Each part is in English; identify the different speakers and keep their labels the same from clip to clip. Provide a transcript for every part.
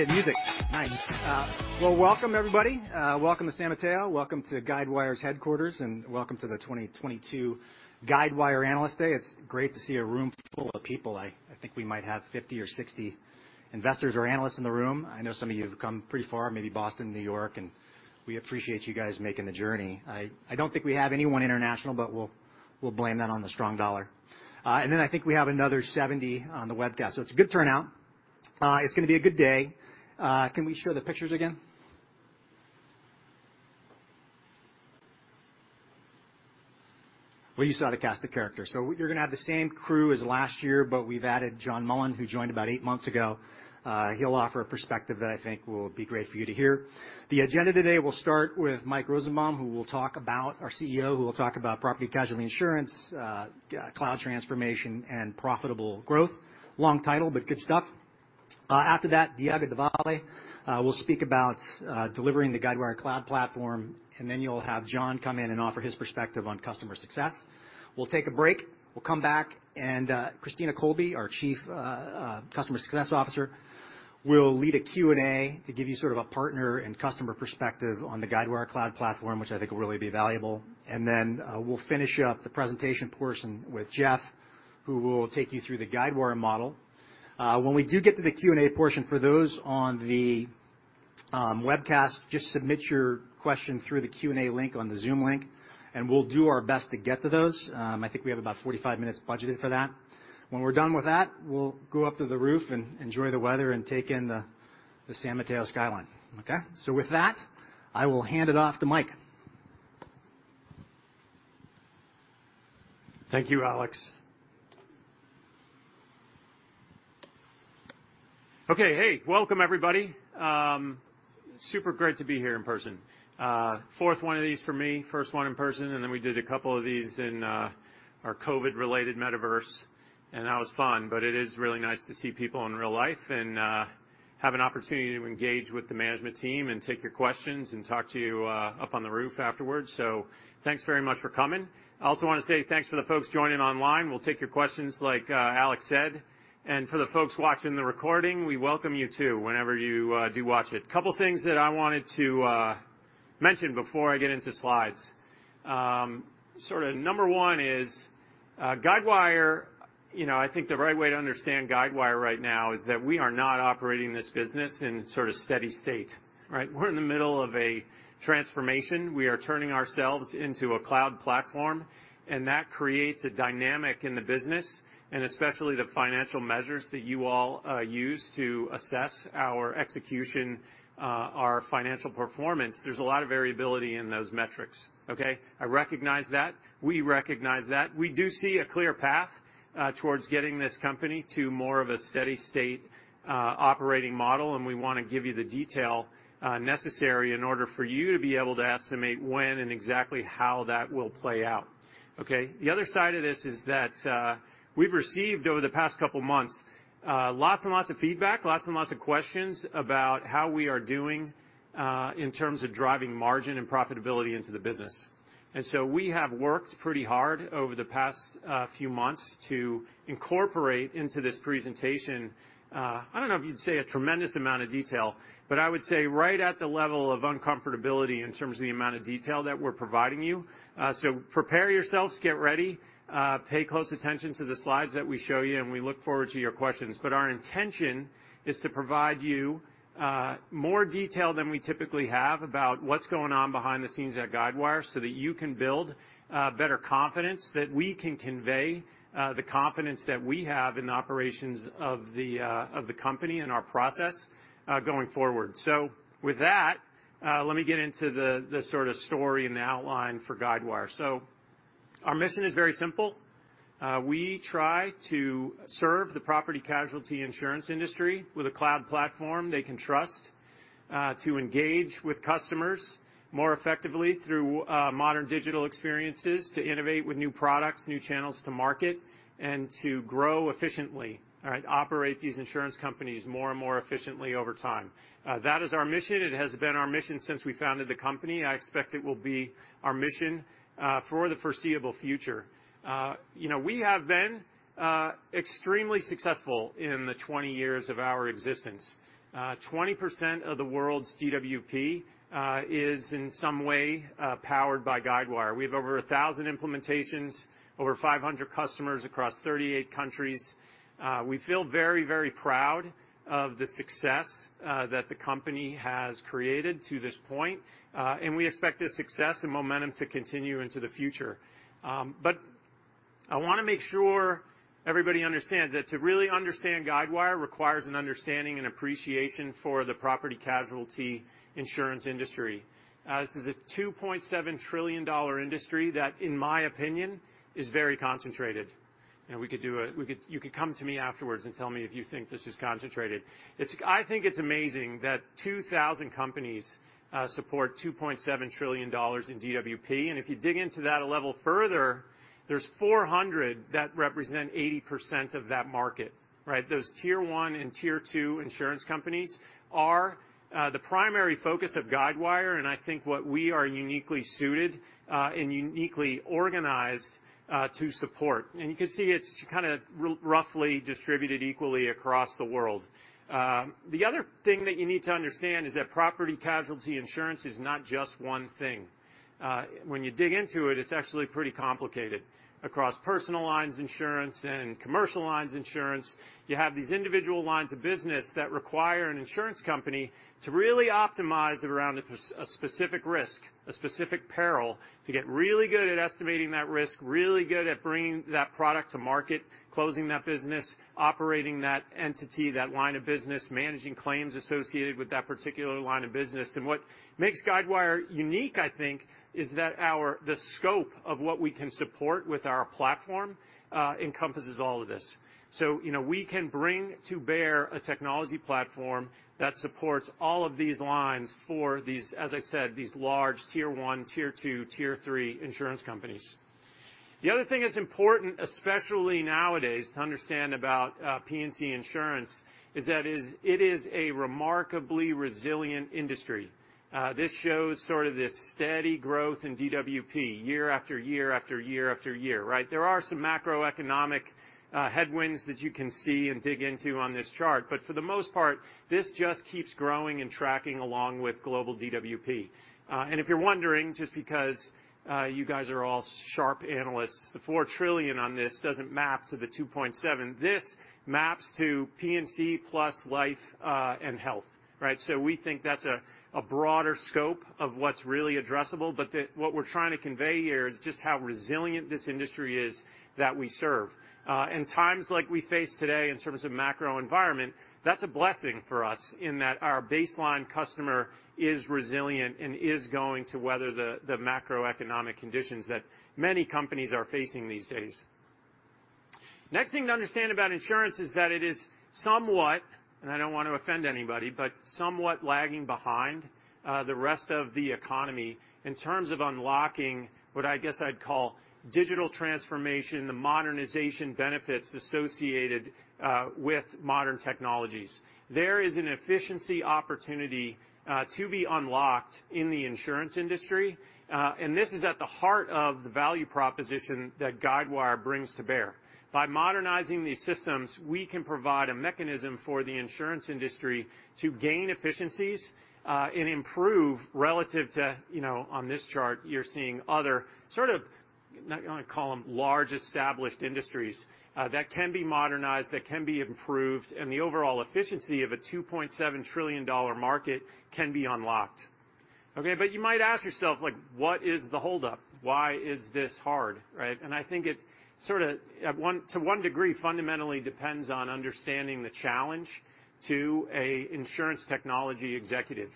Speaker 1: I get music. Nice. Welcome everybody. Welcome to San Mateo. Welcome to Guidewire's headquarters, and welcome to the 2022 Guidewire Analyst Day. It's great to see a room full of people. I think we might have 50 or 60 investors or analysts in the room. I know some of you have come pretty far, maybe Boston, New York, and we appreciate you guys making the journey. I don't think we have anyone international, but we'll blame that on the strong dollar. I think we have another 70 on the webcast, so it's a good turnout. It's gonna be a good day. Can we share the pictures again? Well, you saw the cast of characters. You're gonna have the same crew as last year, but we've added John Mullen, who joined about 8 months ago.
Speaker 2: He'll offer a perspective that I think will be great for you to hear. The agenda today, we'll start with Mike Rosenbaum, our CEO, who will talk about property casualty insurance, cloud transformation, and profitable growth. Long title, but good stuff. After that, Diego Devalle will speak about delivering the Guidewire Cloud Platform, and then you'll have John come in and offer his perspective on customer success. We'll take a break. We'll come back and Christina Colby, our Chief Customer Officer, will lead a Q&A to give you sort of a partner and customer perspective on the Guidewire Cloud Platform, which I think will really be valuable. Then, we'll finish up the presentation portion with Jeff, who will take you through the Guidewire model. When we do get to the Q&A portion, for those on the webcast, just submit your question through the Q&A link on the Zoom link, and we'll do our best to get to those. I think we have about 45 minutes budgeted for that. When we're done with that, we'll go up to the roof and enjoy the weather and take in the San Mateo skyline, okay? With that, I will hand it off to Mike.
Speaker 3: Thank you, Alex. Okay. Hey, welcome everybody. Super great to be here in person. Fourth one of these for me, first one in person, and then we did a couple of these in our COVID-related metaverse, and that was fun, but it is really nice to see people in real life and have an opportunity to engage with the management team and take your questions and talk to you up on the roof afterwards. So thanks very much for coming. I also wanna say thanks to the folks joining online. We'll take your questions like Alex said. For the folks watching the recording, we welcome you too whenever you do watch it. Couple things that I wanted to mention before I get into slides. Sort of number one is, Guidewire, you know, I think the right way to understand Guidewire right now is that we are not operating this business in sort of steady state, right? We're in the middle of a transformation. We are turning ourselves into a cloud platform, and that creates a dynamic in the business, and especially the financial measures that you all, use to assess our execution, our financial performance. There's a lot of variability in those metrics, okay? I recognize that. We recognize that. We do see a clear path, towards getting this company to more of a steady state, operating model, and we wanna give you the detail, necessary in order for you to be able to estimate when and exactly how that will play out, okay? The other side of this is that, we've received over the past couple months, lots and lots of feedback, lots and lots of questions about how we are doing, in terms of driving margin and profitability into the business. We have worked pretty hard over the past, few months to incorporate into this presentation, I don't know if you'd say a tremendous amount of detail, but I would say right at the level of uncomfortability in terms of the amount of detail that we're providing you. Prepare yourselves, get ready, pay close attention to the slides that we show you, and we look forward to your questions. Our intention is to provide you, more detail than we typically have about what's going on behind the scenes at Guidewire so that you can build, better confidence that we can convey, the confidence that we have in the operations of the company and our process, going forward. With that, let me get into the sort of story and the outline for Guidewire. Our mission is very simple. We try to serve the property casualty insurance industry with a cloud platform they can trust, to engage with customers more effectively through modern digital experiences, to innovate with new products, new channels to market, and to grow efficiently. All right. Operate these insurance companies more and more efficiently over time. That is our mission. It has been our mission since we founded the company. I expect it will be our mission for the foreseeable future. You know, we have been extremely successful in the 20 years of our existence. 20% of the world's DWP is in some way powered by Guidewire. We have over 1,000 implementations, over 500 customers across 38 countries. We feel very, very proud of the success that the company has created to this point, and we expect this success and momentum to continue into the future. I wanna make sure everybody understands that to really understand Guidewire requires an understanding and appreciation for the property casualty insurance industry. This is a $2.7 trillion industry that, in my opinion, is very concentrated. You could come to me afterwards and tell me if you think this is concentrated. It's amazing that 2,000 companies support $2.7 trillion in DWP, and if you dig into that a level further, there's 400 that represent 80% of that market, right? Those tier one and tier two insurance companies are the primary focus of Guidewire, and I think what we are uniquely suited and uniquely organized to support. You can see it's roughly distributed equally across the world. The other thing that you need to understand is that property casualty insurance is not just one thing. When you dig into it's actually pretty complicated. Across personal lines insurance and commercial lines insurance, you have these individual lines of business that require an insurance company to really optimize around a specific risk, a specific peril, to get really good at estimating that risk, really good at bringing that product to market, closing that business, operating that entity, that line of business, managing claims associated with that particular line of business. What makes Guidewire unique, I think, is that our the scope of what we can support with our platform encompasses all of this. You know, we can bring to bear a technology platform that supports all of these lines for these, as I said, these large tier one, tier two, tier three insurance companies. The other thing that's important, especially nowadays, to understand about P&C insurance is that it is a remarkably resilient industry. This shows sort of this steady growth in DWP year after year after year after year, right? There are some macroeconomic headwinds that you can see and dig into on this chart, but for the most part, this just keeps growing and tracking along with global DWP. If you're wondering, just because you guys are all sharp analysts, the $4 trillion on this doesn't map to the $2.7. This maps to P&C plus life and health, right? We think that's a broader scope of what's really addressable, but what we're trying to convey here is just how resilient this industry is that we serve. In times like we face today in terms of macro environment, that's a blessing for us in that our baseline customer is resilient and is going to weather the macroeconomic conditions that many companies are facing these days. Next thing to understand about insurance is that it is somewhat, and I don't want to offend anybody, but somewhat lagging behind the rest of the economy in terms of unlocking what I guess I'd call digital transformation, the modernization benefits associated with modern technologies. There is an efficiency opportunity to be unlocked in the insurance industry, and this is at the heart of the value proposition that Guidewire brings to bear. By modernizing these systems, we can provide a mechanism for the insurance industry to gain efficiencies, and improve relative to, you know, on this chart, you're seeing other sort of, not gonna call them large established industries, that can be modernized, that can be improved, and the overall efficiency of a $2.7 trillion market can be unlocked. Okay, but you might ask yourself, like, what is the holdup? Why is this hard, right? I think it sort of to one degree, fundamentally depends on understanding the challenge to an insurance technology executive.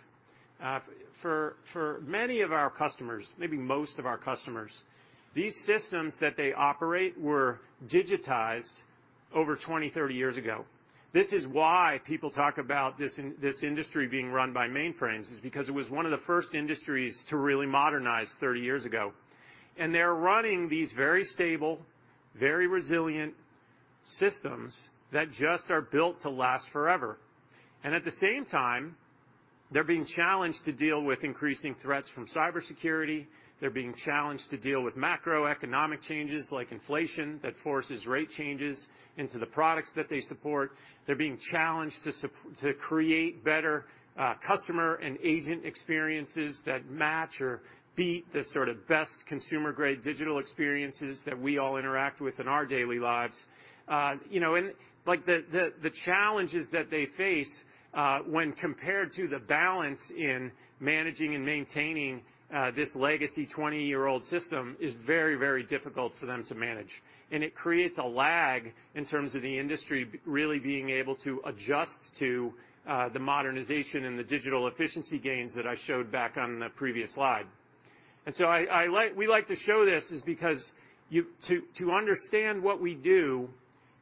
Speaker 3: For many of our customers, maybe most of our customers, these systems that they operate were digitized over 20, 30 years ago. This is why people talk about this industry being run by mainframes, is because it was one of the first industries to really modernize 30 years ago. They're running these very stable, very resilient systems that just are built to last forever. At the same time, they're being challenged to deal with increasing threats from cybersecurity. They're being challenged to deal with macroeconomic changes like inflation that forces rate changes into the products that they support. They're being challenged to create better, customer and agent experiences that match or beat the sort of best consumer-grade digital experiences that we all interact with in our daily lives. You know, like the challenges that they face, when compared to the balance in managing and maintaining, this legacy 20-year-old system is very, very difficult for them to manage. It creates a lag in terms of the industry really being able to adjust to the modernization and the digital efficiency gains that I showed back on the previous slide. We like to show this is because to understand what we do,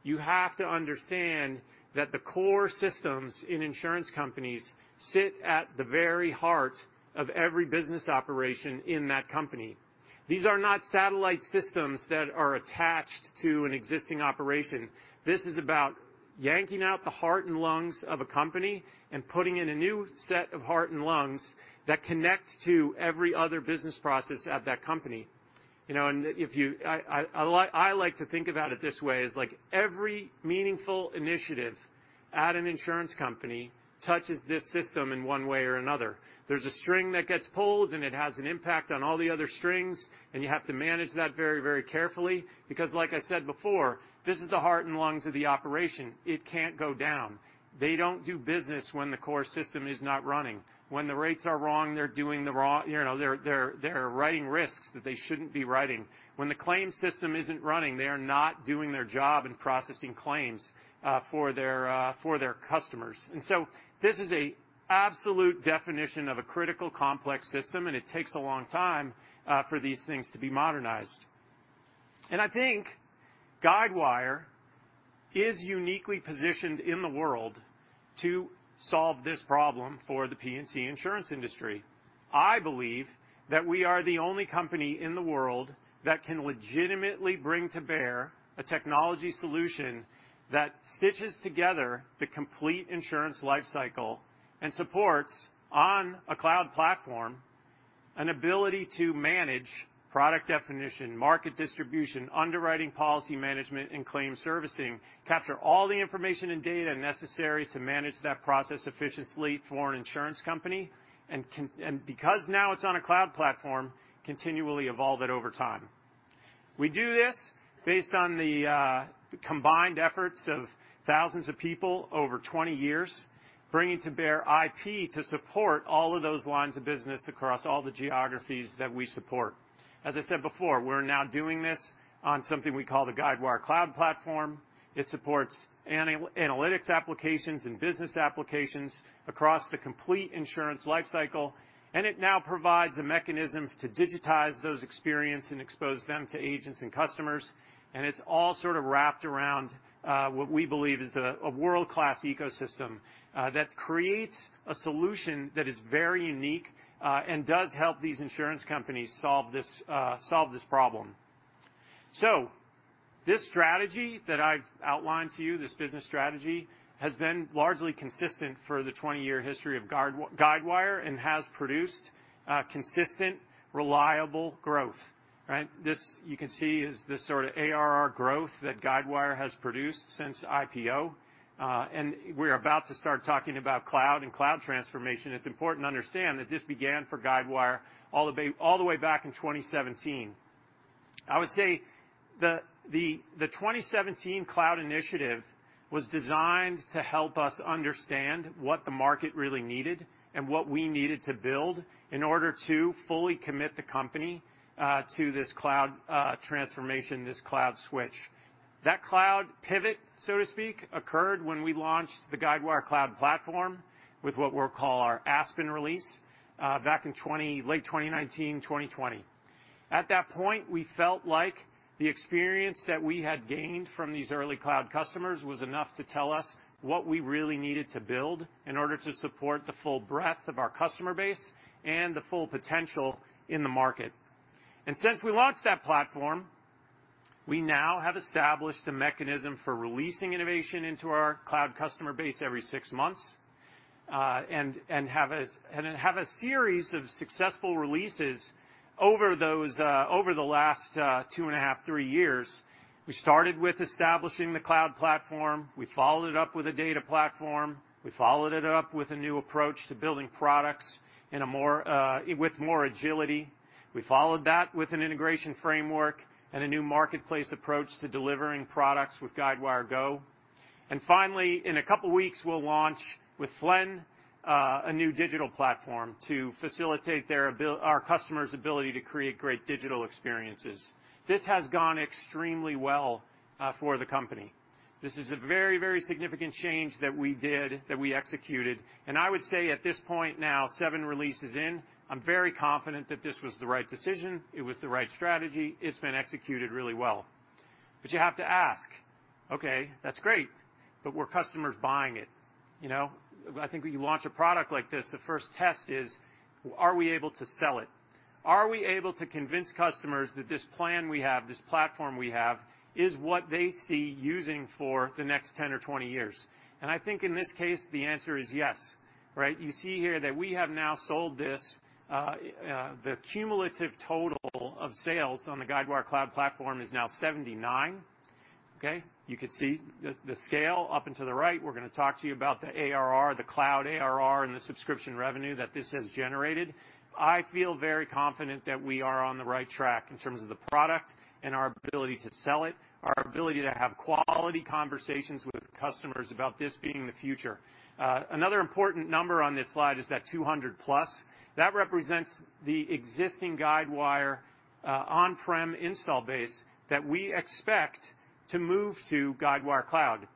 Speaker 3: you have to understand that the core systems in insurance companies sit at the very heart of every business operation in that company. These are not satellite systems that are attached to an existing operation. This is about yanking out the heart and lungs of a company and putting in a new set of heart and lungs that connects to every other business process at that company. You know, I like to think about it this way, like every meaningful initiative at an insurance company touches this system in one way or another. There's a string that gets pulled, and it has an impact on all the other strings, and you have to manage that very, very carefully because like I said before, this is the heart and lungs of the operation. It can't go down. They don't do business when the core system is not running. When the rates are wrong, you know, they're writing risks that they shouldn't be writing. When the claim system isn't running, they are not doing their job in processing claims for their customers. This is an absolute definition of a critical, complex system, and it takes a long time for these things to be modernized. I think Guidewire is uniquely positioned in the world to solve this problem for the P&C insurance industry. I believe that we are the only company in the world that can legitimately bring to bear a technology solution that stitches together the complete insurance life cycle and supports, on a cloud platform, an ability to manage product definition, market distribution, underwriting policy management, and claim servicing, capture all the information and data necessary to manage that process efficiently for an insurance company, and because now it's on a cloud platform, continually evolve it over time. We do this based on the combined efforts of thousands of people over 20 years, bringing to bear IP to support all of those lines of business across all the geographies that we support. As I said before, we're now doing this on something we call the Guidewire Cloud Platform. It supports analytics applications and business applications across the complete insurance life cycle, and it now provides a mechanism to digitize those experience and expose them to agents and customers. It's all sort of wrapped around what we believe is a world-class ecosystem that creates a solution that is very unique and does help these insurance companies solve this problem. This strategy that I've outlined to you, this business strategy, has been largely consistent for the 20-year history of Guidewire and has produced consistent, reliable growth, right? This, you can see, is the sort of ARR growth that Guidewire has produced since IPO. We're about to start talking about cloud and cloud transformation. It's important to understand that this began for Guidewire all the way back in 2017. I would say the 2017 cloud initiative was designed to help us understand what the market really needed and what we needed to build in order to fully commit the company to this cloud transformation, this cloud switch. That cloud pivot, so to speak, occurred when we launched the Guidewire Cloud Platform with what we'll call our Aspen release back in late 2019, 2020. At that point, we felt like the experience that we had gained from these early cloud customers was enough to tell us what we really needed to build in order to support the full breadth of our customer base and the full potential in the market. Since we launched that platform, we now have established a mechanism for releasing innovation into our cloud customer base every 6 months, and have a series of successful releases over those, over the last 2.5-3 years. We started with establishing the cloud platform. We followed it up with a data platform. We followed it up with a new approach to building products in a more, with more agility. We followed that with an integration framework and a new marketplace approach to delivering products with Guidewire GO. Finally, in a couple weeks, we'll launch with Flaine, a new digital platform to facilitate our customers' ability to create great digital experiences. This has gone extremely well, for the company. This is a very, very significant change that we did, that we executed. I would say at this point now, seven releases in, I'm very confident that this was the right decision. It was the right strategy. It's been executed really well. But you have to ask, "Okay, that's great, but were customers buying it?" You know? I think when you launch a product like this, the first test is, are we able to sell it? Are we able to convince customers that this plan we have, this platform we have, is what they see using for the next 10 or 20 years? I think in this case, the answer is yes, right? You see here that we have now sold this. The cumulative total of sales on the Guidewire Cloud Platform is now 79, okay? You can see the scale up and to the right. We're gonna talk to you about the ARR, the cloud ARR, and the subscription revenue that this has generated. I feel very confident that we are on the right track in terms of the product and our ability to sell it, our ability to have quality conversations with customers about this being the future. Another important number on this slide is that 200+. That represents the existing Guidewire on-prem install base that we expect to move to Guidewire Cloud.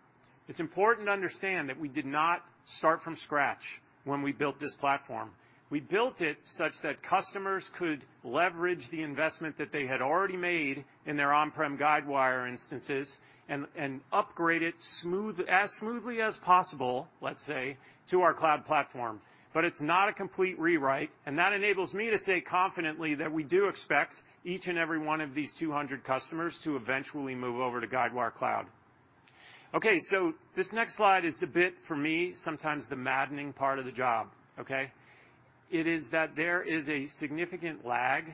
Speaker 3: It's important to understand that we did not start from scratch when we built this platform. We built it such that customers could leverage the investment that they had already made in their on-prem Guidewire instances and upgrade it as smoothly as possible, let's say, to our cloud platform. It's not a complete rewrite, and that enables me to say confidently that we do expect each and every one of these 200 customers to eventually move over to Guidewire Cloud. Okay, this next slide is a bit for me, sometimes the maddening part of the job, okay. It is that there is a significant lag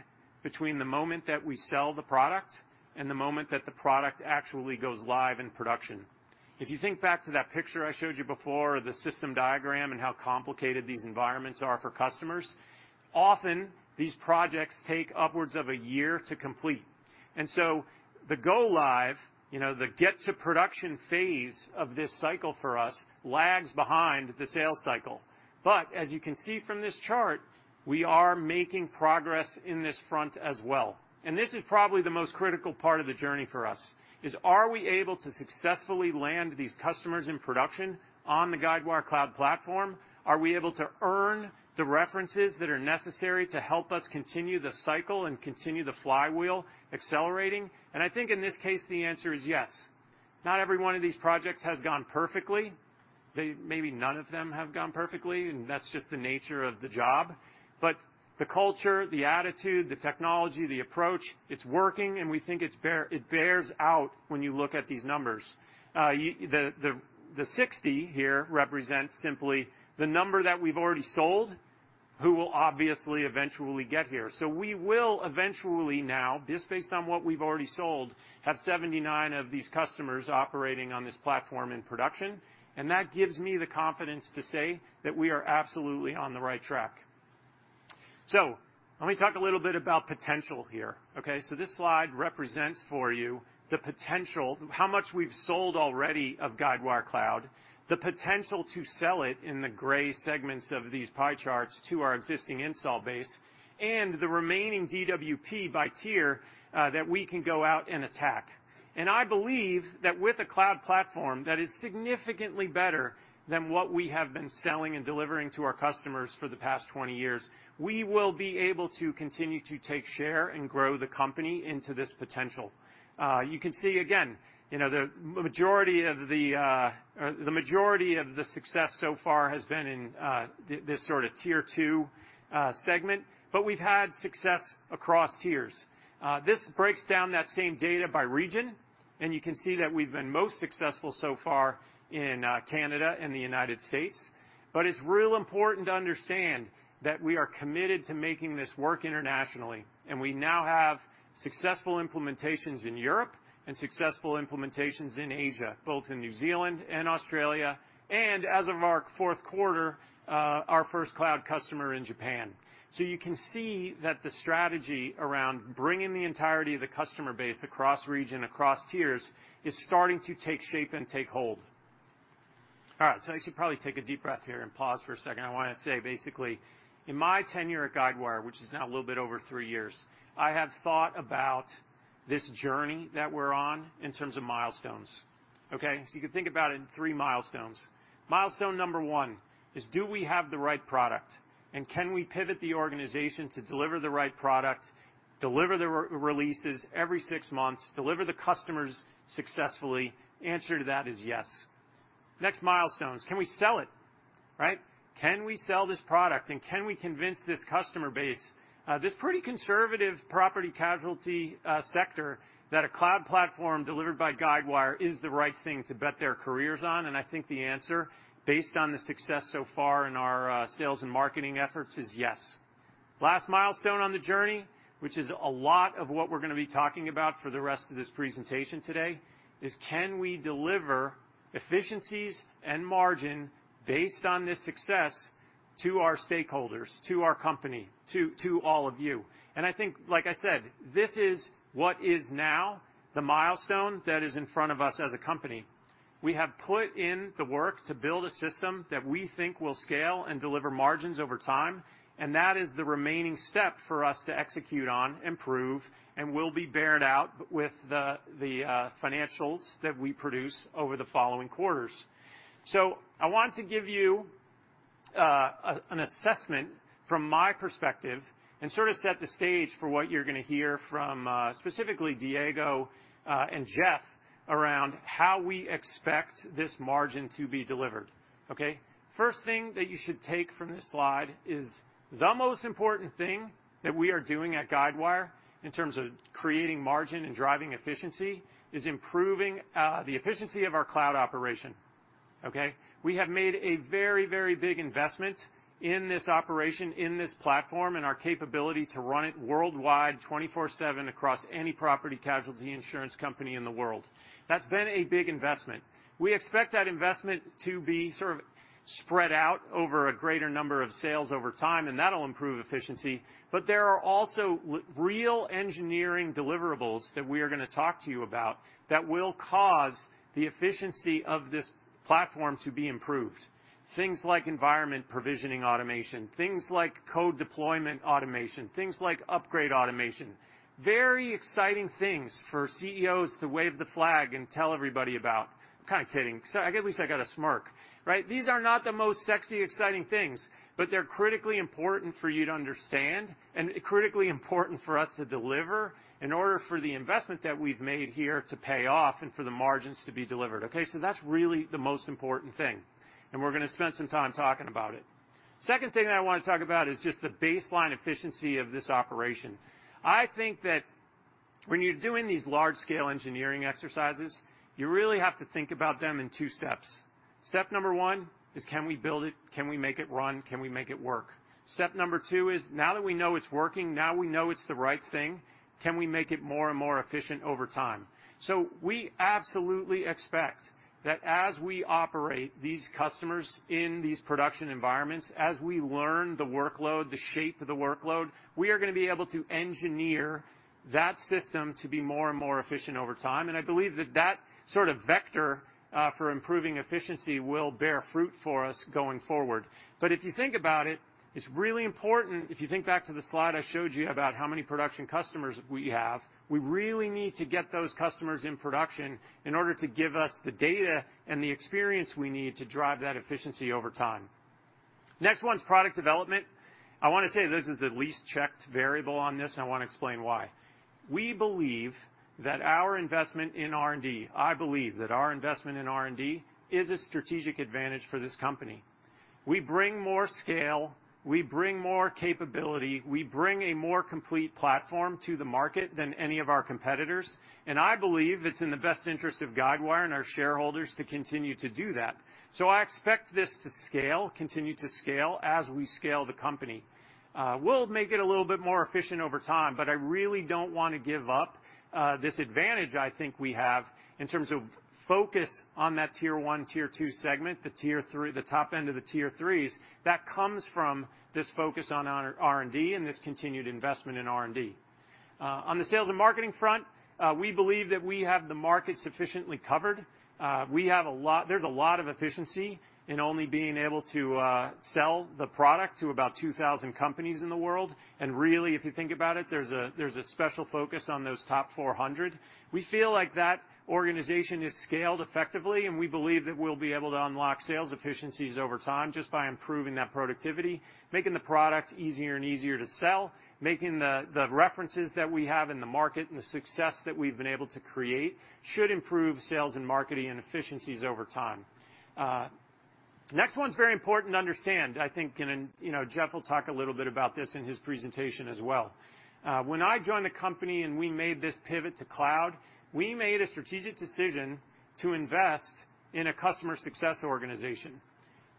Speaker 3: between the moment that we sell the product and the moment that the product actually goes live in production. If you think back to that picture I showed you before, the system diagram and how complicated these environments are for customers, often these projects take upwards of a year to complete. The go live, you know, the get-to-production phase of this cycle for us lags behind the sales cycle. As you can see from this chart, we are making progress in this front as well. This is probably the most critical part of the journey for us is: Are we able to successfully land these customers in production on the Guidewire Cloud Platform? Are we able to earn the references that are necessary to help us continue the cycle and continue the flywheel accelerating? I think in this case, the answer is yes. Not every one of these projects has gone perfectly. Maybe none of them have gone perfectly, and that's just the nature of the job. The culture, the attitude, the technology, the approach, it's working, and we think it bears out when you look at these numbers. The 60 here represents simply the number that we've already sold, who will obviously eventually get here. We will eventually now, just based on what we've already sold, have 79 of these customers operating on this platform in production, and that gives me the confidence to say that we are absolutely on the right track. Let me talk a little bit about potential here, okay? This slide represents for you the potential, how much we've sold already of Guidewire Cloud, the potential to sell it in the gray segments of these pie charts to our existing install base, and the remaining DWP by tier, that we can go out and attack. I believe that with a cloud platform that is significantly better than what we have been selling and delivering to our customers for the past 20 years, we will be able to continue to take share and grow the company into this potential. You can see again, you know, the majority of the success so far has been in this sort of tier two segment, but we've had success across tiers. This breaks down that same data by region, and you can see that we've been most successful so far in Canada and the United States. It's real important to understand that we are committed to making this work internationally, and we now have successful implementations in Europe and successful implementations in Asia, both in New Zealand and Australia, and as of our fourth quarter, our first cloud customer in Japan. You can see that the strategy around bringing the entirety of the customer base across region, across tiers is starting to take shape and take hold. All right. I should probably take a deep breath here and pause for a second. I wanna say, basically, in my tenure at Guidewire, which is now a little bit over three years, I have thought about this journey that we're on in terms of milestones, okay? You can think about it in three milestones. Milestone number one is do we have the right product, and can we pivot the organization to deliver the right product, deliver the releases every six months, deliver the customers successfully? The answer to that is yes. Next milestone is can we sell it, right? Can we sell this product, and can we convince this customer base, this pretty conservative property and casualty sector, that a cloud platform delivered by Guidewire is the right thing to bet their careers on? I think the answer, based on the success so far in our sales and marketing efforts, is yes. Last milestone on the journey, which is a lot of what we're gonna be talking about for the rest of this presentation today, is can we deliver efficiencies and margin based on this success to our stakeholders, to our company, to all of you? I think, like I said, this is what is now the milestone that is in front of us as a company. We have put in the work to build a system that we think will scale and deliver margins over time, and that is the remaining step for us to execute on and prove and will be borne out with the financials that we produce over the following quarters. I want to give you an assessment from my perspective and sort of set the stage for what you're gonna hear from specifically Diego and Jeff around how we expect this margin to be delivered, okay? First thing that you should take from this slide is the most important thing that we are doing at Guidewire in terms of creating margin and driving efficiency is improving the efficiency of our cloud operation, okay? We have made a very, very big investment in this operation, in this platform and our capability to run it worldwide, 24/7 across any property casualty insurance company in the world. That's been a big investment. We expect that investment to be sort of spread out over a greater number of sales over time, and that'll improve efficiency, but there are also real engineering deliverables that we are gonna talk to you about that will cause the efficiency of this platform to be improved. Things like environment provisioning automation, things like code deployment automation, things like upgrade automation. Very exciting things for CEOs to wave the flag and tell everybody about. I'm kind of kidding. At least I got a smirk, right? These are not the most sexy, exciting things, but they're critically important for you to understand and critically important for us to deliver in order for the investment that we've made here to pay off and for the margins to be delivered, okay? That's really the most important thing, and we're gonna spend some time talking about it. Second thing that I want to talk about is just the baseline efficiency of this operation. I think that when you're doing these large-scale engineering exercises, you really have to think about them in two steps. Step number one is can we build it? Can we make it run? Can we make it work? Step number two is now that we know it's working, now we know it's the right thing, can we make it more and more efficient over time? We absolutely expect that as we operate these customers in these production environments, as we learn the workload, the shape of the workload, we are gonna be able to engineer that system to be more and more efficient over time. I believe that that sort of vector for improving efficiency will bear fruit for us going forward. If you think about it's really important, if you think back to the slide I showed you about how many production customers we have, we really need to get those customers in production in order to give us the data and the experience we need to drive that efficiency over time. Next one's product development. I wanna say this is the least checked variable on this, and I wanna explain why. I believe that our investment in R&D is a strategic advantage for this company. We bring more scale, we bring more capability, we bring a more complete platform to the market than any of our competitors, and I believe it's in the best interest of Guidewire and our shareholders to continue to do that. I expect this to scale, continue to scale as we scale the company. We'll make it a little bit more efficient over time, but I really don't wanna give up this advantage I think we have in terms of focus on that tier one, tier two segment, the tier three, the top end of the tier threes that comes from this focus on R&D and this continued investment in R&D. On the sales and marketing front, we believe that we have the market sufficiently covered. We have a lot, there's a lot of efficiency in only being able to sell the product to about 2,000 companies in the world. Really, if you think about it, there's a special focus on those top 400. We feel like that organization is scaled effectively, and we believe that we'll be able to unlock sales efficiencies over time just by improving that productivity, making the product easier and easier to sell, making the references that we have in the market and the success that we've been able to create should improve sales and marketing and efficiencies over time. Next one's very important to understand. I think, you know, Jeff will talk a little bit about this in his presentation as well. When I joined the company, and we made this pivot to cloud, we made a strategic decision to invest in a customer success organization.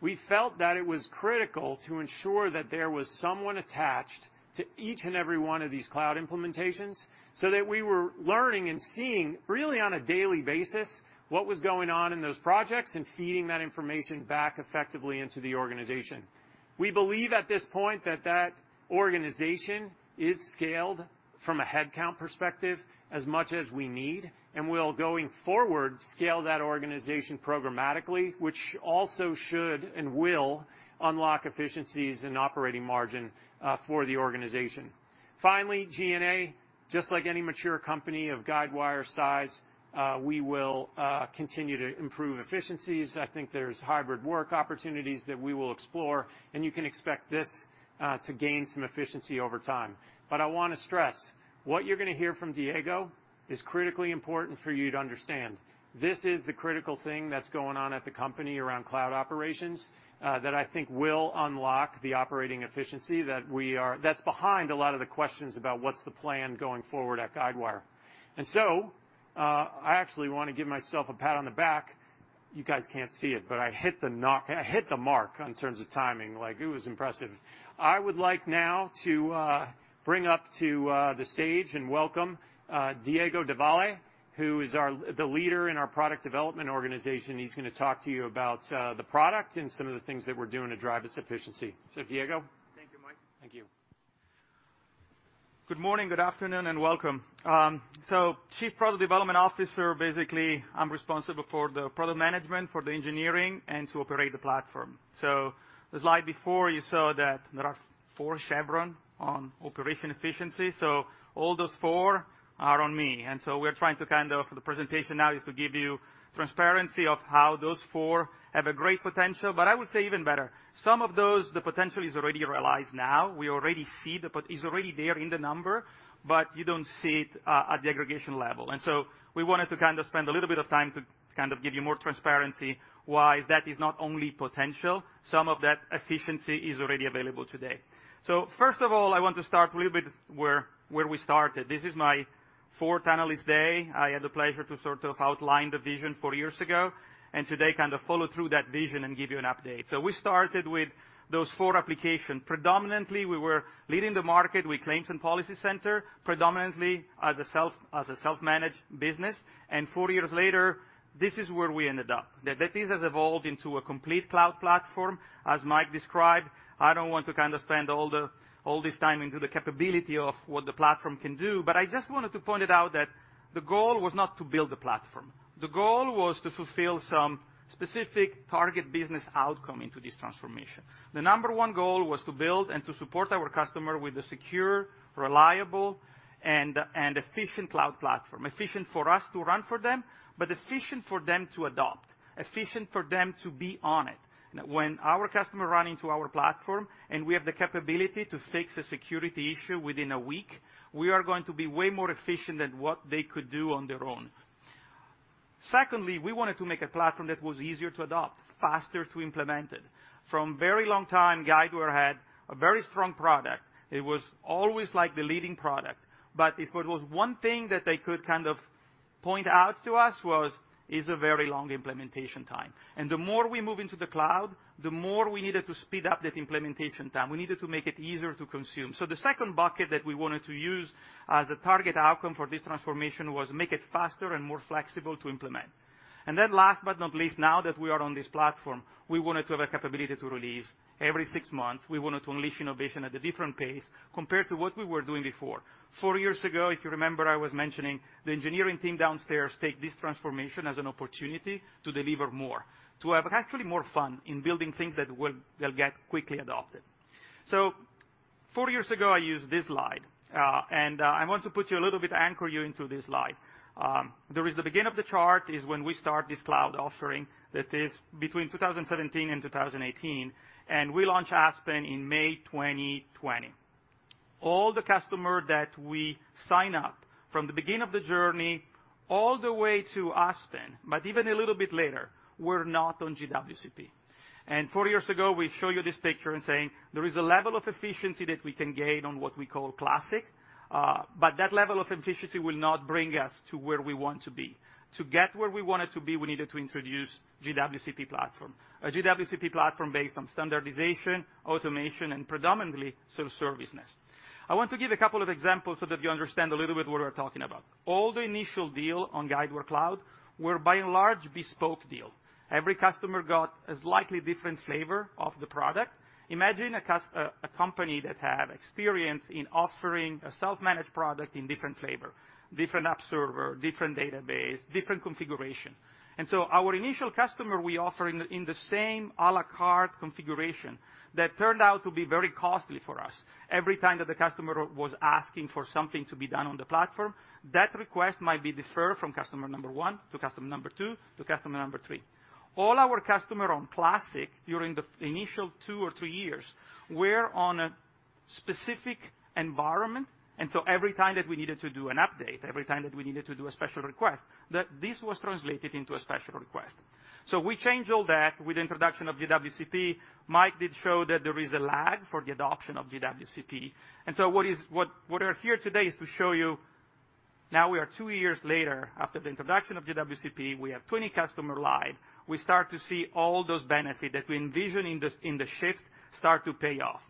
Speaker 3: We felt that it was critical to ensure that there was someone attached to each and every one of these cloud implementations so that we were learning and seeing really on a daily basis what was going on in those projects and feeding that information back effectively into the organization. We believe at this point that that organization is scaled from a headcount perspective as much as we need, and we'll going forward scale that organization programmatically, which also should and will unlock efficiencies and operating margin for the organization. Finally, G&A, just like any mature company of Guidewire size, we will continue to improve efficiencies. I think there's hybrid work opportunities that we will explore, and you can expect this to gain some efficiency over time. I wanna stress, what you're gonna hear from Diego Devalle is critically important for you to understand. This is the critical thing that's going on at the company around cloud operations that I think will unlock the operating efficiency that's behind a lot of the questions about what's the plan going forward at Guidewire. I actually wanna give myself a pat on the back. You guys can't see it, but I hit the mark in terms of timing. Like it was impressive. I would like now to bring up to the stage and welcome Diego Devalle, who is the leader in our product development organization. He's gonna talk to you about the product and some of the things that we're doing to drive this efficiency. Diego.
Speaker 1: Thank you, Mike.
Speaker 3: Thank you.
Speaker 1: Good morning, good afternoon, and welcome. Chief Product Development Officer, basically, I'm responsible for the product management, for the engineering, and to operate the platform. The slide before, you saw that there are four chevrons on operational efficiency. All those four are on me. We're trying to kind of. The presentation now is to give you transparency of how those four have a great potential. I would say even better, some of those, the potential is already realized now. We already see the potential is already there in the number, but you don't see it, at the aggregation level. We wanted to kind of spend a little bit of time to kind of give you more transparency, why that is not only potential, some of that efficiency is already available today. First of all, I want to start a little bit where we started. This is my fourth analyst day. I had the pleasure to sort of outline the vision four years ago, and today kind of follow through that vision and give you an update. We started with those four application. Predominantly, we were leading the market with ClaimCenter and PolicyCenter, predominantly as a self-managed business. Four years later, this is where we ended up. The business has evolved into a complete cloud platform, as Mike described. I don't want to kind of spend all this time into the capability of what the platform can do, but I just wanted to point it out that the goal was not to build the platform. The goal was to fulfill some specific target business outcome into this transformation. The number one goal was to build and to support our customer with a secure, reliable, and efficient cloud platform. Efficient for us to run for them, but efficient for them to adopt, efficient for them to be on it. When our customer run into our platform, and we have the capability to fix a security issue within a week, we are going to be way more efficient than what they could do on their own. Secondly, we wanted to make a platform that was easier to adopt, faster to implement it. From very long time, Guidewire had a very strong product. It was always like the leading product. But if it was one thing that they could kind of point out to us was is a very long implementation time. The more we move into the cloud, the more we needed to speed up that implementation time. We needed to make it easier to consume. The second bucket that we wanted to use as a target outcome for this transformation was make it faster and more flexible to implement. Last but not least, now that we are on this platform, we wanted to have a capability to release every six months. We wanted to unleash innovation at a different pace compared to what we were doing before. Four years ago, if you remember, I was mentioning the engineering team downstairs take this transformation as an opportunity to deliver more, to have actually more fun in building things that will get quickly adopted. Four years ago, I used this slide, and I want to put you a little bit, anchor you into this slide. There is the beginning of the chart is when we start this cloud offering. That is between 2017 and 2018, and we launched Aspen in May 2020. All the customer that we sign up from the beginning of the journey all the way to Aspen, but even a little bit later, we're not on GWCP. Four years ago, we show you this picture and saying, there is a level of efficiency that we can gain on what we call classic, but that level of efficiency will not bring us to where we want to be. To get where we wanted to be, we needed to introduce GWCP platform. A GWCP platform based on standardization, automation, and predominantly self-serviceness. I want to give a couple of examples so that you understand a little bit what we're talking about. All the initial deal on Guidewire Cloud were by and large bespoke deal. Every customer got a slightly different flavor of the product. Imagine a company that have experience in offering a self-managed product in different flavor, different app server, different database, different configuration. Our initial customer we offer in the same a la carte configuration that turned out to be very costly for us. Every time that the customer was asking for something to be done on the platform, that request might be deferred from customer number one to customer number two to customer number three. All our customer on Classic during the initial two or three years were on a specific environment. Every time that we needed to do an update, every time that we needed to do a special request, this was translated into a special request. We changed all that with the introduction of GWCP. Mike did show that there is a lag for the adoption of GWCP. What we're here today is to show you now we are two years later after the introduction of GWCP, we have 20 customers live. We start to see all those benefits that we envision in the shift start to pay off.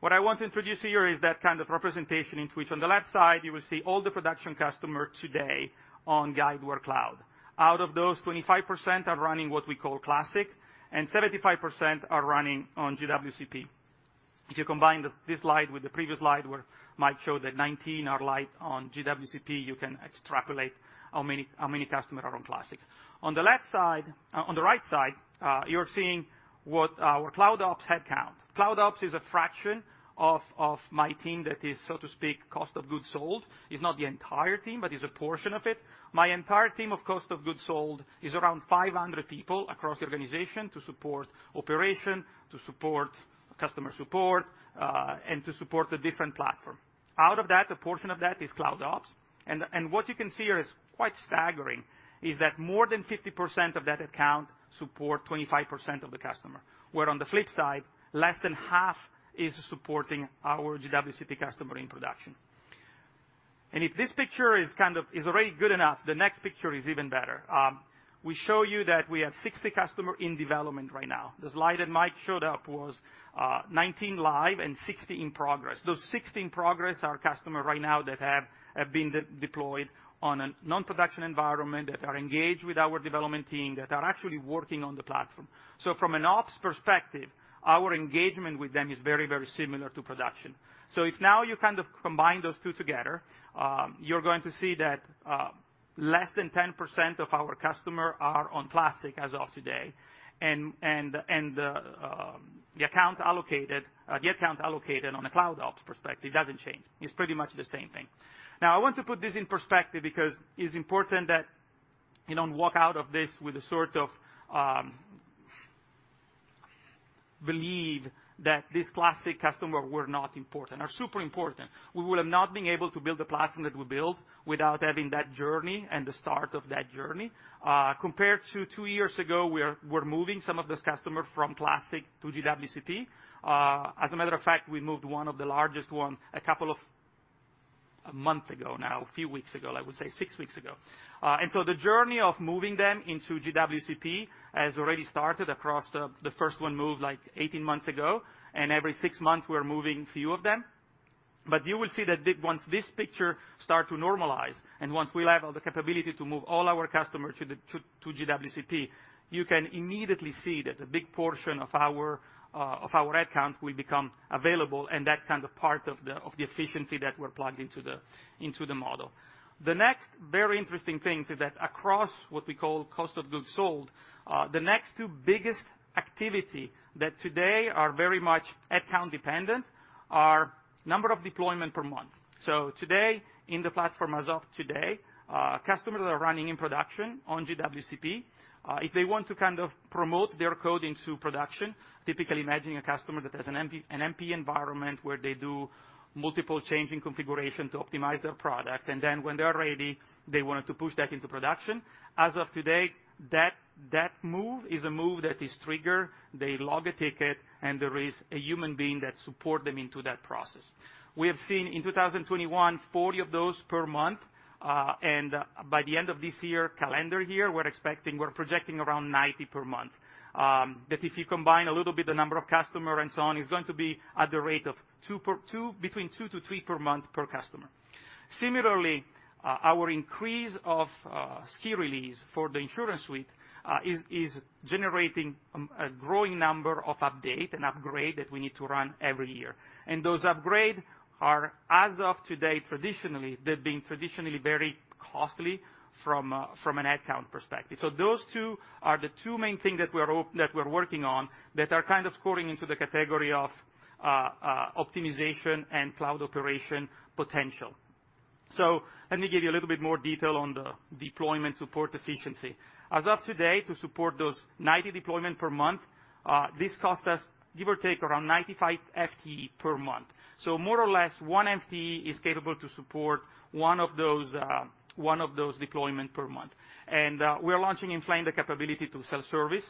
Speaker 1: What I want to introduce here is that kind of representation in which on the left side, you will see all the production customers today on Guidewire Cloud. Out of those, 25% are running what we call classic, and 75% are running on GWCP. If you combine this slide with the previous slide where Mike showed that 19 are live on GWCP, you can extrapolate how many customers are on classic. On the right side, you're seeing what our Cloud Ops headcount is. Cloud Ops is a fraction of my team that is, so to speak, cost of goods sold. It's not the entire team, but it's a portion of it. My entire team of cost of goods sold is around 500 people across the organization to support operations, to support customer support, and to support the different platform. Out of that, a portion of that is Cloud Ops. What you can see here is quite staggering, that more than 50% of that headcount supports 25% of the customers, where on the flip side, less than half is supporting our GWCP customers in production. If this picture is kind of already good enough, the next picture is even better. We show you that we have 60 customers in development right now. The slide that Mike showed was 19 live and 60 in progress. Those 60 in progress are customers right now that have been deployed on a non-production environment, that are engaged with our development team, that are actually working on the platform. From an ops perspective, our engagement with them is very, very similar to production. If now you kind of combine those two together, you're going to see that less than 10% of our customers are on Classic as of today. The account allocated on a Cloud Ops perspective doesn't change. It's pretty much the same thing. Now I want to put this in perspective because it's important that you don't walk out of this with a sort of believe that this Classic customer were not important. Are super important. We would have not been able to build the platform that we built without having that journey and the start of that journey. Compared to 2 years ago, we're moving some of those customers from Classic to GWCP. As a matter of fact, we moved one of the largest one a month ago now, a few weeks ago, I would say 6 weeks ago. The journey of moving them into GWCP has already started across the first one moved like 18 months ago, and every 6 months we're moving few of them. You will see that once this picture start to normalize, and once we'll have all the capability to move all our customers to GWCP, you can immediately see that a big portion of our account will become available, and that's kind of part of the efficiency that we're plugged into the model. The next very interesting thing is that across what we call cost of goods sold, the next two biggest activity that today are very much account dependent are number of deployment per month. Today, in the platform as of today, customers are running in production on GWCP. If they want to kind of promote their code into production, typically imagine a customer that has an MP, an MP environment where they do multiple change in configuration to optimize their product, and then when they are ready, they wanted to push that into production. As of today, that move is a move that is triggered, they log a ticket, and there is a human being that support them into that process. We have seen in 2021, 40 of those per month, and by the end of this year, calendar year, we're expecting we're projecting around 90 per month. That if you combine a little bit the number of customer and so on, it's going to be at the rate of between 2 to 3 per month per customer. Similarly, our increase of Ski Release for the InsuranceSuite is generating a growing number of updates and upgrades that we need to run every year. Those upgrades are, as of today, traditionally, they've been traditionally very costly from an account perspective. Those two are the two main things that we're working on that are kind of falling into the category of optimization and cloud operations potential. Let me give you a little bit more detail on the deployment support efficiency. As of today, to support those 90 deployments per month, this costs us give or take around 95 FTE per month. More or less one FTE is capable to support one of those deployments per month. We're launching in Flaine the capability to self-service.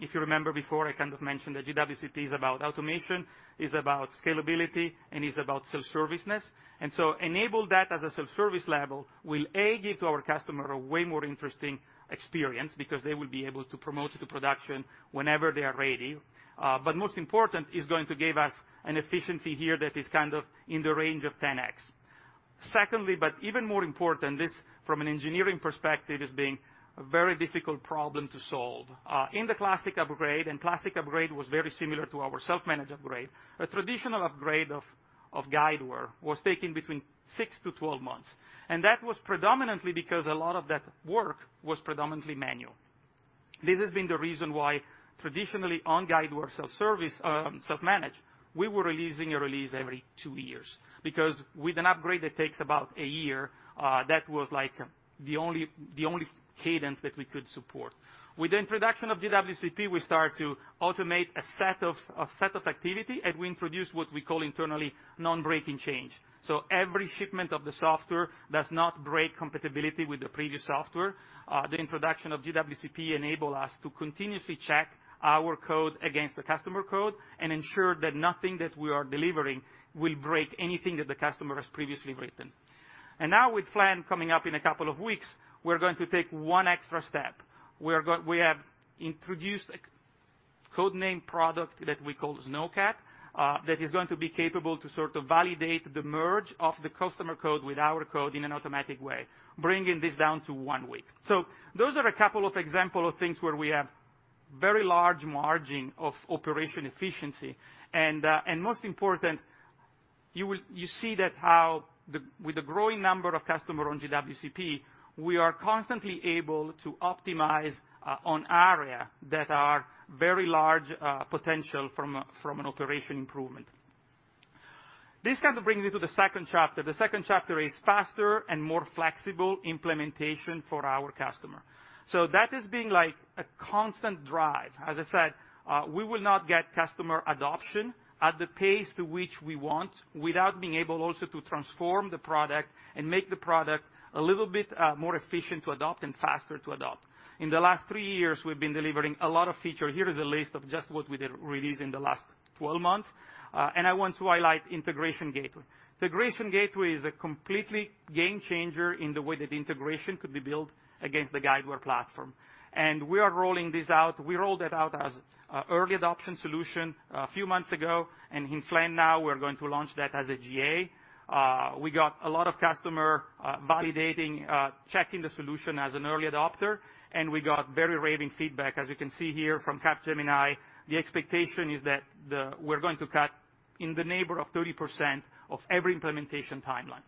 Speaker 1: If you remember before, I kind of mentioned that GWCP is about automation, is about scalability, and is about self-serviceness. Enable that as a self-service level will, A, give to our customer a way more interesting experience because they will be able to promote it to production whenever they are ready. Most important, it's going to give us an efficiency here that is kind of in the range of 10x. Secondly, but even more important, this from an engineering perspective is being a very difficult problem to solve. In the classic upgrade, classic upgrade was very similar to our self-managed upgrade, a traditional upgrade of Guidewire was taking between 6-12 months. That was predominantly because a lot of that work was predominantly manual. This has been the reason why traditionally on Guidewire self-service, self-managed, we were releasing a release every two years. Because with an upgrade that takes about a year, that was like the only cadence that we could support. With the introduction of GWCP, we start to automate a set of activity, and we introduce what we call internally non-breaking change. Every shipment of the software does not break compatibility with the previous software. The introduction of GWCP enable us to continuously check our code against the customer code and ensure that nothing that we are delivering will break anything that the customer has previously written. Now with Flaine coming up in a couple of weeks, we're going to take one extra step. We have introduced a codename product that we call Snowcat that is going to be capable to sort of validate the merge of the customer code with our code in an automatic way, bringing this down to 1 week. Those are a couple of examples of things where we have very large margins of operational efficiency. Most important, you see that with the growing number of customers on GWCP, we are constantly able to optimize on areas that are very large potential from an operational improvement. This kind of brings me to the second chapter. The second chapter is faster and more flexible implementation for our customers. That is being like a constant drive. As I said, we will not get customer adoption at the pace to which we want without being able also to transform the product and make the product a little bit more efficient to adopt and faster to adopt. In the last three years, we've been delivering a lot of feature. Here is a list of just what we did release in the last 12 months. I want to highlight Integration Gateway. Integration Gateway is a completely game changer in the way that integration could be built against the Guidewire platform. We are rolling this out. We rolled it out as an early adoption solution a few months ago, and in Flaine now, we're going to launch that as a GA. We got a lot of customers validating checking the solution as an early adopter, and we got very raving feedback. As you can see here from Capgemini, the expectation is that we're going to cut in the neighborhood of 30% of every implementation timeline.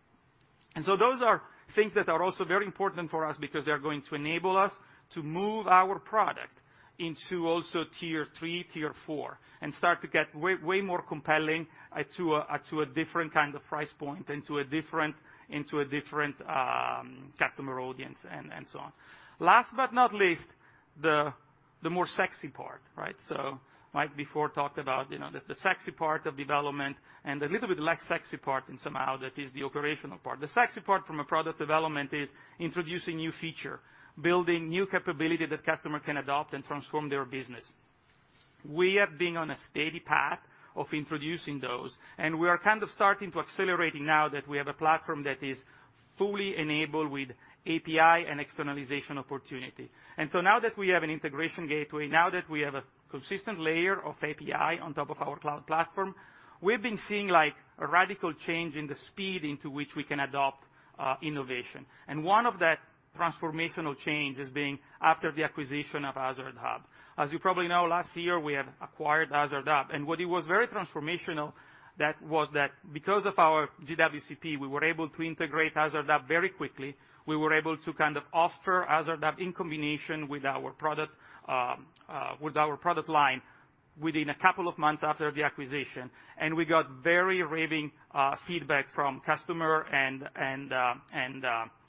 Speaker 1: Those are things that are also very important for us because they're going to enable us to move our product into also tier 3, tier 4, and start to get way more compelling to a different kind of price point and to a different, into a different customer audience and so on. Last but not least, the more sexy part, right? Mike before talked about the sexy part of development and a little bit less sexy part and somehow that is the operational part. The sexy part from a product development is introducing new feature, building new capability that customer can adopt and transform their business. We have been on a steady path of introducing those, and we are kind of starting to accelerating now that we have a platform that is fully enabled with API and externalization opportunity. Now that we have an Integration Gateway, now that we have a consistent layer of API on top of our cloud platform, we've been seeing like a radical change in the speed into which we can adopt innovation. One of that transformational change is being after the acquisition of HazardHub. As you probably know, last year, we have acquired HazardHub, and what it was very transformational that was that because of our GWCP, we were able to integrate HazardHub very quickly. We were able to kind of offer HazardHub in combination with our product line within a couple of months after the acquisition. We got very raving feedback from customer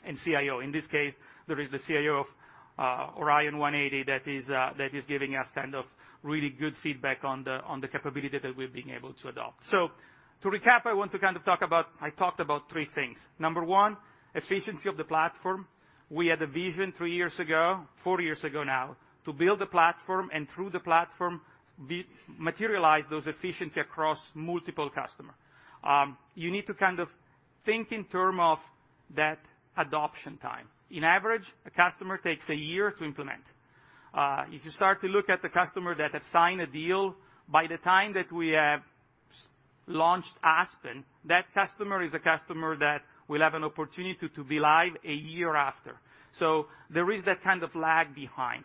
Speaker 1: and CIO. In this case, there is the CIO of Orion180 that is giving us kind of really good feedback on the capability that we've been able to adopt. To recap, I talked about three things. Number one, efficiency of the platform. We had a vision three years ago, four years ago now, to build a platform, and through the platform, we materialize those efficiency across multiple customer. You need to kind of think in terms of that adoption time. On average, a customer takes a year to implement. If you start to look at the customer that have signed a deal, by the time that we have launched Aspen, that customer is a customer that will have an opportunity to be live a year after. There is that kind of lag behind.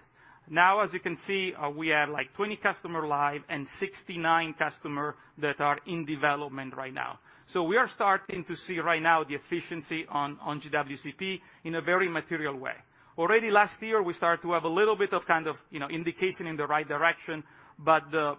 Speaker 1: Now, as you can see, we have, like, 20 customer live and 69 customer that are in development right now. We are starting to see right now the efficiency on GWCP in a very material way. Already last year, we started to have a little bit of kind of, you know, indication in the right direction, but the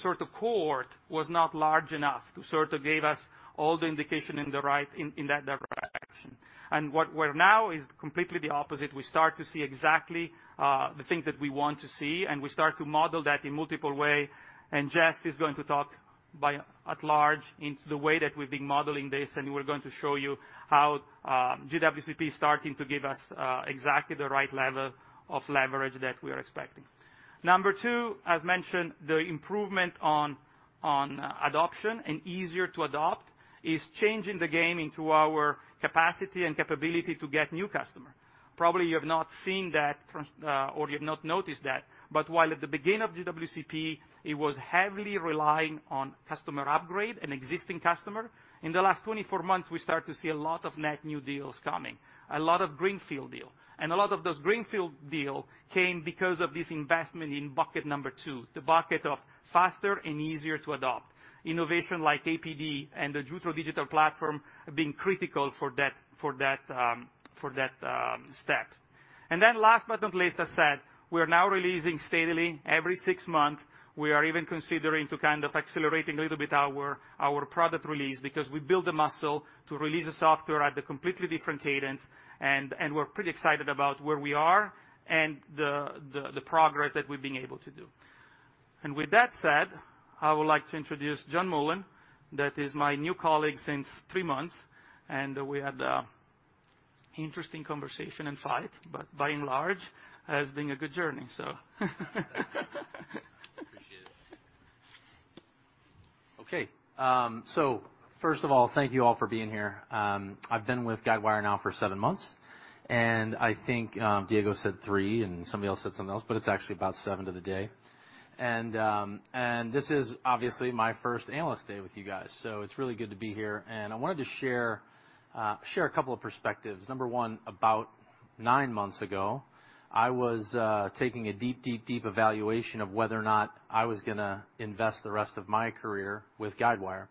Speaker 1: sort of cohort was not large enough to sort of gave us all the indication in the right direction. What we're now is completely the opposite. We start to see exactly the things that we want to see, and we start to model that in multiple way. Jeff is going to talk by and large about the way that we've been modeling this, and we're going to show you how GWCP is starting to give us exactly the right level of leverage that we are expecting. Number two, as mentioned, the improvement on adoption and easier to adopt is changing the game into our capacity and capability to get new customer. Probably you have not seen that or you've not noticed that, but while at the beginning of GWCP, it was heavily relying on customer upgrade and existing customer. In the last 24 months, we start to see a lot of net new deals coming, a lot of greenfield deal. A lot of those greenfield deals came because of this investment in bucket number 2, the bucket of faster and easier to adopt. Innovation like APD and the Jutro Digital Platform have been critical for that step. Last but not least, as said, we are now releasing steadily every 6 months. We are even considering accelerating a little bit our product release because we build the muscle to release the software at a completely different cadence, and we're pretty excited about where we are and the progress that we're being able to do. With that said, I would like to introduce John Mullen, that is my new colleague since 3 months, and we had interesting conversation and fight, but by and large has been a good journey, so.
Speaker 4: Appreciate it. Okay. First of all, thank you all for being here. I've been with Guidewire now for seven months, and I think, Diego said three and somebody else said something else, but it's actually about seven to the day. This is obviously my first analyst day with you guys, so it's really good to be here. I wanted to share a couple of perspectives. Number one, about nine months ago, I was taking a deep evaluation of whether or not I was gonna invest the rest of my career with Guidewire.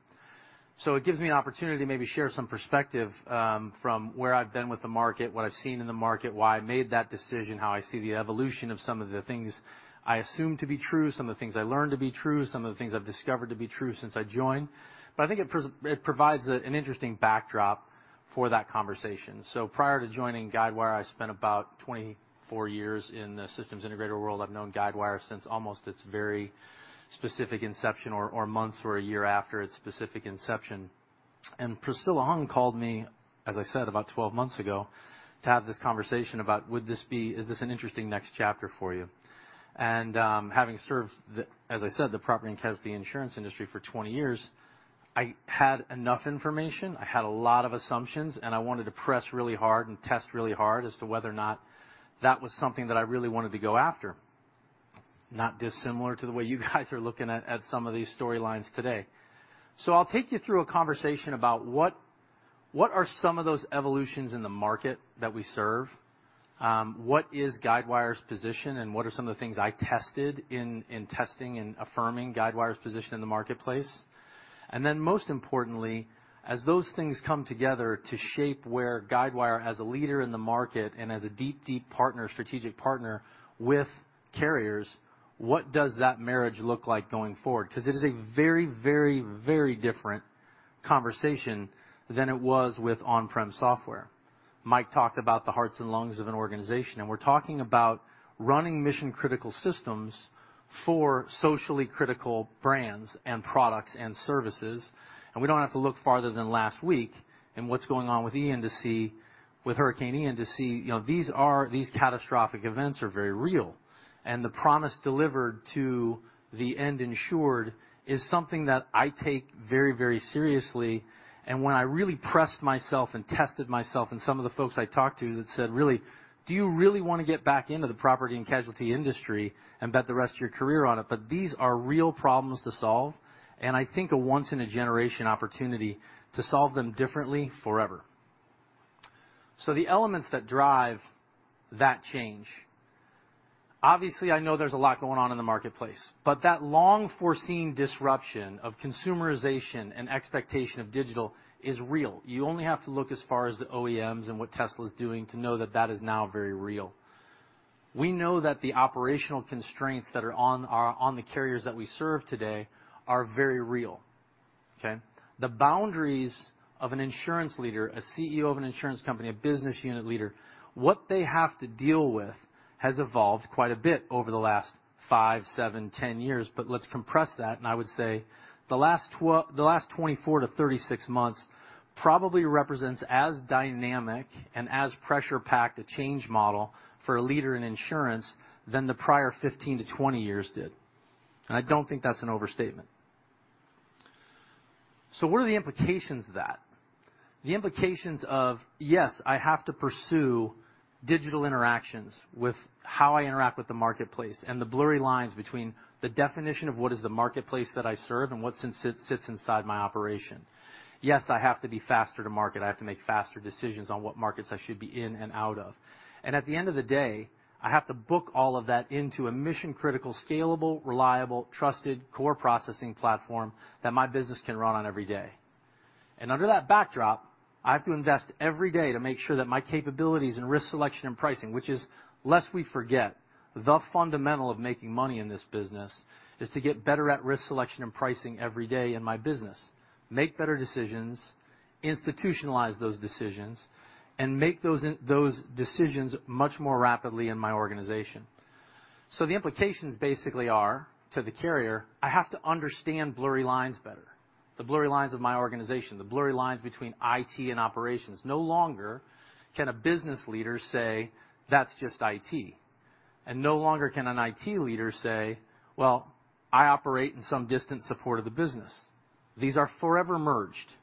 Speaker 4: It gives me an opportunity to maybe share some perspective from where I've been with the market, what I've seen in the market, why I made that decision, how I see the evolution of some of the things I assume to be true, some of the things I learned to be true, some of the things I've discovered to be true since I joined. I think it provides a, an interesting backdrop for that conversation. Prior to joining Guidewire, I spent about 24 years in the systems integrator world. I've known Guidewire since almost its very specific inception or months or a year after its specific inception. Priscilla Hung called me, as I said, about 12 months ago, to have this conversation about is this an interesting next chapter for you? Having served, as I said, the property and casualty insurance industry for 20 years, I had enough information, I had a lot of assumptions, and I wanted to press really hard and test really hard as to whether or not that was something that I really wanted to go after. Not dissimilar to the way you guys are looking at some of these storylines today. I'll take you through a conversation about what are some of those evolutions in the market that we serve. What is Guidewire's position, and what are some of the things I tested in testing and affirming Guidewire's position in the marketplace? Then most importantly, as those things come together to shape where Guidewire, as a leader in the market and as a deep, deep partner, strategic partner with carriers, what does that marriage look like going forward? 'Cause it is a very, very, very different conversation than it was with on-prem software. Mike talked about the hearts and lungs of an organization, and we're talking about running mission-critical systems for socially critical brands and products and services. We don't have to look farther than last week in what's going on with Hurricane Ian to see, you know, these catastrophic events are very real. The promise delivered to the end insured is something that I take very, very seriously. When I really pressed myself and tested myself and some of the folks I talked to that said, "Really? Do you really wanna get back into the property and casualty industry and bet the rest of your career on it?" These are real problems to solve, and I think a once in a generation opportunity to solve them differently forever. The elements that drive that change. Obviously, I know there's a lot going on in the marketplace, but that long foreseen disruption of consumerization and expectation of digital is real. You only have to look as far as the OEMs and what Tesla's doing to know that that is now very real. We know that the operational constraints that are on the carriers that we serve today are very real, okay? The boundaries of an insurance leader, a CEO of an insurance company, a business unit leader, what they have to deal with has evolved quite a bit over the last 5, 7, 10 years. Let's compress that, and I would say the last 24-36 months probably represents as dynamic and as pressure-packed a change model for a leader in insurance than the prior 15-20 years did. I don't think that's an overstatement. What are the implications of that? The implications of, yes, I have to pursue digital interactions with how I interact with the marketplace and the blurry lines between the definition of what is the marketplace that I serve and what sits inside my operation. Yes, I have to be faster to market. I have to make faster decisions on what markets I should be in and out of. At the end of the day, I have to book all of that into a mission-critical, scalable, reliable, trusted core processing platform that my business can run on every day. Under that backdrop, I have to invest every day to make sure that my capabilities in risk selection and pricing, which is, lest we forget, the fundamental of making money in this business, is to get better at risk selection and pricing every day in my business, make better decisions, institutionalize those decisions, and make those decisions much more rapidly in my organization. The implications basically are to the carrier, I have to understand blurry lines better. The blurry lines of my organization, the blurry lines between IT and operations. No longer can a business leader say, "That's just IT." No longer can an IT leader say, "Well, I operate in some distant support of the business." These are forever merged.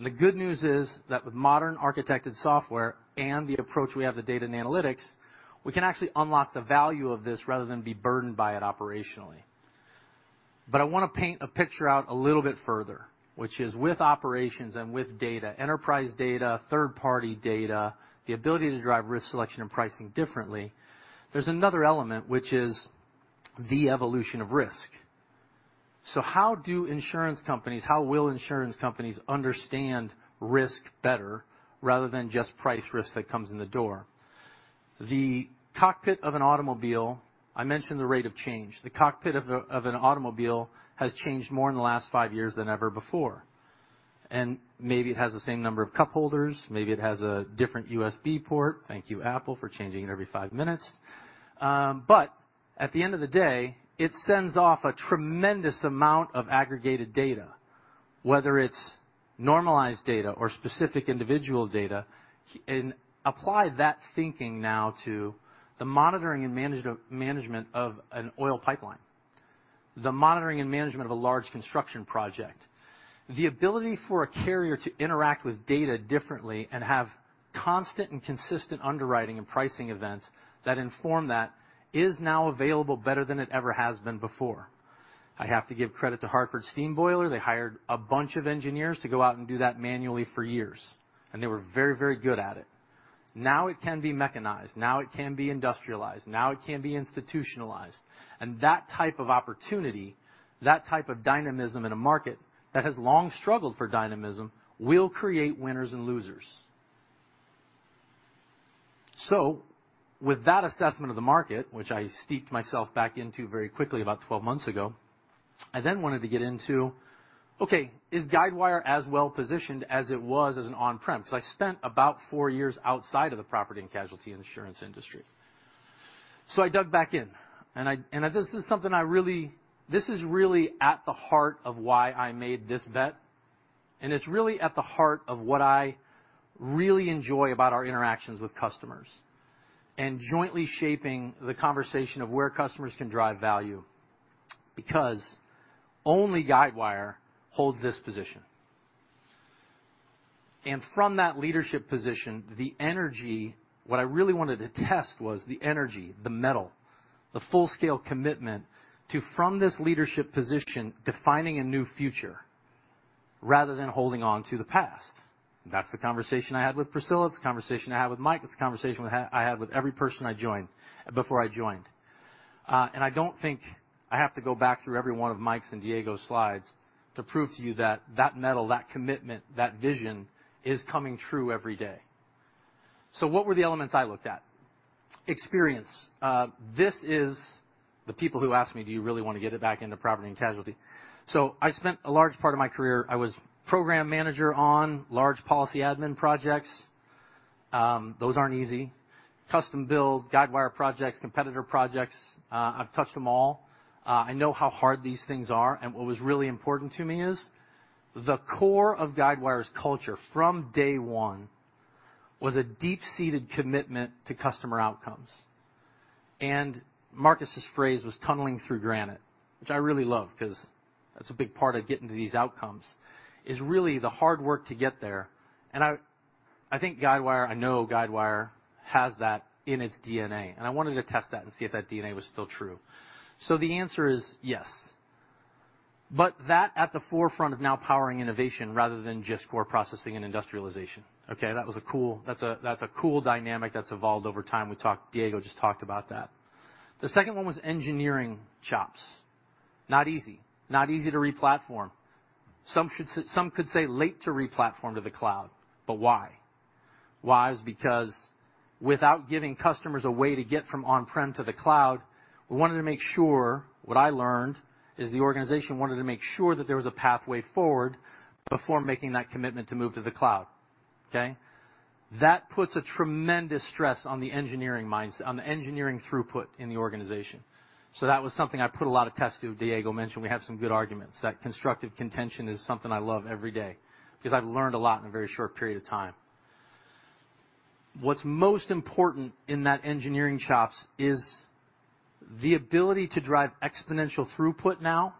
Speaker 4: The good news is that with modern architected software and the approach we have with data and analytics, we can actually unlock the value of this rather than be burdened by it operationally. I wanna paint a picture out a little bit further, which is with operations and with data, enterprise data, third-party data, the ability to drive risk selection and pricing differently, there's another element which is the evolution of risk. How will insurance companies understand risk better rather than just price risk that comes in the door? The cockpit of an automobile. I mentioned the rate of change. The cockpit of an automobile has changed more in the last five years than ever before, and maybe it has the same number of cup holders, maybe it has a different USB port. Thank you, Apple, for changing it every five minutes. But at the end of the day, it sends off a tremendous amount of aggregated data, whether it's normalized data or specific individual data. Apply that thinking now to the monitoring and management of an oil pipeline, the monitoring and management of a large construction project. The ability for a carrier to interact with data differently and have constant and consistent underwriting and pricing events that inform that is now available better than it ever has been before. I have to give credit to Hartford Steam Boiler. They hired a bunch of engineers to go out and do that manually for years, and they were very, very good at it. Now it can be mechanized. Now it can be industrialized. Now it can be institutionalized. That type of opportunity, that type of dynamism in a market that has long struggled for dynamism will create winners and losers. With that assessment of the market, which I steeped myself back into very quickly about 12 months ago, I then wanted to get into, okay, is Guidewire as well-positioned as it was as an on-prem? 'Cause I spent about 4 years outside of the property and casualty insurance industry. I dug back in, and this is something I really—this is really at the heart of why I made this bet, and it's really at the heart of what I really enjoy about our interactions with customers and jointly shaping the conversation of where customers can drive value because only Guidewire holds this position. From that leadership position, the energy. What I really wanted to test was the energy, the mettle, the full-scale commitment, from this leadership position, to defining a new future rather than holding on to the past. That's the conversation I had with Priscilla. It's the conversation I had with Mike. It's the conversation I had with every person I joined before I joined. I don't think I have to go back through every one of Mike's and Diego's slides to prove to you that that mettle, that commitment, that vision is coming true every day. What were the elements I looked at? Experience. This is the people who ask me, "Do you really wanna get it back into property and casualty?" I spent a large part of my career, I was program manager on large policy admin projects. Those aren't easy. Custom build Guidewire projects, competitor projects, I've touched them all. I know how hard these things are, and what was really important to me is the core of Guidewire's culture from day one was a deep-seated commitment to customer outcomes. Marcus's phrase was tunneling through granite, which I really love 'cause that's a big part of getting to these outcomes, is really the hard work to get there. I think Guidewire, I know Guidewire has that in its DNA, and I wanted to test that and see if that DNA was still true. The answer is yes. That at the forefront of now powering innovation rather than just core processing and industrialization, okay? That was a cool dynamic that's evolved over time. Diego just talked about that. The second one was engineering chops. Not easy. Not easy to replatform. Some could say late to replatform to the cloud. Why? Why is because without giving customers a way to get from on-prem to the cloud, we wanted to make sure. What I learned is the organization wanted to make sure that there was a pathway forward before making that commitment to move to the cloud, okay? That puts a tremendous stress on the engineering minds, on the engineering throughput in the organization. That was something I put a lot of stress to. Diego mentioned we have some good arguments. That constructive contention is something I love every day because I've learned a lot in a very short period of time. What's most important in that engineering chops is the ability to drive exponential throughput now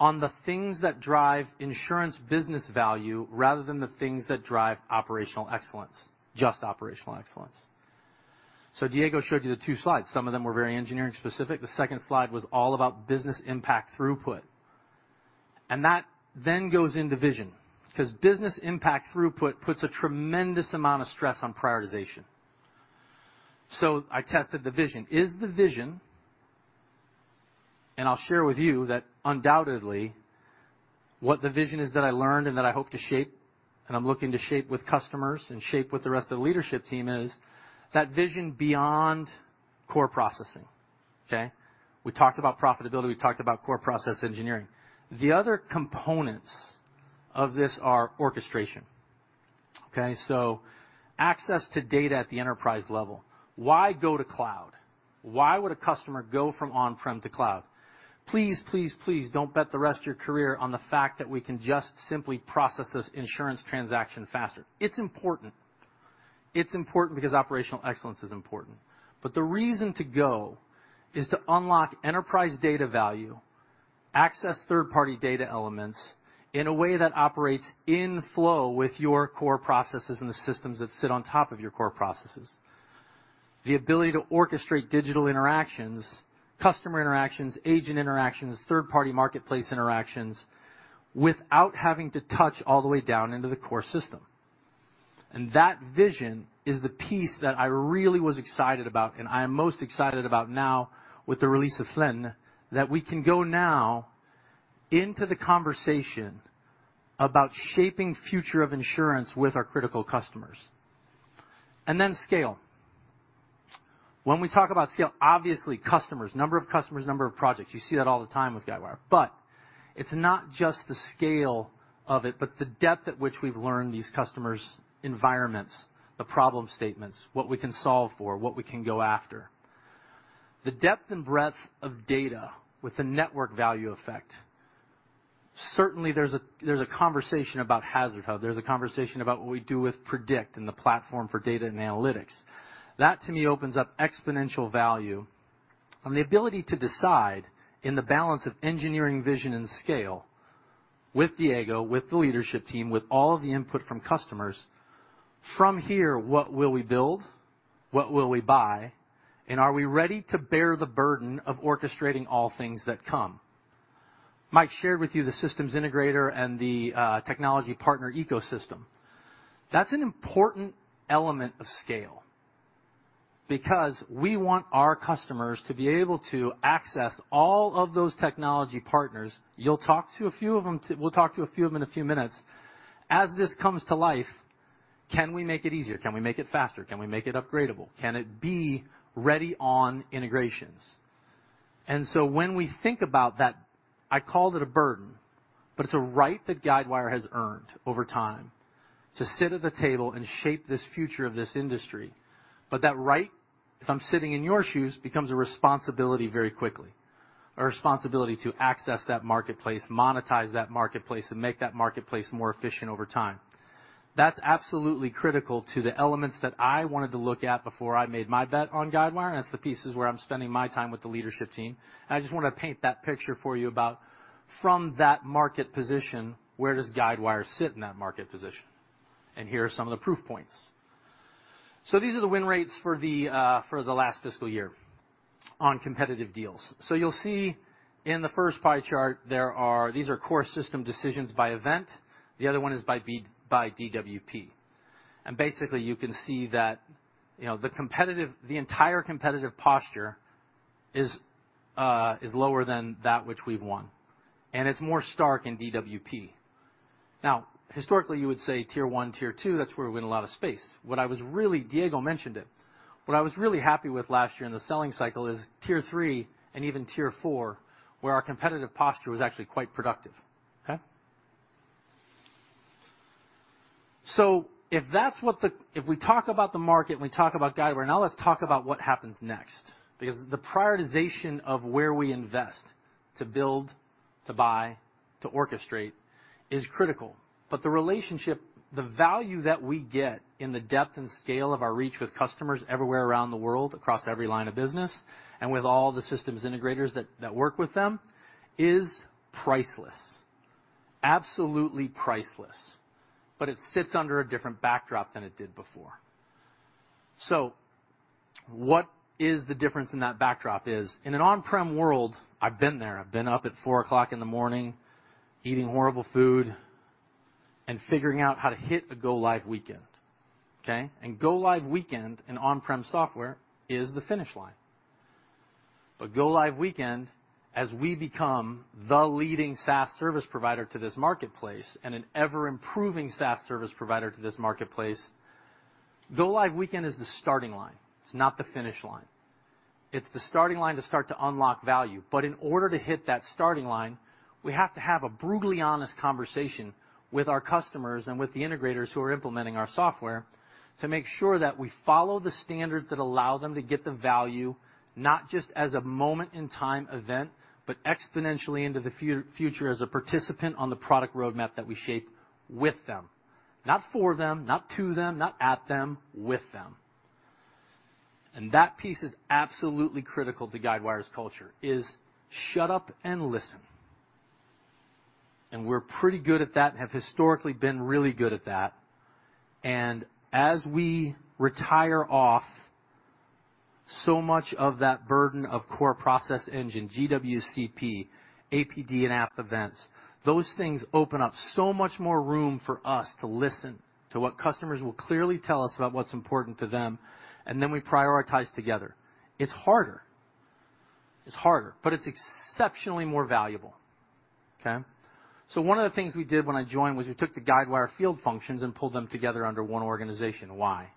Speaker 4: on the things that drive insurance business value rather than the things that drive operational excellence, just operational excellence. Diego showed you the two slides. Some of them were very engineering specific. The second slide was all about business impact throughput. That then goes into vision, 'cause business impact throughput puts a tremendous amount of stress on prioritization. I tested the vision. I'll share with you that undoubtedly what the vision is that I learned and that I hope to shape, and I'm looking to shape with customers and shape with the rest of the leadership team is that vision beyond core processing, okay? We talked about profitability. We talked about core process engineering. The other components of this are orchestration, okay? Access to data at the enterprise level. Why go to cloud? Why would a customer go from on-prem to cloud? Please, don't bet the rest of your career on the fact that we can just simply process this insurance transaction faster. It's important. It's important because operational excellence is important. The reason to go is to unlock enterprise data value, access third-party data elements in a way that operates in flow with your core processes and the systems that sit on top of your core processes. The ability to orchestrate digital interactions, customer interactions, agent interactions, third-party marketplace interactions without having to touch all the way down into the core system. That vision is the piece that I really was excited about and I am most excited about now with the release of Flaine, that we can go now into the conversation about shaping future of insurance with our critical customers. Then scale. When we talk about scale, obviously customers, number of customers, number of projects. You see that all the time with Guidewire. It's not just the scale of it, but the depth at which we've learned these customers' environments, the problem statements, what we can solve for, what we can go after. The depth and breadth of data with the network value effect. Certainly there's a conversation about HazardHub. There's a conversation about what we do with Predict and the platform for data and analytics. That to me opens up exponential value and the ability to decide in the balance of engineering vision and scale with Diego, with the leadership team, with all of the input from customers. From here, what will we build? What will we buy? And are we ready to bear the burden of orchestrating all things that come? Mike shared with you the systems integrator and the technology partner ecosystem. That's an important element of scale because we want our customers to be able to access all of those technology partners. You'll talk to a few of them. We'll talk to a few of them in a few minutes. As this comes to life, can we make it easier? Can we make it faster? Can we make it upgradable? Can it be ready on integrations? When we think about that, I called it a burden, but it's a right that Guidewire has earned over time to sit at the table and shape this future of this industry, but that right, if I'm sitting in your shoes, becomes a responsibility very quickly. A responsibility to access that marketplace, monetize that marketplace, and make that marketplace more efficient over time. That's absolutely critical to the elements that I wanted to look at before I made my bet on Guidewire, and that's the pieces where I'm spending my time with the leadership team. I just wanna paint that picture for you about from that market position, where does Guidewire sit in that market position? Here are some of the proof points. These are the win rates for the last fiscal year on competitive deals. You'll see in the first pie chart, these are core system decisions by event, the other one is by DWP. Basically, you can see that, you know, the entire competitive posture is lower than that which we've won, and it's more stark in DWP. Now, historically, you would say tier one, tier two, that's where we win a lot of space. Diego mentioned it. What I was really happy with last year in the selling cycle is tier three and even tier four, where our competitive posture was actually quite productive, okay? If we talk about the market and we talk about Guidewire, now let's talk about what happens next. Because the prioritization of where we invest to build, to buy, to orchestrate, is critical. The relationship, the value that we get in the depth and scale of our reach with customers everywhere around the world, across every line of business, and with all the systems integrators that work with them, is priceless. Absolutely priceless. It sits under a different backdrop than it did before. What is the difference in that backdrop is, in an on-prem world, I've been there, I've been up at 4:00 A.M., eating horrible food and figuring out how to hit a go-live weekend, okay? Go-live weekend in on-prem software is the finish line. Go-live weekend, as we become the leading SaaS service provider to this marketplace and an ever-improving SaaS service provider to this marketplace, go-live weekend is the starting line, it's not the finish line. It's the starting line to start to unlock value. In order to hit that starting line, we have to have a brutally honest conversation with our customers and with the integrators who are implementing our software to make sure that we follow the standards that allow them to get the value, not just as a moment-in-time event, but exponentially into the future as a participant on the product roadmap that we shape with them, not for them, not to them, not at them, with them. That piece is absolutely critical to Guidewire's culture, is shut up and listen. We're pretty good at that and have historically been really good at that. As we retire off so much of that burden of core process engine, GWCP, APD, and App Events, those things open up so much more room for us to listen to what customers will clearly tell us about what's important to them, and then we prioritize together. It's harder, but it's exceptionally more valuable, okay? One of the things we did when I joined was we took the Guidewire field functions and pulled them together under one organization. Why?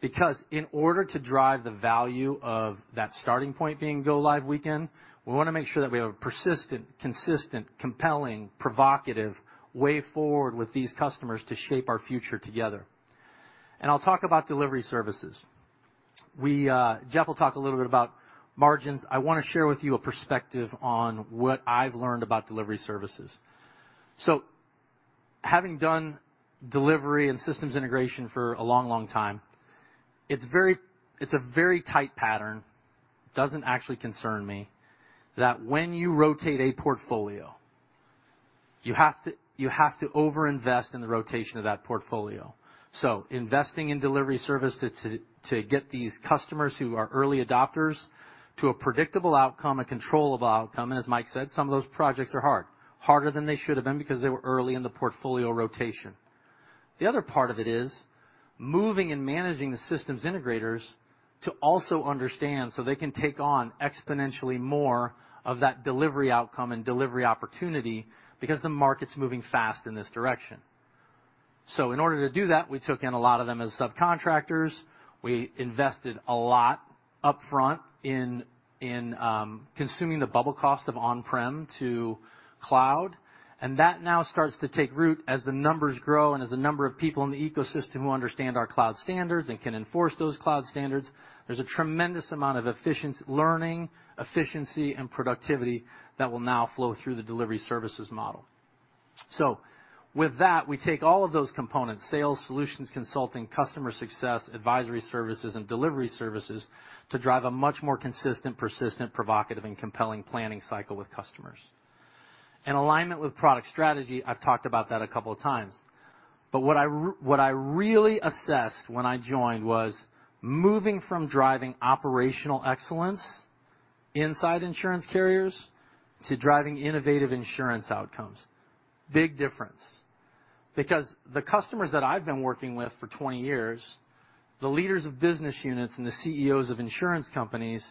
Speaker 4: Because in order to drive the value of that starting point being go live weekend, we wanna make sure that we have a persistent, consistent, compelling, provocative way forward with these customers to shape our future together. I'll talk about delivery services. Jeff will talk a little bit about margins. I wanna share with you a perspective on what I've learned about delivery services. Having done delivery and systems integration for a long, long time, it's a very tight pattern. Doesn't actually concern me that when you rotate a portfolio, you have to over-invest in the rotation of that portfolio. Investing in delivery service to get these customers who are early adopters to a predictable outcome, a controllable outcome. As Mike said, some of those projects are hard, harder than they should have been because they were early in the portfolio rotation. The other part of it is moving and managing the systems integrators to also understand so they can take on exponentially more of that delivery outcome and delivery opportunity because the market's moving fast in this direction. In order to do that, we took in a lot of them as subcontractors. We invested a lot upfront in consuming the double cost of on-prem to cloud, and that now starts to take root as the numbers grow and as the number of people in the ecosystem who understand our cloud standards and can enforce those cloud standards. There's a tremendous amount of efficiency, learning efficiency, and productivity that will now flow through the delivery services model. With that, we take all of those components, sales, solutions, consulting, customer success, advisory services, and delivery services to drive a much more consistent, persistent, provocative, and compelling planning cycle with customers. In alignment with product strategy, I've talked about that a couple of times. What I really assessed when I joined was moving from driving operational excellence inside insurance carriers to driving innovative insurance outcomes. Big difference, because the customers that I've been working with for 20 years, the leaders of business units and the CEOs of insurance companies,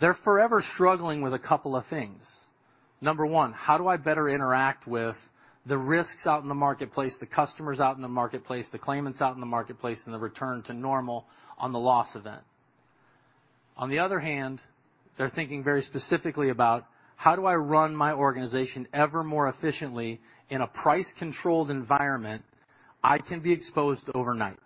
Speaker 4: they're forever struggling with a couple of things. Number one, how do I better interact with the risks out in the marketplace, the customers out in the marketplace, the claimants out in the marketplace, and the return to normal on the loss event? On the other hand, they're thinking very specifically about, how do I run my organization ever more efficiently in a price-controlled environment I can be exposed to overnight?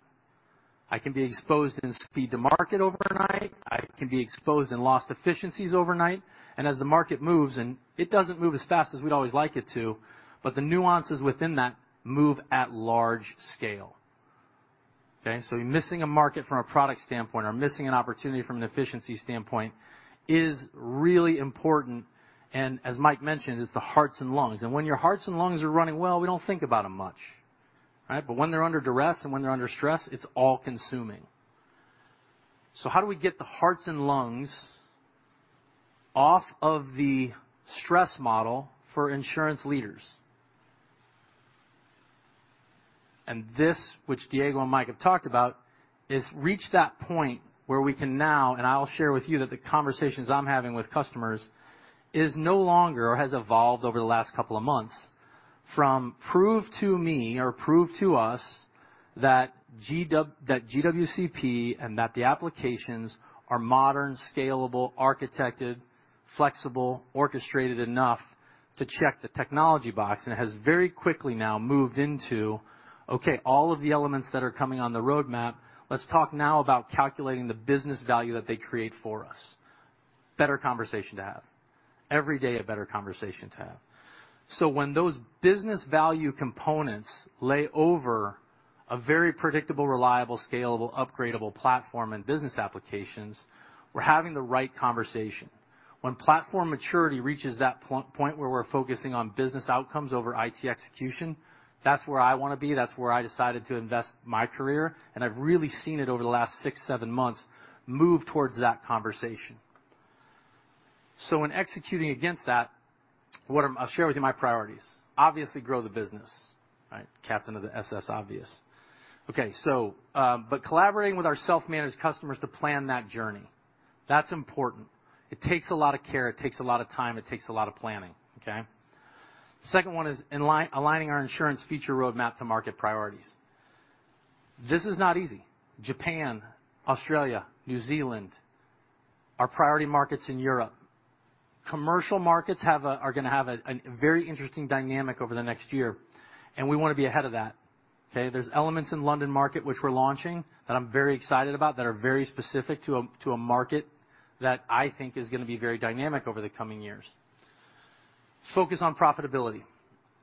Speaker 4: I can be exposed in speed to market overnight, I can be exposed in lost efficiencies overnight. As the market moves, and it doesn't move as fast as we'd always like it to, but the nuances within that move at large scale, okay? You're missing a market from a product standpoint or missing an opportunity from an efficiency standpoint is really important, and as Mike mentioned, it's the hearts and lungs. When your hearts and lungs are running well, we don't think about them much, right? When they're under duress and when they're under stress, it's all-consuming. How do we get the hearts and lungs off of the stress model for insurance leaders? This, which Diego and Mike have talked about, is reach that point where we can now, and I'll share with you that the conversations I'm having with customers is no longer or has evolved over the last couple of months from prove to me or prove to us that GWCP and that the applications are modern, scalable, architected, flexible, orchestrated enough to check the technology box. It has very quickly now moved into, okay, all of the elements that are coming on the roadmap, let's talk now about calculating the business value that they create for us. Better conversation to have. Every day, a better conversation to have. When those business value components lay over a very predictable, reliable, scalable, upgradable platform and business applications, we're having the right conversation. When platform maturity reaches that point where we're focusing on business outcomes over IT execution, that's where I wanna be, that's where I decided to invest my career, and I've really seen it over the last 6-7 months move towards that conversation. In executing against that, I'll share with you my priorities. Obviously, grow the business. Right? Captain of the SS Obvious. Okay. But collaborating with our self-managed customers to plan that journey, that's important. It takes a lot of care. It takes a lot of time. It takes a lot of planning. Okay? Second one is aligning our insurance feature roadmap to market priorities. This is not easy. Japan, Australia, New Zealand, our priority markets in Europe. Commercial markets are gonna have a very interesting dynamic over the next year, and we wanna be ahead of that, okay? There's elements in London Market which we're launching that I'm very excited about that are very specific to a market that I think is gonna be very dynamic over the coming years. Focus on profitability.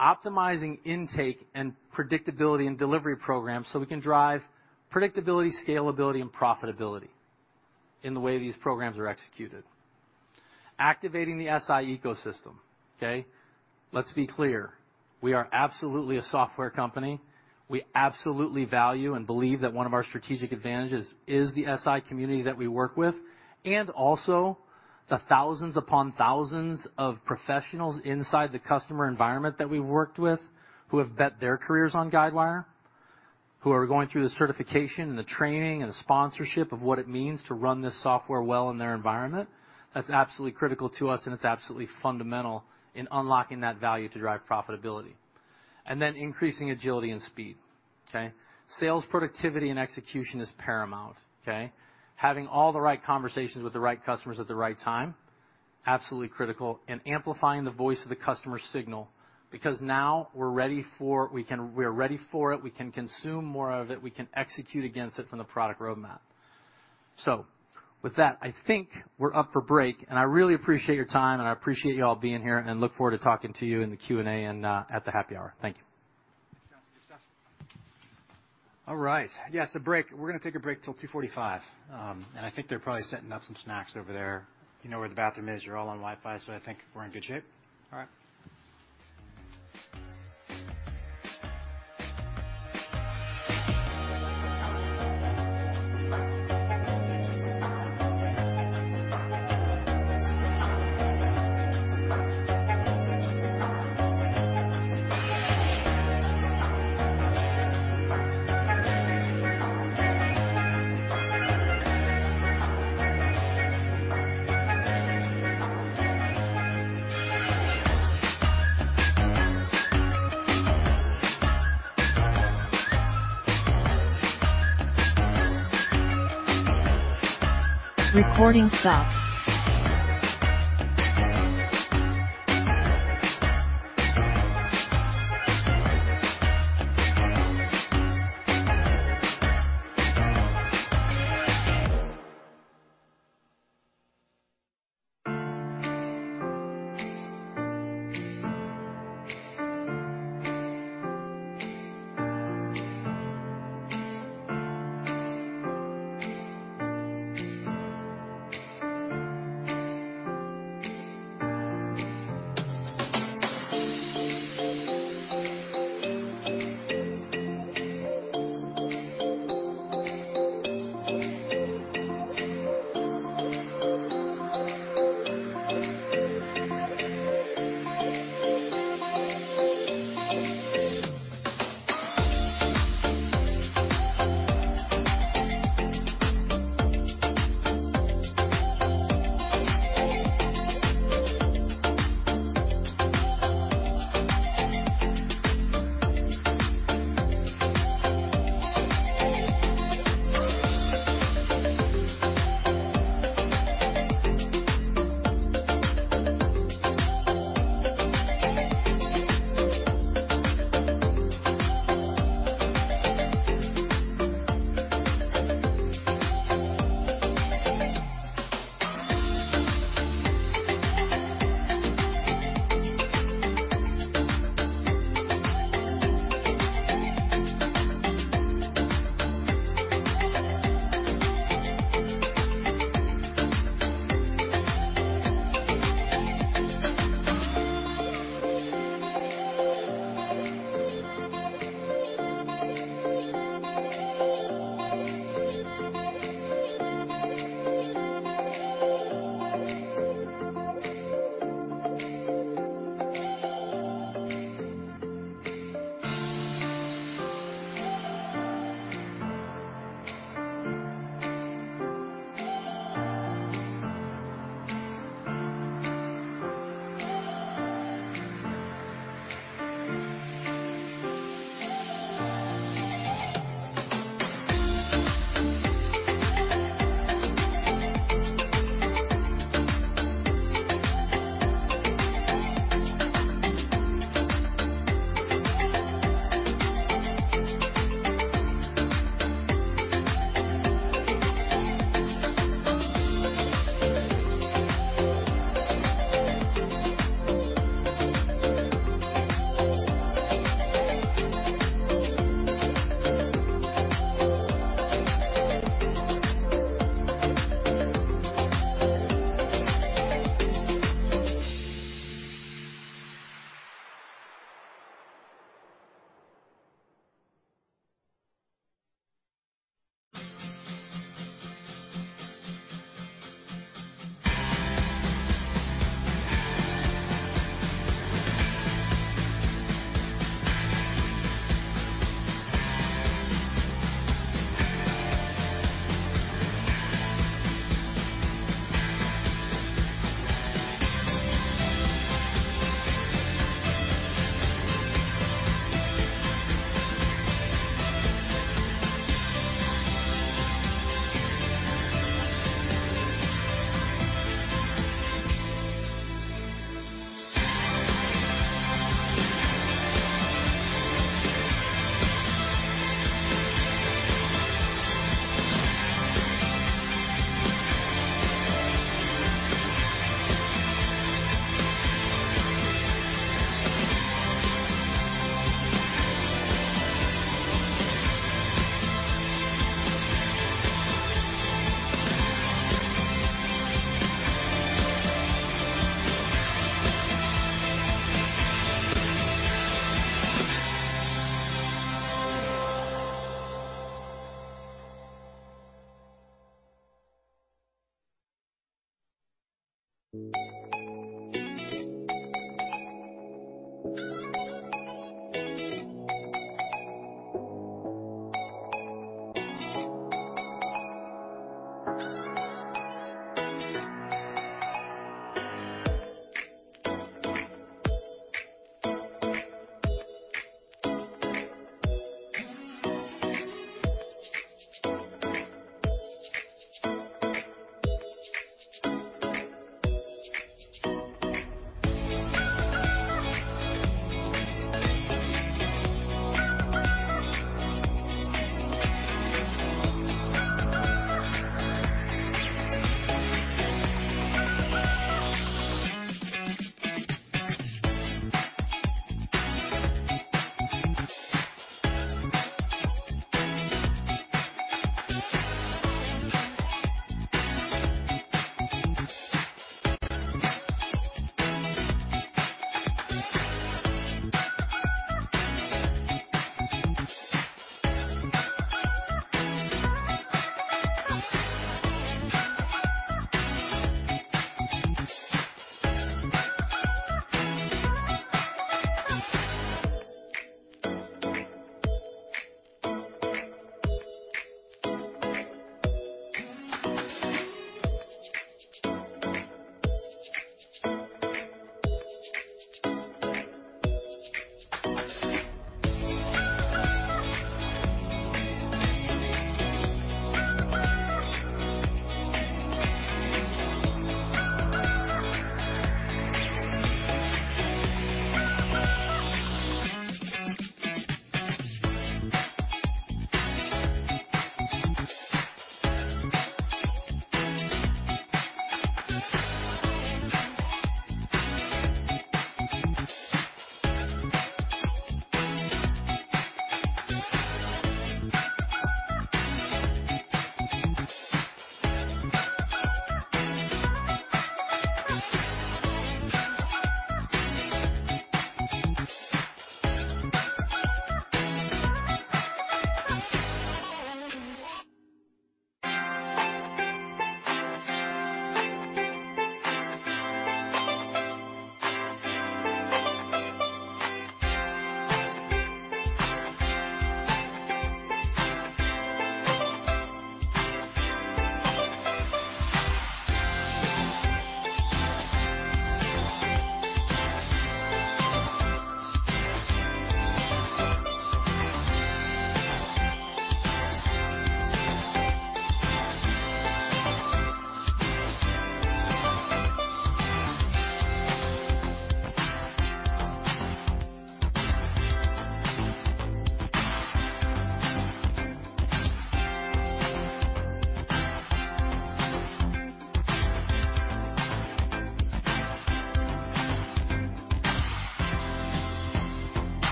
Speaker 4: Optimizing intake and predictability and delivery programs so we can drive predictability, scalability, and profitability in the way these programs are executed. Activating the SI ecosystem, okay? Let's be clear, we are absolutely a software company. We absolutely value and believe that one of our strategic advantages is the SI community that we work with, and also the thousands upon thousands of professionals inside the customer environment that we've worked with who have bet their careers on Guidewire. Who are going through the certification and the training and the sponsorship of what it means to run this software well in their environment. That's absolutely critical to us, and it's absolutely fundamental in unlocking that value to drive profitability. Increasing agility and speed. Okay? Sales productivity and execution is paramount, okay? Having all the right conversations with the right customers at the right time, absolutely critical. Amplifying the voice of the customer signal, because now we're ready for it. We can consume more of it. We can execute against it from the product roadmap. With that, I think we're up for break. I really appreciate your time, and I appreciate you all being here, and look forward to talking to you in the Q&A and at the happy hour. Thank you.
Speaker 2: All right. Yes, a break. We're gonna take a break till 2:45 P.M. I think they're probably setting up some snacks over there. You know where the bathroom is. You're all on Wi-Fi, so I think we're in good shape. All right.
Speaker 5: Recording stopped.
Speaker 2: All right.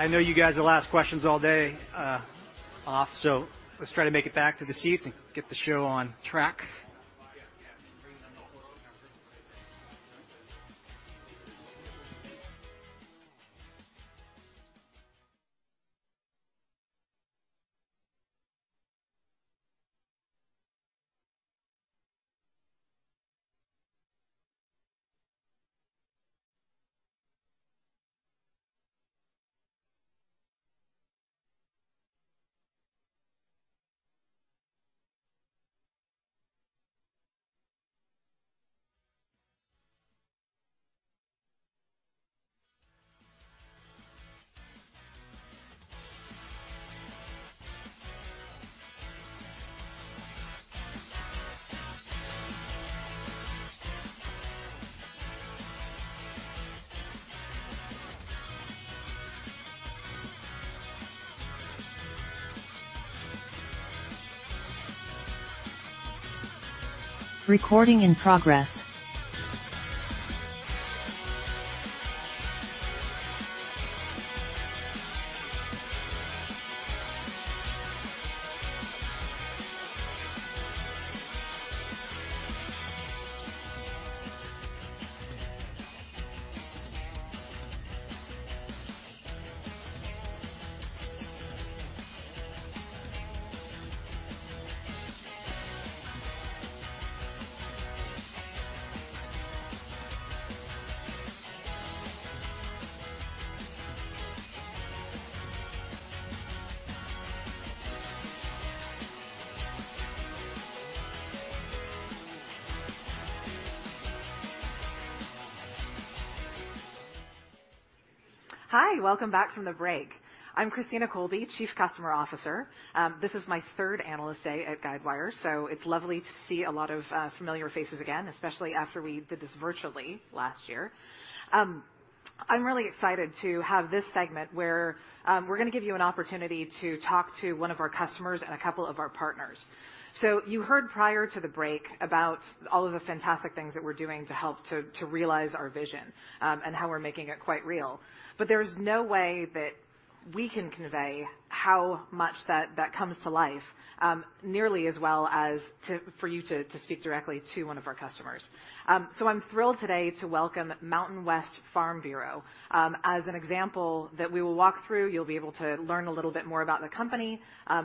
Speaker 2: I know you guys will ask questions all day, so let's try to make it back to the seats and get the show on track.
Speaker 5: Recording in progress.
Speaker 6: Hi, welcome back from the break. I'm Christina Colby, Chief Customer Officer. This is my third Analyst Day at Guidewire, so it's lovely to see a lot of familiar faces again, especially after we did this virtually last year. I'm really excited to have this segment where we're gonna give you an opportunity to talk to one of our customers and a couple of our partners. You heard prior to the break about all of the fantastic things that we're doing to help to realize our vision, and how we're making it quite real. There's no way that we can convey how much that comes to life nearly as well as for you to speak directly to one of our customers. I'm thrilled today to welcome Mountain West Farm Bureau. As an example that we will walk through, you'll be able to learn a little bit more about the company,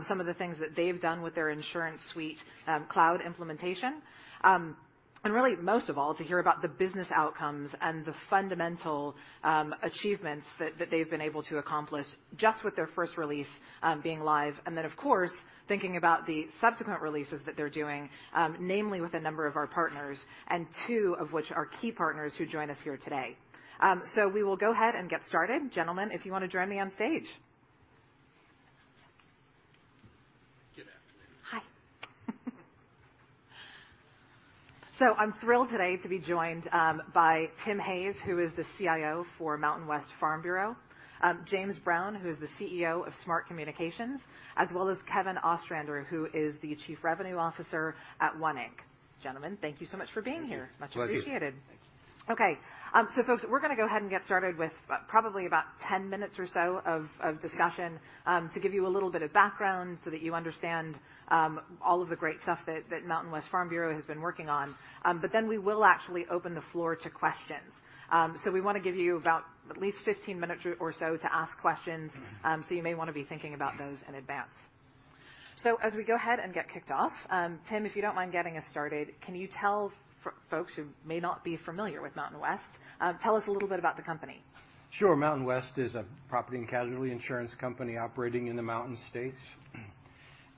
Speaker 6: some of the things that they've done with their InsuranceSuite, cloud implementation. Really, most of all, to hear about the business outcomes and the fundamental achievements that they've been able to accomplish just with their first release being live, and then, of course, thinking about the subsequent releases that they're doing, namely with a number of our partners and two of which are key partners who join us here today. We will go ahead and get started. Gentlemen, if you wanna join me on stage.
Speaker 7: Good afternoon.
Speaker 6: Hi. I'm thrilled today to be joined by Tim Hays, who is the CIO for Mountain West Farm Bureau, James Brown, who is the CEO of Smart Communications, as well as Kevin Ostrander, who is the Chief Revenue Officer at One Inc. Gentlemen, thank you so much for being here.
Speaker 7: Thank you.
Speaker 6: Much appreciated.
Speaker 7: Pleasure.
Speaker 6: Okay. Folks, we're gonna go ahead and get started with probably about 10 minutes or so of discussion to give you a little bit of background so that you understand all of the great stuff that Mountain West Farm Bureau has been working on. Then we will actually open the floor to questions. We wanna give you about at least 15 minutes or so to ask questions. You may wanna be thinking about those in advance. As we go ahead and get kicked off, Tim, if you don't mind getting us started, can you tell us a little bit about the company.
Speaker 7: Sure. Mountain West is a property and casualty insurance company operating in the Mountain States,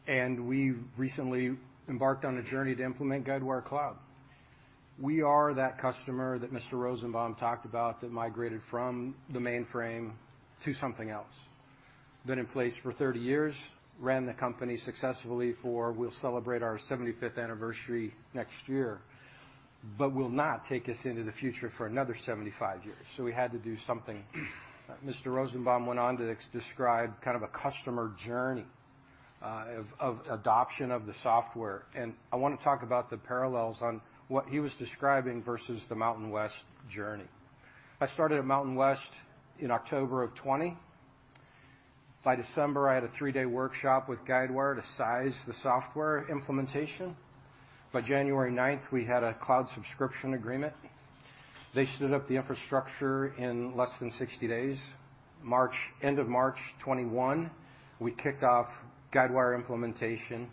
Speaker 7: and we recently embarked on a journey to implement Guidewire Cloud. We are that customer that Mr. Rosenbaum talked about that migrated from the mainframe to something else. Been in place for 30 years, ran the company successfully for. We'll celebrate our 75th anniversary next year, but will not take us into the future for another 75 years, so we had to do something. Mr. Rosenbaum went on to describe kind of a customer journey, of adoption of the software, and I wanna talk about the parallels on what he was describing versus the Mountain West journey. I started at Mountain West in October of 2020. By December, I had a three-day workshop with Guidewire to size the software implementation. By January ninth, we had a cloud subscription agreement. They stood up the infrastructure in less than 60 days. End of March 2021, we kicked off Guidewire implementation.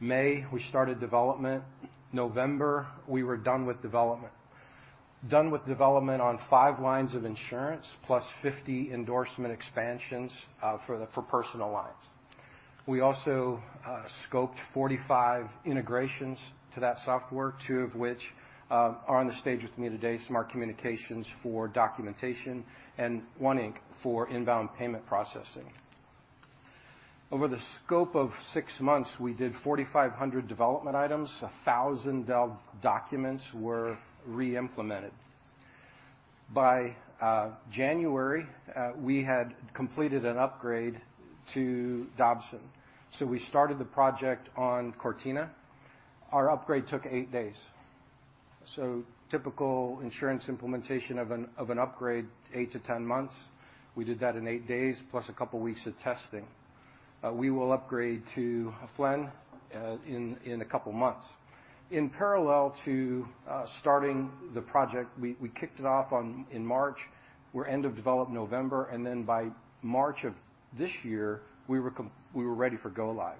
Speaker 7: May, we started development. November, we were done with development on 5 lines of insurance plus 50 endorsement expansions for the personal lines. We also scoped 45 integrations to that software, 2 of which are on the stage with me today, Smart Communications for documentation and One Inc for inbound payment processing. Over the scope of 6 months, we did 4,500 development items. 1,000 dev documents were reimplemented. By January, we had completed an upgrade to Dobson. We started the project on Cortina. Our upgrade took 8 days. Typical insurance implementation of an upgrade, 8-10 months. We did that in 8 days plus a couple weeks of testing. We will upgrade to Flaine in a couple of months. In parallel to starting the project, we kicked it off in March, we're end of development November, and then by March of this year, we were ready for go live.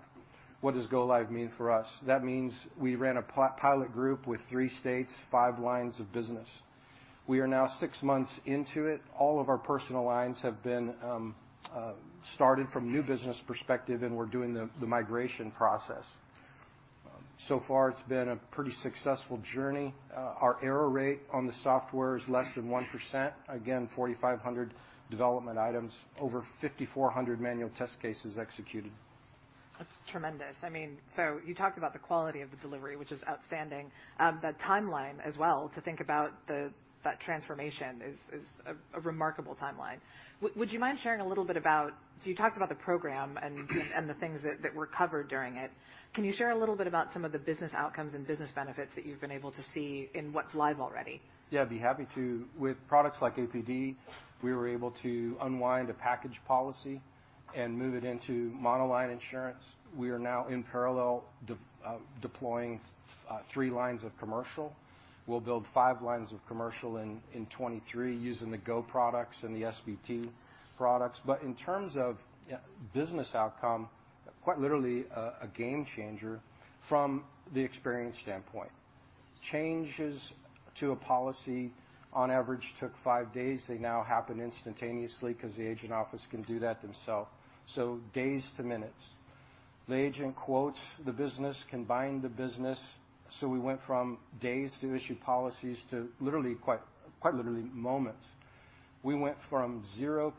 Speaker 7: What does go live mean for us? That means we ran a pilot group with three states, five lines of business. We are now six months into it. All of our personal lines have been started from new business perspective, and we're doing the migration process. So far, it's been a pretty successful journey. Our error rate on the software is less than 1%. Again, 4,500 development items, over 5,400 manual test cases executed.
Speaker 6: That's tremendous. I mean, you talked about the quality of the delivery, which is outstanding. The timeline as well, to think about that transformation is a remarkable timeline. Would you mind sharing a little bit about the program and the things that were covered during it. Can you share a little bit about some of the business outcomes and business benefits that you've been able to see in what's live already?
Speaker 7: Yeah, I'd be happy to. With products like APD, we were able to unwind a package policy and move it into monoline insurance. We are now in parallel deploying three lines of commercial. We'll build five lines of commercial in 2023 using the GO products and the SVT products. In terms of business outcome, quite literally a game changer from the experience standpoint. Changes to a policy on average took five days. They now happen instantaneously because the agent office can do that themselves. Days to minutes. The agent quotes the business, can bind the business. We went from days to issue policies to literally quite literally moments. We went from 0%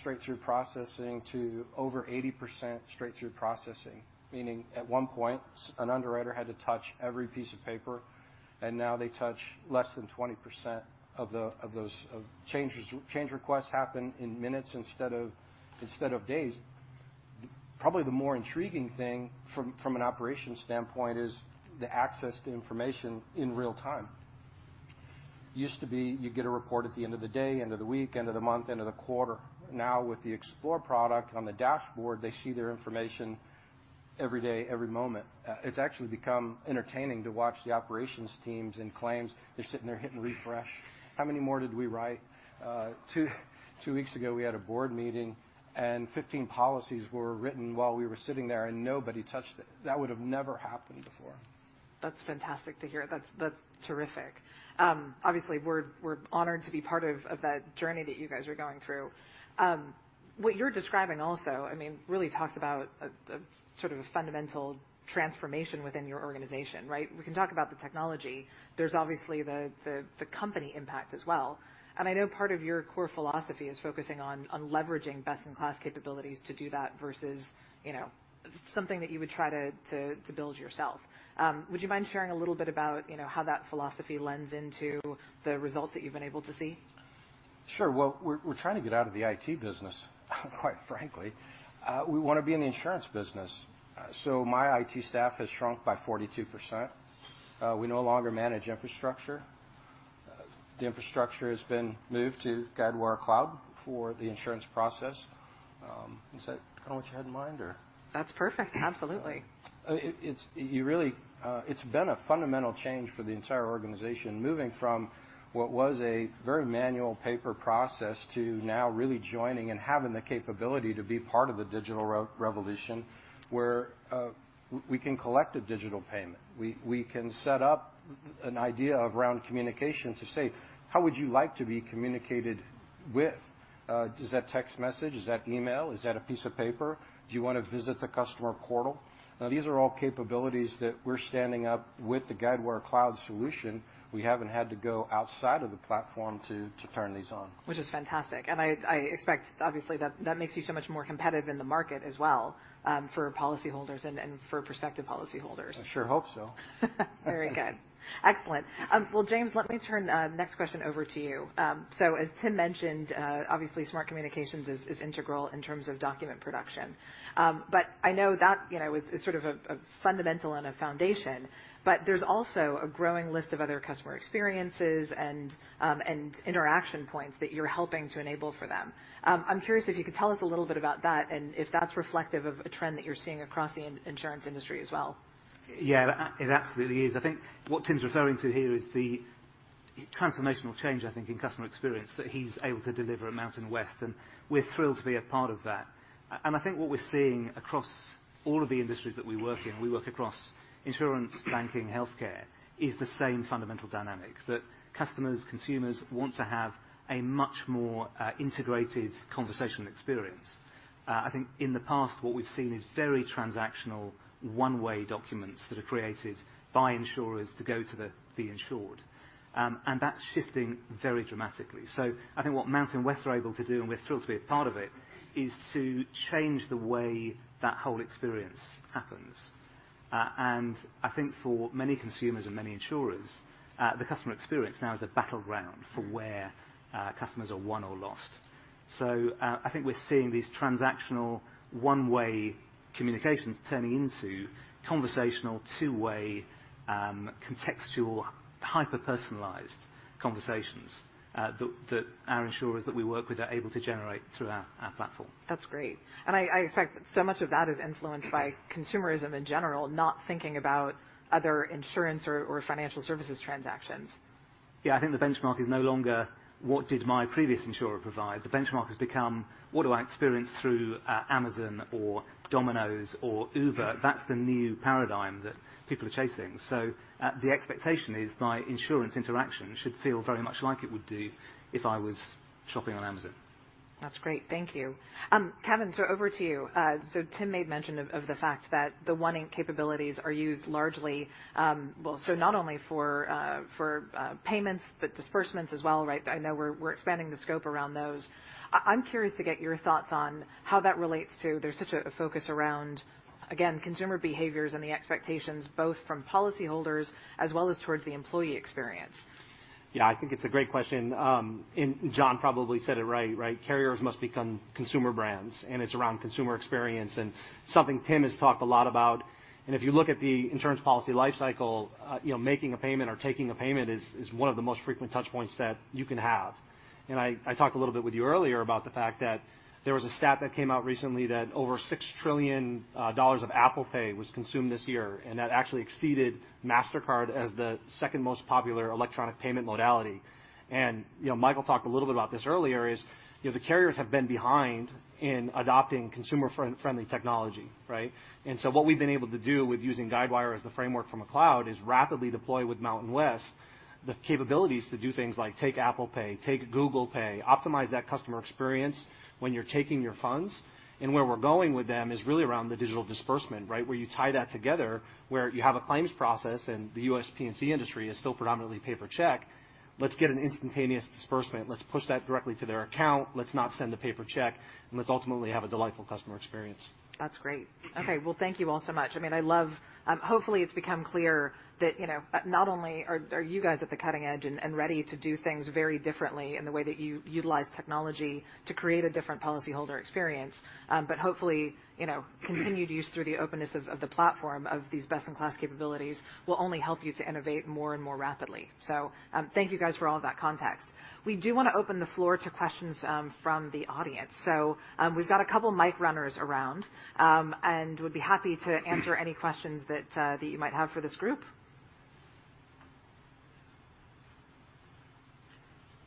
Speaker 7: straight through processing to over 80% straight through processing, meaning at one point, an underwriter had to touch every piece of paper, and now they touch less than 20% of those. Change requests happen in minutes instead of days. Probably the more intriguing thing from an operations standpoint is the access to information in real time. Used to be you get a report at the end of the day, end of the week, end of the month, end of the quarter. Now, with the Explore product on the dashboard, they see their information every day, every moment. It's actually become entertaining to watch the operations teams and claims. They're sitting there hitting refresh. How many more did we write? Two weeks ago, we had a board meeting and 15 policies were written while we were sitting there, and nobody touched it. That would have never happened before.
Speaker 6: That's fantastic to hear. That's terrific. Obviously, we're honored to be part of that journey that you guys are going through. What you're describing also, I mean, really talks about a sort of a fundamental transformation within your organization, right? We can talk about the technology. There's obviously the company impact as well. I know part of your core philosophy is focusing on leveraging best-in-class capabilities to do that versus, you know, something that you would try to build yourself. Would you mind sharing a little bit about, you know, how that philosophy lends into the results that you've been able to see?
Speaker 7: Sure. Well, we're trying to get out of the IT business, quite frankly. We wanna be in the insurance business. My IT staff has shrunk by 42%. We no longer manage infrastructure. The infrastructure has been moved to Guidewire Cloud for the insurance process. Is that kinda what you had in mind or?
Speaker 6: That's perfect. Absolutely.
Speaker 7: It's been a fundamental change for the entire organization, moving from what was a very manual paper process to now really joining and having the capability to be part of a digital revolution where we can collect a digital payment. We can set up an idea around communication to say, "How would you like to be communicated with? Is that text message? Is that email? Is that a piece of paper? Do you wanna visit the customer portal?" Now, these are all capabilities that we're standing up with the Guidewire Cloud solution. We haven't had to go outside of the platform to turn these on.
Speaker 6: Which is fantastic. I expect, obviously, that makes you so much more competitive in the market as well, for policyholders and for prospective policyholders.
Speaker 7: I sure hope so.
Speaker 6: Very good. Excellent. Well, James, let me turn next question over to you. As Tim mentioned, obviously, Smart Communications is integral in terms of document production. But I know that, you know, is sort of a fundamental and a foundation, but there's also a growing list of other customer experiences and interaction points that you're helping to enable for them. I'm curious if you could tell us a little bit about that and if that's reflective of a trend that you're seeing across the insurance industry as well.
Speaker 8: Yeah. It absolutely is. I think what Tim's referring to here is the transformational change, I think, in customer experience that he's able to deliver at Mountain West, and we're thrilled to be a part of that. I think what we're seeing across all of the industries that we work in, we work across insurance, banking, healthcare, is the same fundamental dynamics, that customers, consumers want to have a much more integrated conversation experience. I think in the past, what we've seen is very transactional, one-way documents that are created by insurers to go to the insured. That's shifting very dramatically. I think what Mountain West are able to do, and we're thrilled to be a part of it, is to change the way that whole experience happens. I think for many consumers and many insurers, the customer experience now is a battleground for where customers are won or lost. I think we're seeing these transactional, one-way communications turning into conversational, two-way, contextual, hyper-personalized conversations that our insurers that we work with are able to generate through our platform.
Speaker 6: That's great. I expect so much of that is influenced by consumerism in general, not thinking about other insurance or financial services transactions.
Speaker 8: Yeah. I think the benchmark is no longer what did my previous insurer provide. The benchmark has become what do I experience through Amazon or Domino's or Uber. That's the new paradigm that people are chasing. The expectation is my insurance interaction should feel very much like it would do if I was shopping on Amazon.
Speaker 6: That's great. Thank you. Kevin, over to you. Tim made mention of the fact that the One Inc capabilities are used largely, not only for payments, but disbursements as well, right? I know we're expanding the scope around those. I'm curious to get your thoughts on how that relates to the focus around, again, consumer behaviors and the expectations both from policyholders as well as towards the employee experience.
Speaker 9: Yeah. I think it's a great question. John probably said it right? Carriers must become consumer brands, and it's around consumer experience and something Tim has talked a lot about. If you look at the insurance policy lifecycle, you know, making a payment or taking a payment is one of the most frequent touch points that you can have. I talked a little bit with you earlier about the fact that there was a stat that came out recently that over $6 trillion of Apple Pay was consumed this year, and that actually exceeded Mastercard as the second most popular electronic payment modality. You know, Michael talked a little bit about this earlier, you know, the carriers have been behind in adopting consumer-friendly technology, right? What we've been able to do with using Guidewire as the framework from a cloud is rapidly deploy with Mountain West the capabilities to do things like take Apple Pay, take Google Pay, optimize that customer experience when you're taking your funds. Where we're going with them is really around the digital disbursement, right? Where you tie that together, where you have a claims process and the U.S. P&C industry is still predominantly pay by check. Let's get an instantaneous disbursement. Let's push that directly to their account. Let's not send a paper check, and let's ultimately have a delightful customer experience.
Speaker 6: That's great. Okay. Well, thank you all so much. I mean, hopefully it's become clear that, you know, not only are you guys at the cutting edge and ready to do things very differently in the way that you utilize technology to create a different policyholder experience, but hopefully, you know, continued use through the openness of the platform of these best-in-class capabilities will only help you to innovate more and more rapidly. Thank you guys for all of that context. We do wanna open the floor to questions from the audience. We've got a couple mic runners around, and would be happy to answer any questions that you might have for this group.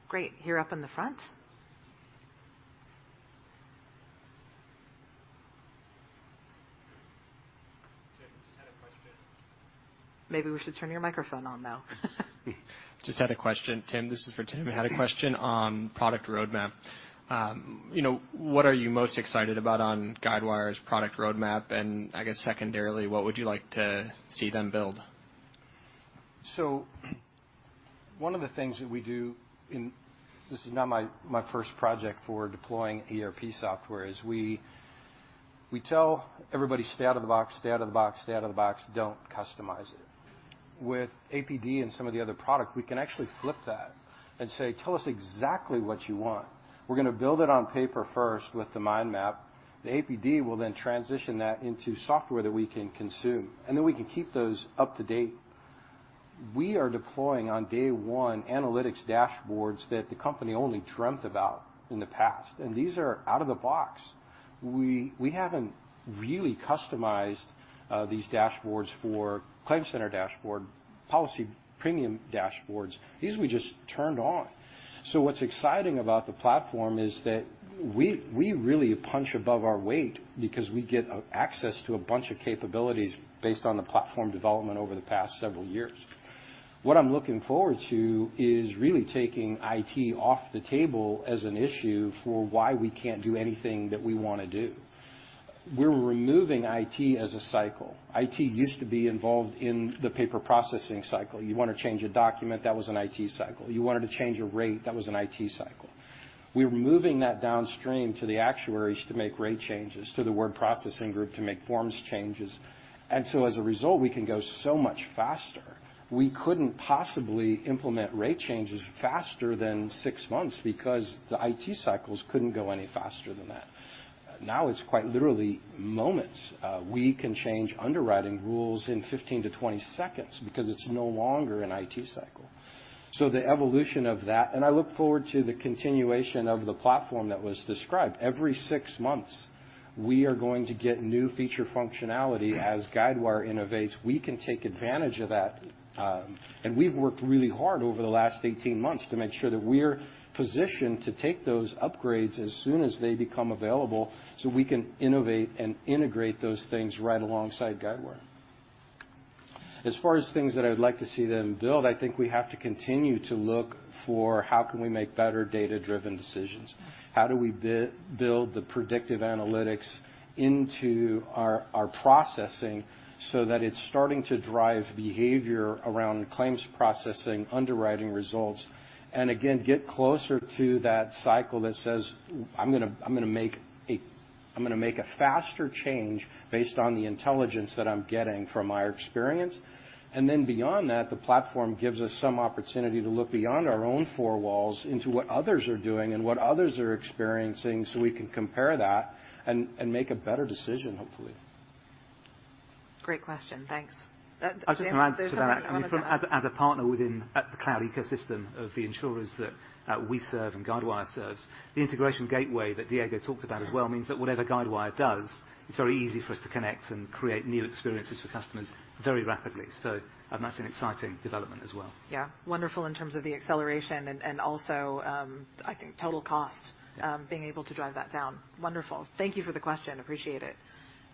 Speaker 6: Great. Here up in the front.
Speaker 10: Tim, just had a question.
Speaker 6: Maybe we should turn your microphone on, though.
Speaker 10: Just had a question. Tim, this is for Tim. I had a question on product roadmap. You know, what are you most excited about on Guidewire's product roadmap? I guess secondarily, what would you like to see them build?
Speaker 7: One of the things that we do. This is not my first project for deploying ERP software. We tell everybody, "Stay out of the box, stay out of the box, stay out of the box, don't customize it." With APD and some of the other product, we can actually flip that and say, "Tell us exactly what you want. We're gonna build it on paper first with the mind map. The APD will then transition that into software that we can consume, and then we can keep those up to date." We are deploying on day one analytics dashboards that the company only dreamt about in the past, and these are out of the box. We haven't really customized these dashboards for ClaimCenter dashboard, policy premium dashboards. These we just turned on. What's exciting about the platform is that we really punch above our weight because we get access to a bunch of capabilities based on the platform development over the past several years. What I'm looking forward to is really taking IT off the table as an issue for why we can't do anything that we wanna do. We're removing IT as a cycle. IT used to be involved in the paper processing cycle. You want to change a document, that was an IT cycle. You wanted to change a rate, that was an IT cycle. We're moving that downstream to the actuaries to make rate changes, to the word processing group to make forms changes. As a result, we can go so much faster. We couldn't possibly implement rate changes faster than six months because the IT cycles couldn't go any faster than that. Now it's quite literally moments. We can change underwriting rules in 15-20 seconds because it's no longer an IT cycle. I look forward to the continuation of the platform that was described. Every six months, we are going to get new feature functionality. As Guidewire innovates, we can take advantage of that. We've worked really hard over the last 18 months to make sure that we're positioned to take those upgrades as soon as they become available, so we can innovate and integrate those things right alongside Guidewire. As far as things that I'd like to see them build, I think we have to continue to look for how can we make better data-driven decisions. How do we build the predictive analytics into our processing so that it's starting to drive behavior around claims processing, underwriting results, and again, get closer to that cycle that says, "I'm gonna make a faster change based on the intelligence that I'm getting from our experience." Then beyond that, the platform gives us some opportunity to look beyond our own four walls into what others are doing and what others are experiencing, so we can compare that and make a better decision, hopefully.
Speaker 6: Great question. Thanks. Dan, there's another one over there.
Speaker 8: I was going to add to that. As a partner within the cloud ecosystem of the insurers that we serve and Guidewire serves, the Integration Gateway that Diego talked about as well means that whatever Guidewire does, it's very easy for us to connect and create new experiences for customers very rapidly. That's an exciting development as well.
Speaker 6: Yeah. Wonderful in terms of the acceleration and also, I think total cost, being able to drive that down. Wonderful. Thank you for the question. Appreciate it.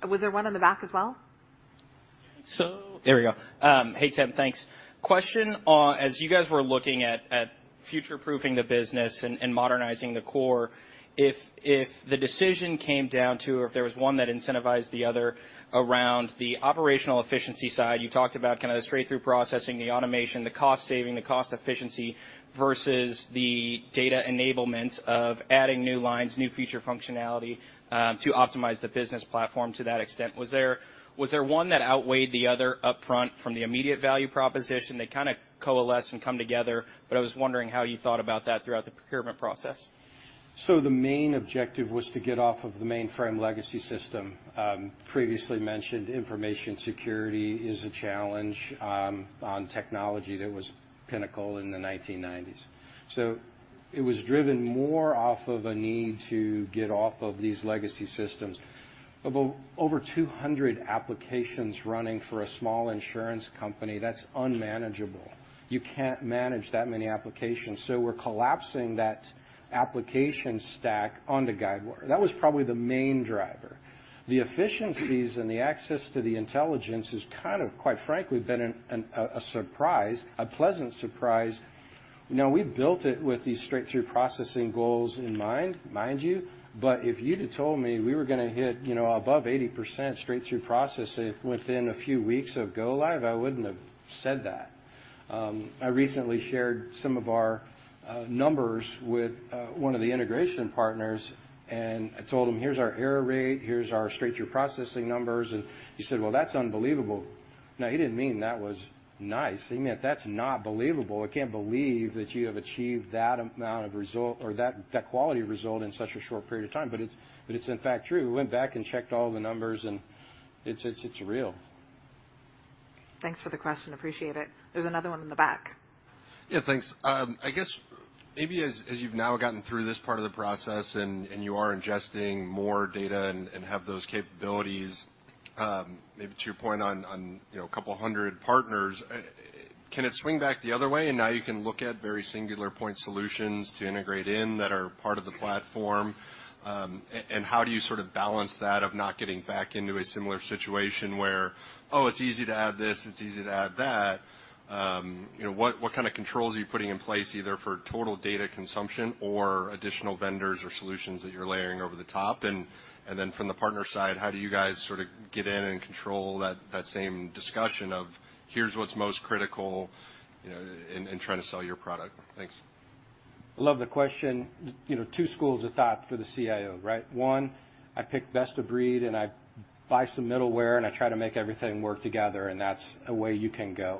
Speaker 6: Was there one in the back as well?
Speaker 10: There we go. Hey, Tim. Thanks. Question on as you guys were looking at future-proofing the business and modernizing the core, if the decision came down to, or if there was one that incentivized the other around the operational efficiency side, you talked about kind of the straight-through processing, the automation, the cost saving, the cost efficiency versus the data enablement of adding new lines, new feature functionality, to optimize the business platform to that extent. Was there one that outweighed the other upfront from the immediate value proposition? They kind of coalesce and come together, but I was wondering how you thought about that throughout the procurement process.
Speaker 7: The main objective was to get off of the mainframe legacy system. Previously mentioned information security is a challenge on technology that was pinnacle in the 1990s. It was driven more off of a need to get off of these legacy systems. About over 200 applications running for a small insurance company, that's unmanageable. You can't manage that many applications. We're collapsing that application stack onto Guidewire. That was probably the main driver. The efficiencies and the access to the intelligence has kind of, quite frankly, been a surprise, a pleasant surprise. We built it with these straight-through processing goals in mind you, but if you'd have told me we were gonna hit above 80% straight-through process within a few weeks of go live, I wouldn't have said that. I recently shared some of our numbers with one of the integration partners, and I told them, "Here's our error rate, here's our straight-through processing numbers." And he said, "Well, that's unbelievable." Now he didn't mean that was nice. He meant that's not believable. I can't believe that you have achieved that amount of result or that quality of result in such a short period of time. But it's in fact true. We went back and checked all the numbers, and it's real.
Speaker 6: Thanks for the question. Appreciate it. There's another one in the back.
Speaker 11: Yeah, thanks. I guess maybe as you've now gotten through this part of the process and you are ingesting more data and have those capabilities, maybe to your point on, you know, a couple hundred partners, can it swing back the other way and now you can look at very singular point solutions to integrate in that are part of the platform? And how do you sort of balance that of not getting back into a similar situation where, oh, it's easy to add this, it's easy to add that. You know, what kind of controls are you putting in place either for total data consumption or additional vendors or solutions that you're layering over the top? From the partner side, how do you guys sort of get in and control that same discussion of here's what's most critical, you know, in trying to sell your product? Thanks.
Speaker 7: I love the question. You know, two schools of thought for the CIO, right? One, I pick best of breed, and I buy some middleware, and I try to make everything work together, and that's a way you can go.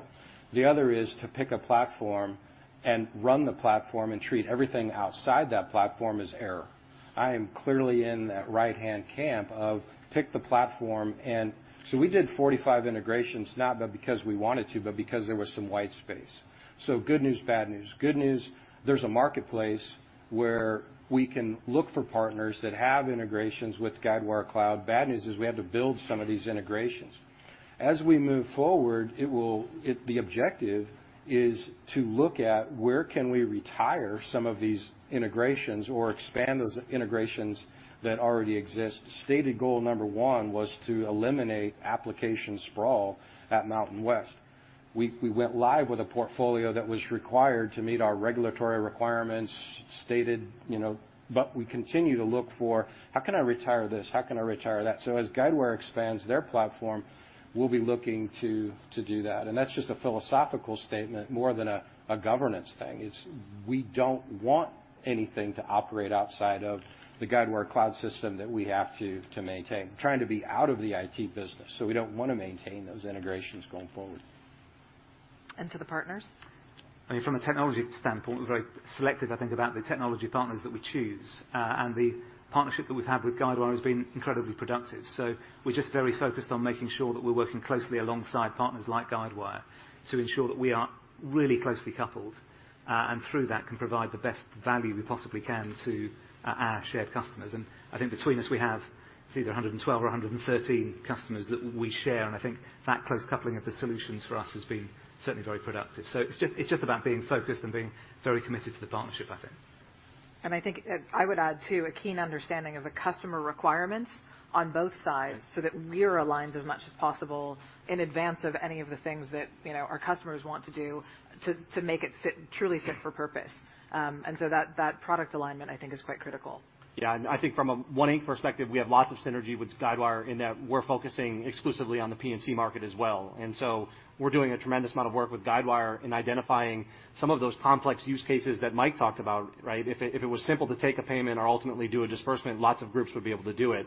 Speaker 7: The other is to pick a platform and run the platform and treat everything outside that platform as error. I am clearly in that right-hand camp of pick the platform and we did 45 integrations, not because we wanted to, but because there was some white space. Good news, bad news. Good news, there's a marketplace where we can look for partners that have integrations with Guidewire Cloud. Bad news is we have to build some of these integrations. As we move forward, the objective is to look at where can we retire some of these integrations or expand those integrations that already exist. Stated goal number 1 was to eliminate application sprawl at Mountain West. We went live with a portfolio that was required to meet our regulatory requirements stated, you know. We continue to look for how can I retire this? How can I retire that? As Guidewire expands their platform, we'll be looking to do that. That's just a philosophical statement more than a governance thing. It's we don't want anything to operate outside of the Guidewire Cloud system that we have to maintain. Trying to be out of the IT business, we don't want to maintain those integrations going forward.
Speaker 6: To the partners.
Speaker 8: I mean, from a technology standpoint, we're very selective, I think, about the technology partners that we choose. The partnership that we've had with Guidewire has been incredibly productive. We're just very focused on making sure that we're working closely alongside partners like Guidewire to ensure that we are really closely coupled and through that can provide the best value we possibly can to our shared customers. I think between us we have. It's either 112 or 113 customers that we share. I think that close coupling of the solutions for us has been certainly very productive. It's just about being focused and being very committed to the partnership, I think.
Speaker 6: I think, I would add too, a keen understanding of the customer requirements on both sides.
Speaker 8: Yes.
Speaker 6: So that we're aligned as much as possible in advance of any of the things that, you know, our customers want to do to make it fit, truly fit for purpose. That product alignment I think is quite critical.
Speaker 9: Yeah. I think from a One Inc perspective, we have lots of synergy with Guidewire in that we're focusing exclusively on the P&C market as well. We're doing a tremendous amount of work with Guidewire in identifying some of those complex use cases that Mike talked about, right? If it was simple to take a payment or ultimately do a disbursement, lots of groups would be able to do it.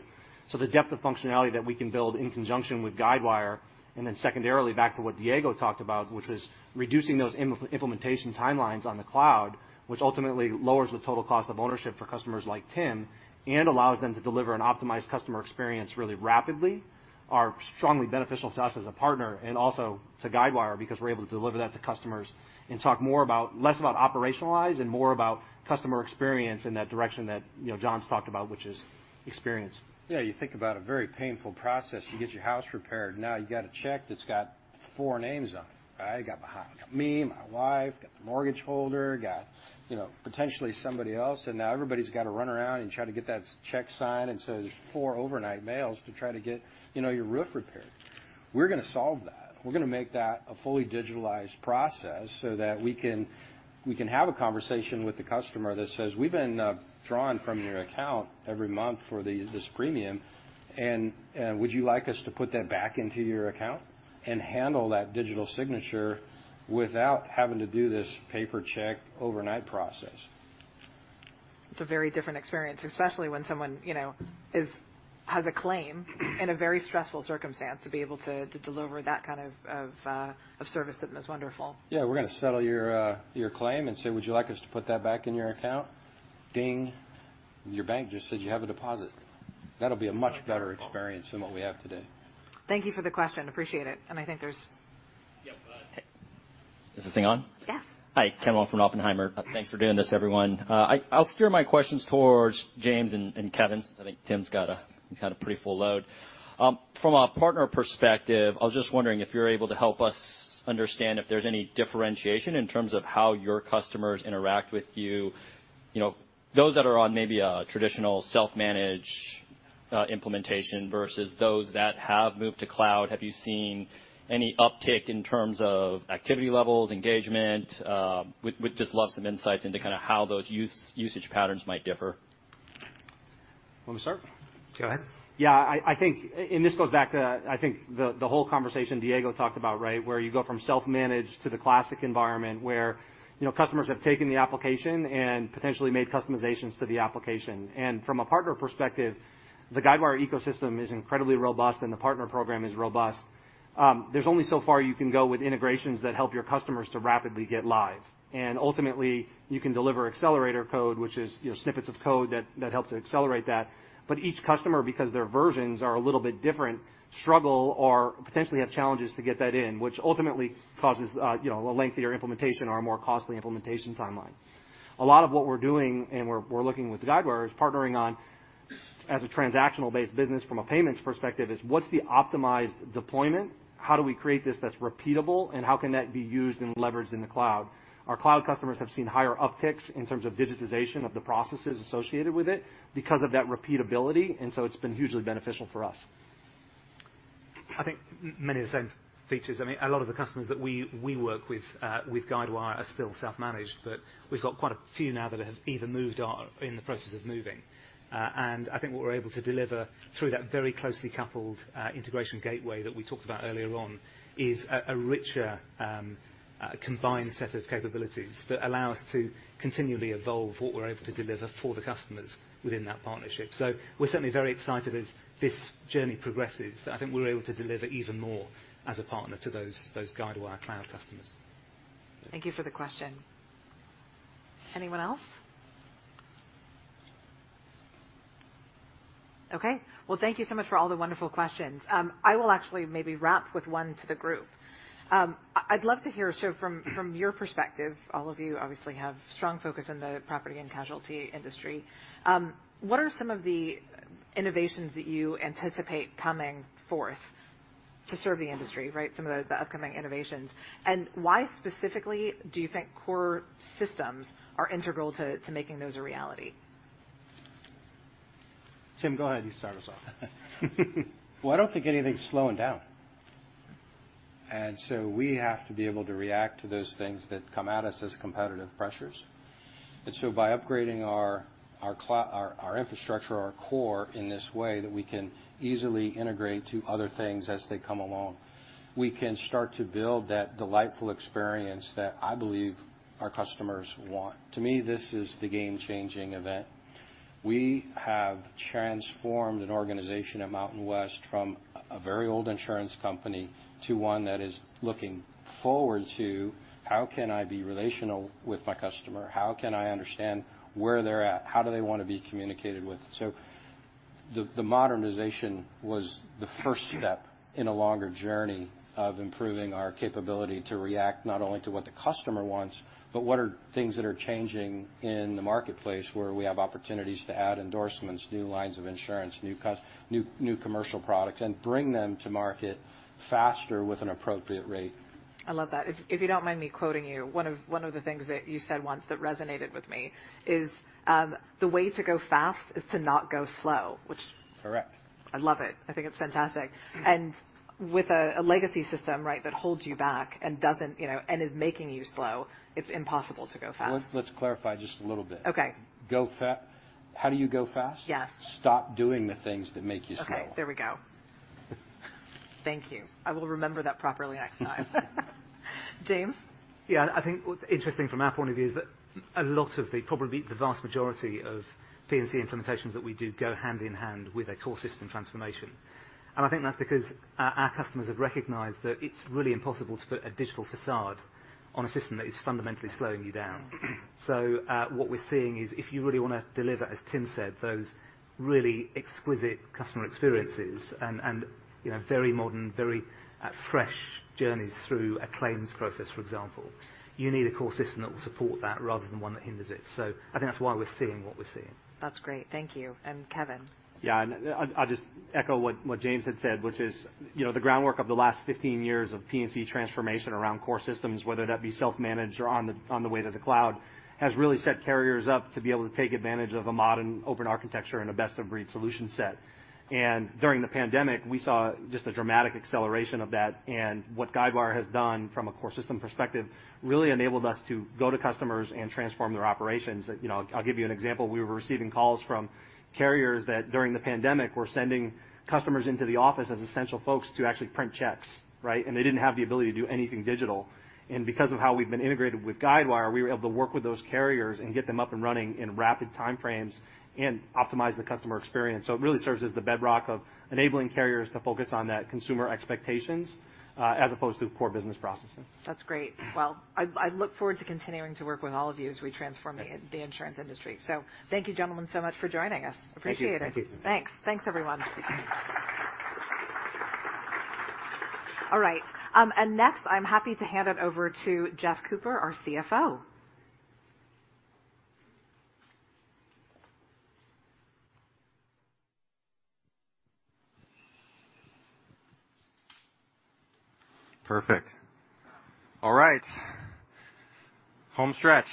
Speaker 9: The depth of functionality that we can build in conjunction with Guidewire, and then secondarily back to what Diego talked about, which was reducing those implementation timelines on the cloud, which ultimately lowers the total cost of ownership for customers like Tim and allows them to deliver an optimized customer experience really rapidly, are strongly beneficial to us as a partner and also to Guidewire because we're able to deliver that to customers and talk more about, less about operationalize and more about customer experience in that direction that, you know, John's talked about, which is experience.
Speaker 7: Yeah. You think about a very painful process to get your house repaired. Now you got a check that's got four names on it, right? Got me, my wife, got the mortgage holder, got, you know, potentially somebody else, and now everybody's gotta run around and try to get that check signed. There's four overnight mails to try to get, you know, your roof repaired. We're gonna solve that. We're gonna make that a fully digitalized process so that we can have a conversation with the customer that says, "We've been drawing from your account every month for this premium and would you like us to put that back into your account and handle that digital signature without having to do this paper check overnight process?
Speaker 6: It's a very different experience, especially when someone, you know, has a claim in a very stressful circumstance, to be able to deliver that kind of of service to them is wonderful.
Speaker 7: Yeah. We're gonna settle your claim and say, "Would you like us to put that back in your account?" Ding. Your bank just said you have a deposit. That'll be a much better experience than what we have today.
Speaker 6: Thank you for the question. Appreciate it. I think there's.
Speaker 12: Yeah.
Speaker 6: Okay.
Speaker 12: Is this thing on?
Speaker 6: Yes.
Speaker 12: Hi, Kamal from Oppenheimer. Thanks for doing this, everyone. I'll steer my questions towards James and Kevin since I think Tim's got a pretty full load. From a partner perspective, I was just wondering if you're able to help us understand if there's any differentiation in terms of how your customers interact with you. You know, those that are on maybe a traditional self-managed implementation versus those that have moved to cloud. Have you seen any uptick in terms of activity levels, engagement? Would just love some insights into kind of how those usage patterns might differ.
Speaker 9: Want me to start?
Speaker 7: Go ahead.
Speaker 9: Yeah, I think this goes back to the whole conversation Diego talked about, right? Where you go from self-managed to the Classic environment where, you know, customers have taken the application and potentially made customizations to the application. From a partner perspective, the Guidewire ecosystem is incredibly robust, and the partner program is robust. There's only so far you can go with integrations that help your customers to rapidly get live. Ultimately, you can deliver accelerator code, which is, you know, snippets of code that help to accelerate that. But each customer, because their versions are a little bit different, struggle or potentially have challenges to get that in, which ultimately causes a lengthier implementation or a more costly implementation timeline. A lot of what we're doing, and we're looking with Guidewire, is partnering on, as a transactional-based business from a payments perspective, is what's the optimized deployment? How do we create this that's repeatable? How can that be used and leveraged in the cloud? Our cloud customers have seen higher upticks in terms of digitization of the processes associated with it because of that repeatability, and so it's been hugely beneficial for us.
Speaker 7: I think many of the same features. I mean, a lot of the customers that we work with Guidewire are still self-managed, but we've got quite a few now that have either moved or are in the process of moving. I think what we're able to deliver through that very closely coupled integration gateway that we talked about earlier on is a richer combined set of capabilities that allow us to continually evolve what we're able to deliver for the customers within that partnership. We're certainly very excited as this journey progresses, that I think we're able to deliver even more as a partner to those Guidewire Cloud customers.
Speaker 6: Thank you for the question. Anyone else? Okay. Well, thank you so much for all the wonderful questions. I will actually maybe wrap with one to the group. I'd love to hear, so from your perspective, all of you obviously have strong focus in the property and casualty industry, what are some of the innovations that you anticipate coming forth to serve the industry, right? Some of the upcoming innovations. Why specifically do you think core systems are integral to making those a reality?
Speaker 9: Tim, go ahead. You start us off.
Speaker 7: Well, I don't think anything's slowing down. We have to be able to react to those things that come at us as competitive pressures. By upgrading our infrastructure, our core in this way that we can easily integrate to other things as they come along, we can start to build that delightful experience that I believe our customers want. To me, this is the game-changing event. We have transformed an organization at Mountain West from a very old insurance company to one that is looking forward to, "How can I be relational with my customer? How can I understand where they're at? How do they want to be communicated with?" The modernization was the first step in a longer journey of improving our capability to react not only to what the customer wants, but what are things that are changing in the marketplace, where we have opportunities to add endorsements, new lines of insurance, new commercial products, and bring them to market faster with an appropriate rate.
Speaker 6: I love that. If you don't mind me quoting you, one of the things that you said once that resonated with me is, "The way to go fast is to not go slow.
Speaker 7: Correct.
Speaker 6: I love it. I think it's fantastic. With a legacy system, right? That holds you back and doesn't, you know, and is making you slow, it's impossible to go fast.
Speaker 7: Let's clarify just a little bit.
Speaker 6: Okay.
Speaker 7: How do you go fast?
Speaker 6: Yes.
Speaker 7: Stop doing the things that make you slow.
Speaker 6: Okay, there we go. Thank you. I will remember that properly next time. James?
Speaker 7: Yeah, I think what's interesting from our point of view is that a lot of the probably the vast majority of P&C implementations that we do go hand in hand with a core system transformation. I think that's because our customers have recognized that it's really impossible to put a digital facade on a system that is fundamentally slowing you down. What we're seeing is if you really wanna deliver, as Tim said, those really exquisite customer experiences and you know very modern very fresh journeys through a claims process, for example, you need a core system that will support that rather than one that hinders it. I think that's why we're seeing what we're seeing.
Speaker 6: That's great. Thank you. Kevin?
Speaker 9: Yeah, I'll just echo what James had said, which is, you know, the groundwork of the last 15 years of P&C transformation around core systems, whether that be self-managed or on the way to the cloud, has really set carriers up to be able to take advantage of a modern open architecture and a best-of-breed solution set. During the pandemic, we saw just a dramatic acceleration of that. What Guidewire has done from a core system perspective really enabled us to go to customers and transform their operations. You know, I'll give you an example. We were receiving calls from carriers that during the pandemic were sending customers into the office as essential folks to actually print checks, right? They didn't have the ability to do anything digital. Because of how we've been integrated with Guidewire, we were able to work with those carriers and get them up and running in rapid time frames and optimize the customer experience. It really serves as the bedrock of enabling carriers to focus on that consumer expectations as opposed to core business processes.
Speaker 6: That's great. Well, I look forward to continuing to work with all of you as we transform the insurance industry. Thank you, gentlemen, so much for joining us. Appreciate it.
Speaker 9: Thank you.
Speaker 7: Thank you.
Speaker 6: Thanks. Thanks, everyone. All right. Next, I'm happy to hand it over to Jeff Cooper, our CFO.
Speaker 13: Perfect. All right. Homestretch.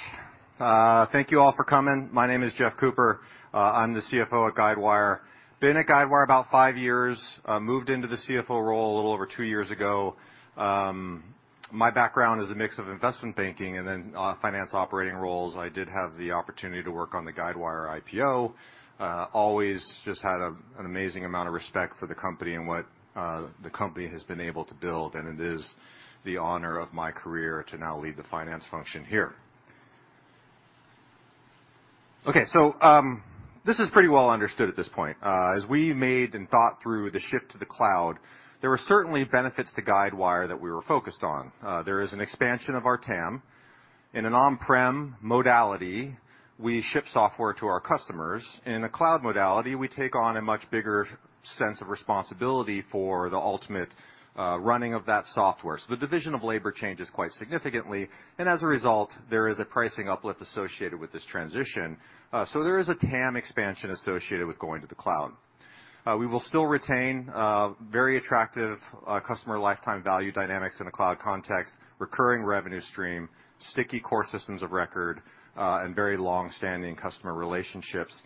Speaker 13: Thank you all for coming. My name is Jeff Cooper. I'm the CFO at Guidewire. Been at Guidewire about five years, moved into the CFO role a little over two years ago. My background is a mix of investment banking and then, finance operating roles. I did have the opportunity to work on the Guidewire IPO. Always just had an amazing amount of respect for the company and what, the company has been able to build, and it is the honor of my career to now lead the finance function here. Okay, this is pretty well understood at this point. As we made and thought through the shift to the cloud, there were certainly benefits to Guidewire that we were focused on. There is an expansion of our TAM. In an on-prem modality, we ship software to our customers. In a cloud modality, we take on a much bigger sense of responsibility for the ultimate running of that software. The division of labor changes quite significantly, and as a result, there is a pricing uplift associated with this transition. There is a TAM expansion associated with going to the cloud. We will still retain very attractive customer lifetime value dynamics in a cloud context, recurring revenue stream, sticky core systems of record, and very long-standing customer relationships.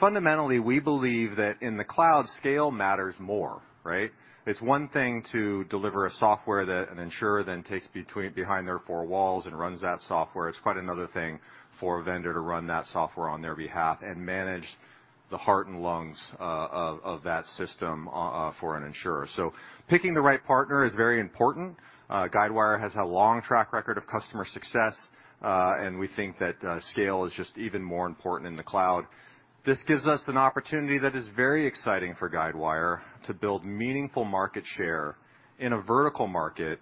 Speaker 13: Fundamentally, we believe that in the cloud scale matters more, right? It's one thing to deliver a software that an insurer then takes behind their four walls and runs that software. It's quite another thing for a vendor to run that software on their behalf and manage the heart and lungs of that system for an insurer. Picking the right partner is very important. Guidewire has a long track record of customer success, and we think that, scale is just even more important in the cloud. This gives us an opportunity that is very exciting for Guidewire to build meaningful market share in a vertical market,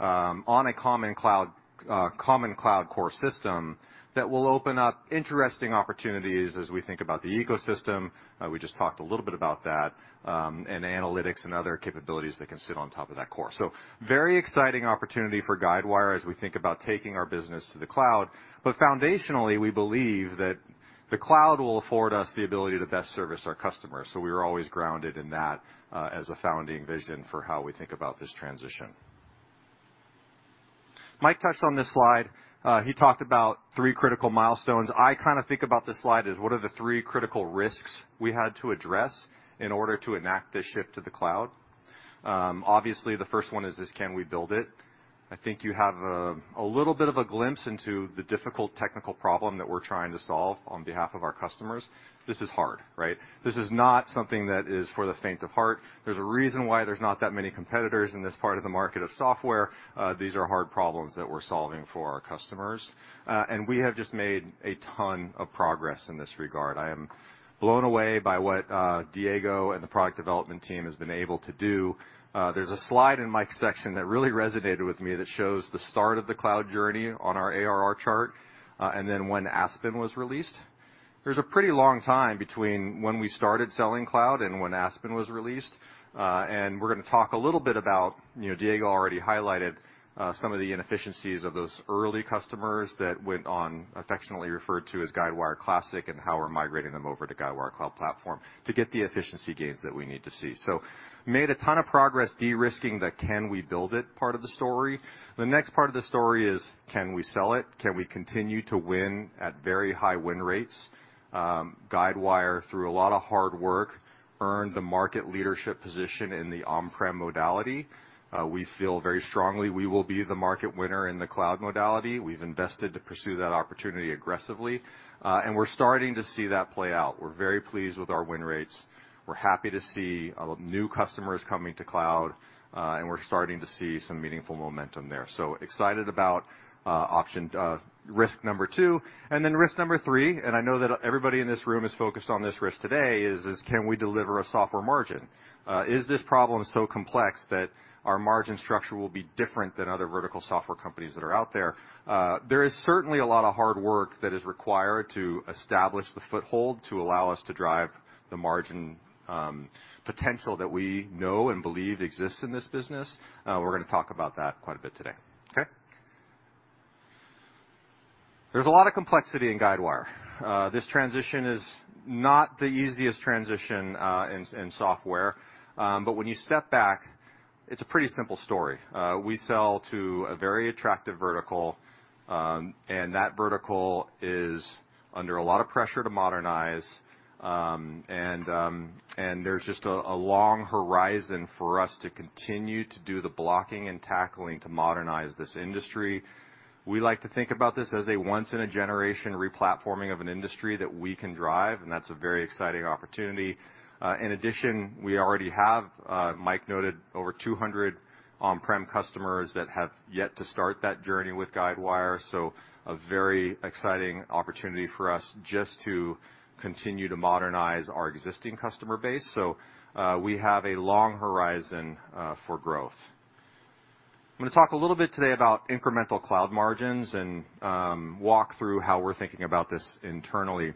Speaker 13: on a common cloud core system that will open up interesting opportunities as we think about the ecosystem, we just talked a little bit about that, and analytics and other capabilities that can sit on top of that core. Very exciting opportunity for Guidewire as we think about taking our business to the cloud. Foundationally, we believe that the cloud will afford us the ability to best service our customers. We are always grounded in that, as a founding vision for how we think about this transition. Mike touched on this slide. He talked about three critical milestones. I kind of think about this slide as what are the three critical risks we had to address in order to enact this shift to the cloud. Obviously the first one is this, can we build it? I think you have a little bit of a glimpse into the difficult technical problem that we're trying to solve on behalf of our customers. This is hard, right? This is not something that is for the faint of heart. There's a reason why there's not that many competitors in this part of the market of software. These are hard problems that we're solving for our customers. We have just made a ton of progress in this regard. I am blown away by what Diego and the product development team has been able to do. There's a slide in Mike's section that really resonated with me that shows the start of the cloud journey on our ARR chart, and then when Aspen was released. There's a pretty long time between when we started selling cloud and when Aspen was released. We're gonna talk a little bit about, you know, Diego already highlighted some of the inefficiencies of those early customers that went on affectionately referred to as Guidewire Classic and how we're migrating them over to Guidewire Cloud Platform to get the efficiency gains that we need to see. Made a ton of progress de-risking the can we build it part of the story. The next part of the story is can we sell it? Can we continue to win at very high win rates? Guidewire, through a lot of hard work, earned the market leadership position in the on-prem modality. We feel very strongly we will be the market winner in the cloud modality. We've invested to pursue that opportunity aggressively. We're starting to see that play out. We're very pleased with our win rates. We're happy to see new customers coming to cloud, and we're starting to see some meaningful momentum there. Excited about option risk number two. Risk number three, I know that everybody in this room is focused on this risk today, is can we deliver a software margin? Is this problem so complex that our margin structure will be different than other vertical software companies that are out there? There is certainly a lot of hard work that is required to establish the foothold to allow us to drive the margin potential that we know and believe exists in this business. We're gonna talk about that quite a bit today. Okay. There's a lot of complexity in Guidewire. This transition is not the easiest transition in software. When you step back, it's a pretty simple story. We sell to a very attractive vertical, and that vertical is under a lot of pressure to modernize. There's just a long horizon for us to continue to do the blocking and tackling to modernize this industry. We like to think about this as a once in a generation replatforming of an industry that we can drive, and that's a very exciting opportunity. In addition, we already have, Mike noted, over 200 on-prem customers that have yet to start that journey with Guidewire, so a very exciting opportunity for us just to continue to modernize our existing customer base. We have a long horizon for growth. I'm gonna talk a little bit today about incremental cloud margins and walk through how we're thinking about this internally.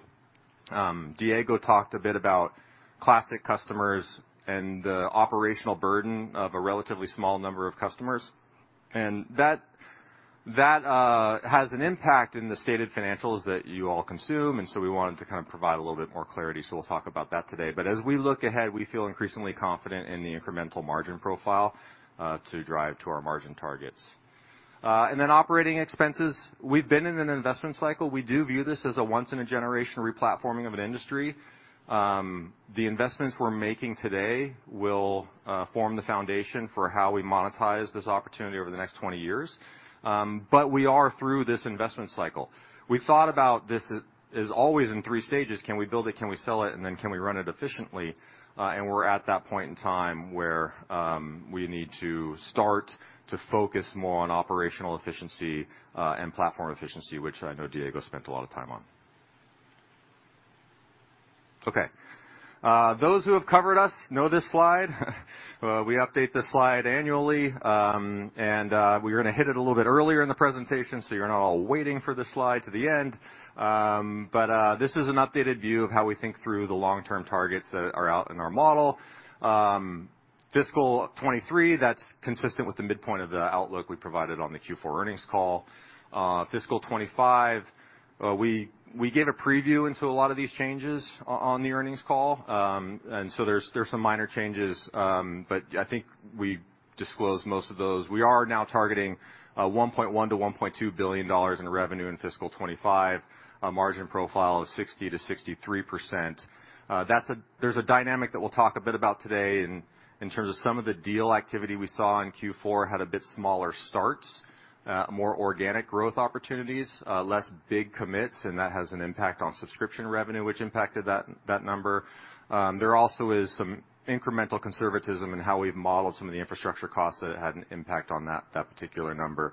Speaker 13: Diego talked a bit about classic customers and the operational burden of a relatively small number of customers. That has an impact in the stated financials that you all consume, and so we wanted to kind of provide a little bit more clarity, so we'll talk about that today. As we look ahead, we feel increasingly confident in the incremental margin profile to drive to our margin targets. And then operating expenses. We've been in an investment cycle. We do view this as a once in a generation replatforming of an industry. The investments we're making today will form the foundation for how we monetize this opportunity over the next 20 years. We are through this investment cycle. We thought about this as always in 3 stages: Can we build it? Can we sell it? And then can we run it efficiently? We're at that point in time where we need to start to focus more on operational efficiency and platform efficiency, which I know Diego spent a lot of time on. Okay. Those who have covered us know this slide. We update this slide annually, and we're gonna hit it a little bit earlier in the presentation, so you're not all waiting for this slide to the end. This is an updated view of how we think through the long-term targets that are out in our model. Fiscal 2023, that's consistent with the midpoint of the outlook we provided on the Q4 earnings call. Fiscal 2025, we gave a preview into a lot of these changes on the earnings call. Yeah, I think we disclosed most of those. We are now targeting $1.1-$1.2 billion in revenue in fiscal 2025, a margin profile of 60%-63%. There's a dynamic that we'll talk a bit about today in terms of some of the deal activity we saw in Q4 had a bit smaller starts, more organic growth opportunities, less big commits, and that has an impact on subscription revenue, which impacted that number. There also is some incremental conservatism in how we've modeled some of the infrastructure costs that had an impact on that particular number.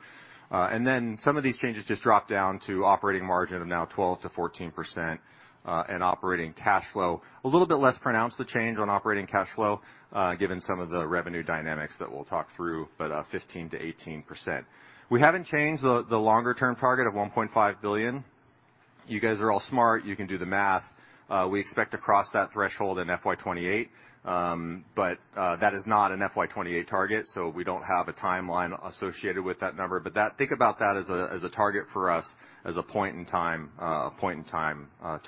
Speaker 13: Some of these changes just dropped down to operating margin of now 12%-14%, and operating cash flow. A little bit less pronounced the change on operating cash flow, given some of the revenue dynamics that we'll talk through, but 15%-18%. We haven't changed the longer-term target of $1.5 billion. You guys are all smart. You can do the math. We expect to cross that threshold in FY 2028, but that is not an FY 2028 target, so we don't have a timeline associated with that number. That, think about that as a target for us as a point in time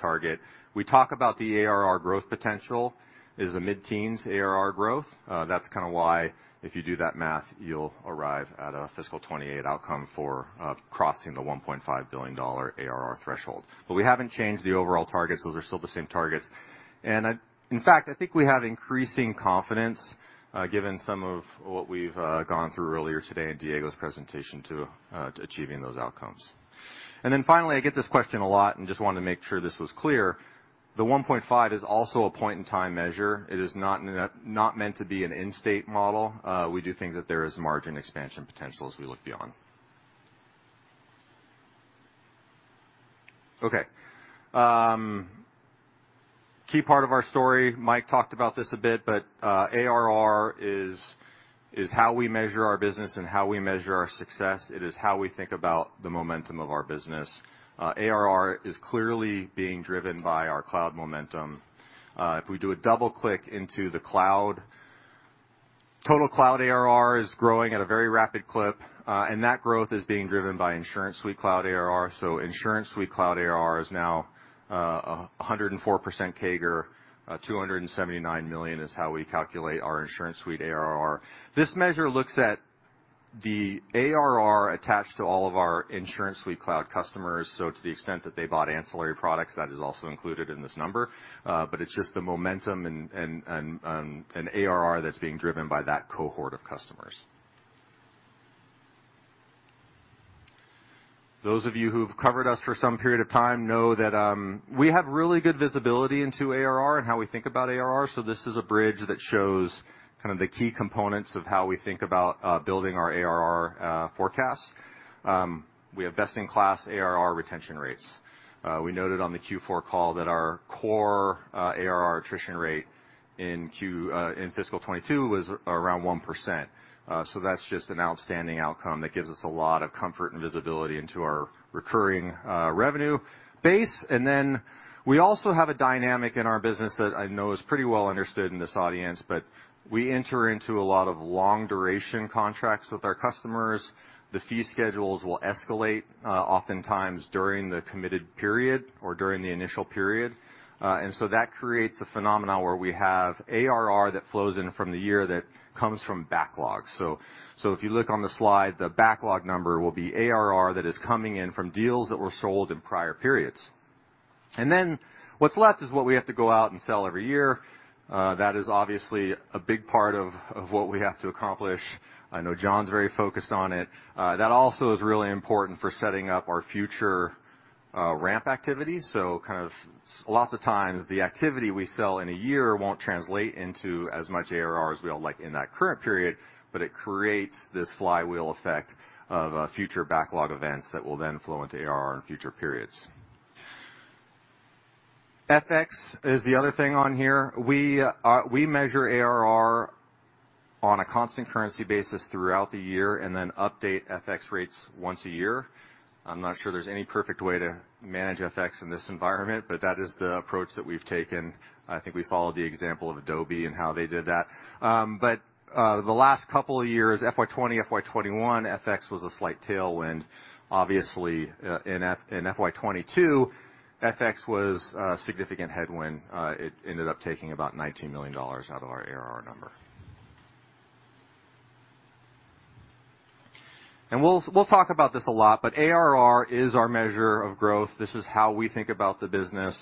Speaker 13: target. We talk about the ARR growth potential is a mid-teens ARR growth. That's kinda why if you do that math, you'll arrive at a fiscal 2028 outcome for crossing the $1.5 billion ARR threshold. We haven't changed the overall targets. Those are still the same targets. In fact, I think we have increasing confidence, given some of what we've gone through earlier today in Diego's presentation to achieving those outcomes. Finally, I get this question a lot and just wanted to make sure this was clear. The 1.5 is also a point-in-time measure. It is not meant to be an end-state model. We do think that there is margin expansion potential as we look beyond. Key part of our story, Mike talked about this a bit, but ARR is how we measure our business and how we measure our success. It is how we think about the momentum of our business. ARR is clearly being driven by our cloud momentum. If we do a double-click into the cloud, total cloud ARR is growing at a very rapid clip, and that growth is being driven by InsuranceSuite cloud ARR. So InsuranceSuite cloud ARR is now 104% CAGR. $279 million is how we calculate our InsuranceSuite ARR. This measure looks at the ARR attached to all of our InsuranceSuite cloud customers. To the extent that they bought ancillary products, that is also included in this number, but it's just the momentum and ARR that's being driven by that cohort of customers. Those of you who've covered us for some period of time know that we have really good visibility into ARR and how we think about ARR, so this is a bridge that shows kind of the key components of how we think about building our ARR forecast. We have best-in-class ARR retention rates. We noted on the Q4 call that our core ARR attrition rate in fiscal 2022 was around 1%. That's just an outstanding outcome that gives us a lot of comfort and visibility into our recurring revenue base. We also have a dynamic in our business that I know is pretty well understood in this audience, but we enter into a lot of long-duration contracts with our customers. The fee schedules will escalate, oftentimes during the committed period or during the initial period. That creates a phenomenon where we have ARR that flows in from the year that comes from backlog. If you look on the slide, the backlog number will be ARR that is coming in from deals that were sold in prior periods. What's left is what we have to go out and sell every year. That is obviously a big part of what we have to accomplish. I know John's very focused on it. That also is really important for setting up our future, ramp activity. Lots of times, the activity we sell in a year won't translate into as much ARR as we all like in that current period, but it creates this flywheel effect of, future backlog events that will then flow into ARR in future periods. FX is the other thing on here. We measure ARR on a constant currency basis throughout the year and then update FX rates once a year. I'm not sure there's any perfect way to manage FX in this environment, but that is the approach that we've taken. I think we followed the example of Adobe and how they did that. The last couple of years, FY 2020, FY 2021, FX was a slight tailwind, obviously, in FY 2022, FX was a significant headwind. It ended up taking about $19 million out of our ARR number. We'll talk about this a lot, but ARR is our measure of growth. This is how we think about the business.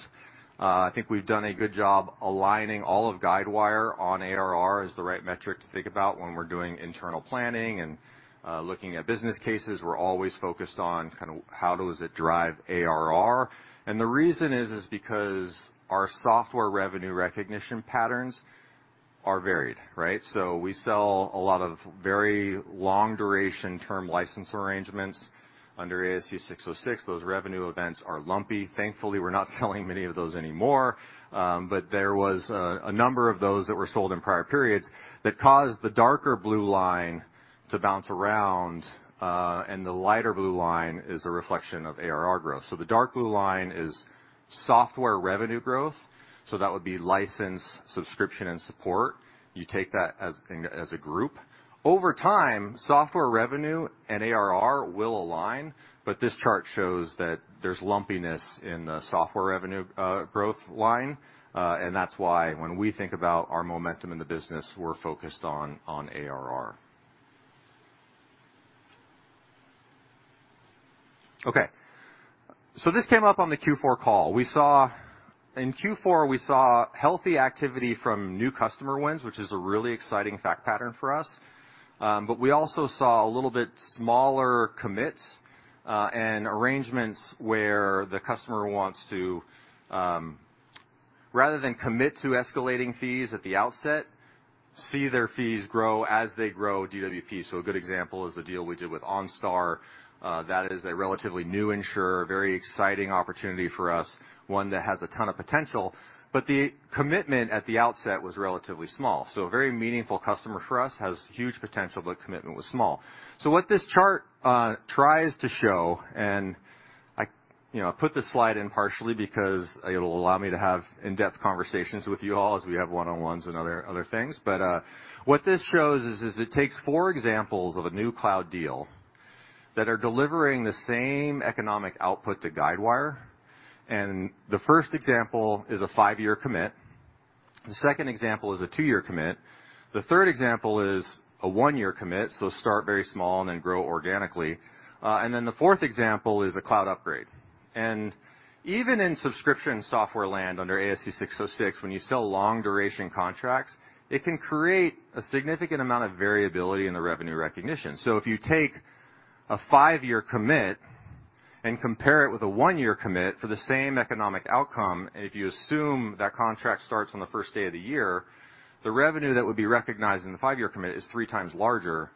Speaker 13: I think we've done a good job aligning all of Guidewire on ARR as the right metric to think about when we're doing internal planning and looking at business cases. We're always focused on kind of how does it drive ARR. The reason is because our software revenue recognition patterns are varied, right? We sell a lot of very long-duration term license arrangements under ASC 606. Those revenue events are lumpy. Thankfully, we're not selling many of those anymore. There was a number of those that were sold in prior periods that caused the darker blue line to bounce around, and the lighter blue line is a reflection of ARR growth. The dark blue line is software revenue growth, so that would be license, subscription, and support. You take that as a group. Over time, software revenue and ARR will align, but this chart shows that there's lumpiness in the software revenue growth line, and that's why when we think about our momentum in the business, we're focused on ARR. Okay. This came up on the Q4 call. In Q4, we saw healthy activity from new customer wins, which is a really exciting fact pattern for us. We also saw a little bit smaller commits and arrangements where the customer wants to rather than commit to escalating fees at the outset, see their fees grow as they grow DWP. A good example is the deal we did with OnStar. That is a relatively new insurer, very exciting opportunity for us, one that has a ton of potential, but the commitment at the outset was relatively small. A very meaningful customer for us, has huge potential, but commitment was small. What this chart tries to show, and I, you know, put this slide in partially because it'll allow me to have in-depth conversations with you all as we have one-on-ones and other things. What this shows is it takes four examples of a new cloud deal that are delivering the same economic output to Guidewire. The first example is a 5-year commit, the second example is a 2-year commit, the third example is a 1-year commit, so start very small and then grow organically. The fourth example is a cloud upgrade. Even in subscription software land under ASC 606, when you sell long-duration contracts, it can create a significant amount of variability in the revenue recognition. If you take a 5-year commit and compare it with a 1-year commit for the same economic outcome, and if you assume that contract starts on the first day of the year, the revenue that would be recognized in the 5-year commit is 3 times larger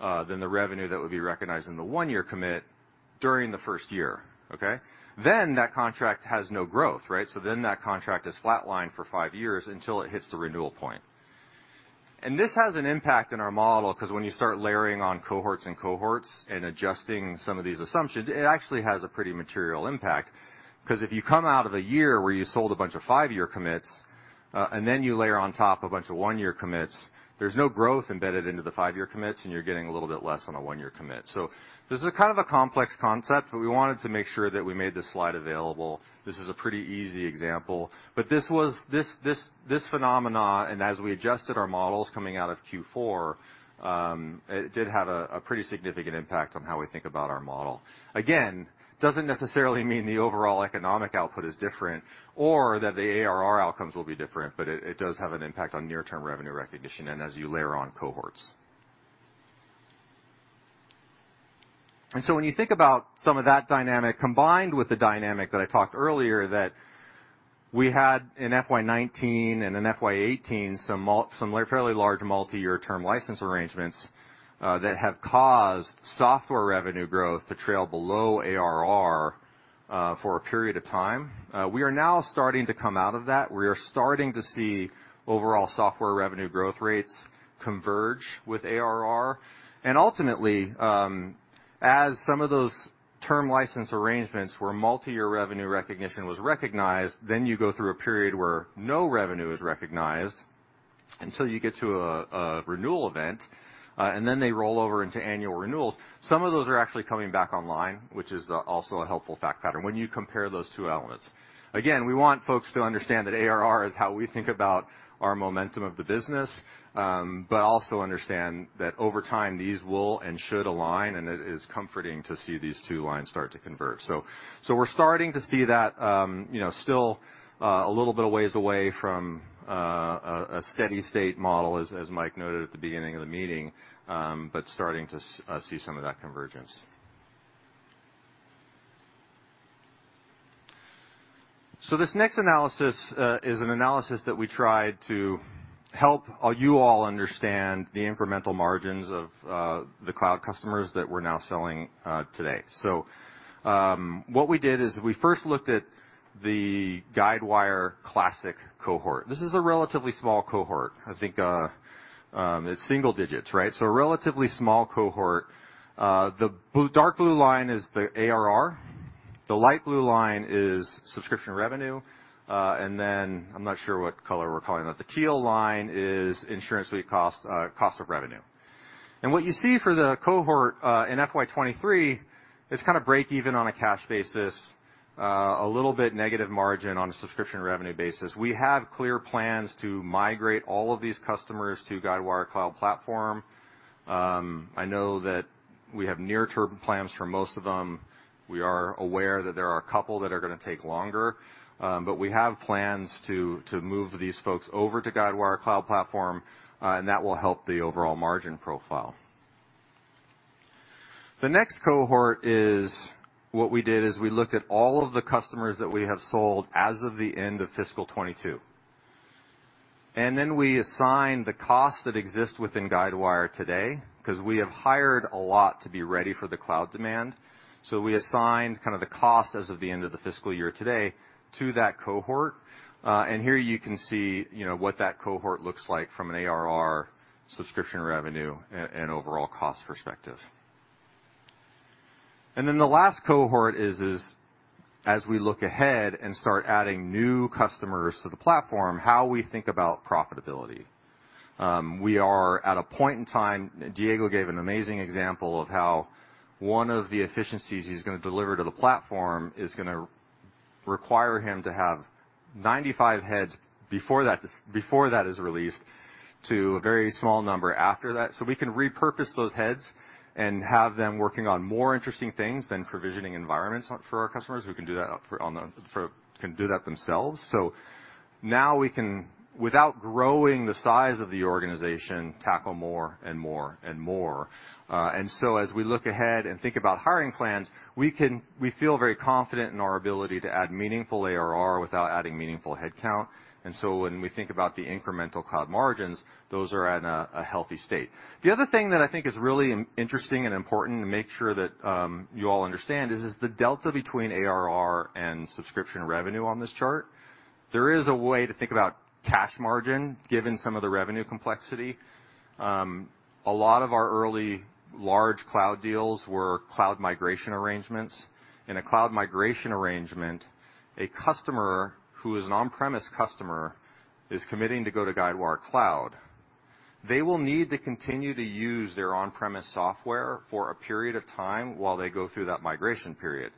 Speaker 13: than the revenue that would be recognized in the 1-year commit during the first year, okay? That contract has no growth, right? That contract is flatlined for five years until it hits the renewal point. This has an impact in our model 'cause when you start layering on cohorts and adjusting some of these assumptions, it actually has a pretty material impact. 'Cause if you come out of a year where you sold a bunch of five-year commits, and then you layer on top a bunch of one-year commits, there's no growth embedded into the five-year commits, and you're getting a little bit less on a one-year commit. This is a kind of a complex concept, but we wanted to make sure that we made this slide available. This is a pretty easy example. This phenomenon, and as we adjusted our models coming out of Q4, it did have a pretty significant impact on how we think about our model. Again, doesn't necessarily mean the overall economic output is different or that the ARR outcomes will be different, but it does have an impact on near-term revenue recognition and as you layer on cohorts. When you think about some of that dynamic combined with the dynamic that I talked earlier, that we had in FY 2019 and in FY 2018 some fairly large multi-year term license arrangements, that have caused software revenue growth to trail below ARR, for a period of time. We are now starting to come out of that. We are starting to see overall software revenue growth rates converge with ARR. Ultimately, as some of those term license arrangements where multiyear revenue recognition was recognized, then you go through a period where no revenue is recognized until you get to a renewal event, and then they roll over into annual renewals. Some of those are actually coming back online, which is also a helpful fact pattern when you compare those two elements. Again, we want folks to understand that ARR is how we think about our momentum of the business, but also understand that over time, these will and should align, and it is comforting to see these two lines start to converge. We're starting to see that, you know, still a little bit of ways away from a steady state model, as Mike noted at the beginning of the meeting, but starting to see some of that convergence. This next analysis is an analysis that we tried to help you all understand the incremental margins of the cloud customers that we're now selling today. What we did is we first looked at the Guidewire Classic cohort. This is a relatively small cohort. I think it's single digits, right? A relatively small cohort. The dark blue line is the ARR. The light blue line is subscription revenue. And then I'm not sure what color we're calling it. The teal line is InsuranceSuite cost of revenue. What you see for the cohort in FY 2023, it's kind of breakeven on a cash basis, a little bit negative margin on a subscription revenue basis. We have clear plans to migrate all of these customers to Guidewire Cloud Platform. I know that we have near-term plans for most of them. We are aware that there are a couple that are gonna take longer, but we have plans to move these folks over to Guidewire Cloud Platform, and that will help the overall margin profile. The next cohort is what we did is we looked at all of the customers that we have sold as of the end of fiscal 2022. Then we assigned the cost that exists within Guidewire today 'cause we have hired a lot to be ready for the cloud demand. We assigned kind of the cost as of the end of the fiscal year to date to that cohort. Here you can see, you know, what that cohort looks like from an ARR subscription revenue and overall cost perspective. Then the last cohort is as we look ahead and start adding new customers to the platform, how we think about profitability. We are at a point in time. Diego gave an amazing example of how one of the efficiencies he's gonna deliver to the platform is gonna require him to have 95 heads before that is released to a very small number after that. We can repurpose those heads and have them working on more interesting things than provisioning environments for our customers. We can do that ourselves, or they can do that themselves. Now we can, without growing the size of the organization, tackle more and more and more. As we look ahead and think about hiring plans, we feel very confident in our ability to add meaningful ARR without adding meaningful headcount. When we think about the incremental cloud margins, those are at a healthy state. The other thing that I think is really interesting and important to make sure that you all understand is the delta between ARR and subscription revenue on this chart. There is a way to think about cash margin given some of the revenue complexity. A lot of our early large cloud deals were cloud migration arrangements. In a cloud migration arrangement, a customer who is an on-premise customer is committing to go to Guidewire Cloud. They will need to continue to use their on-premise software for a period of time while they go through that migration period.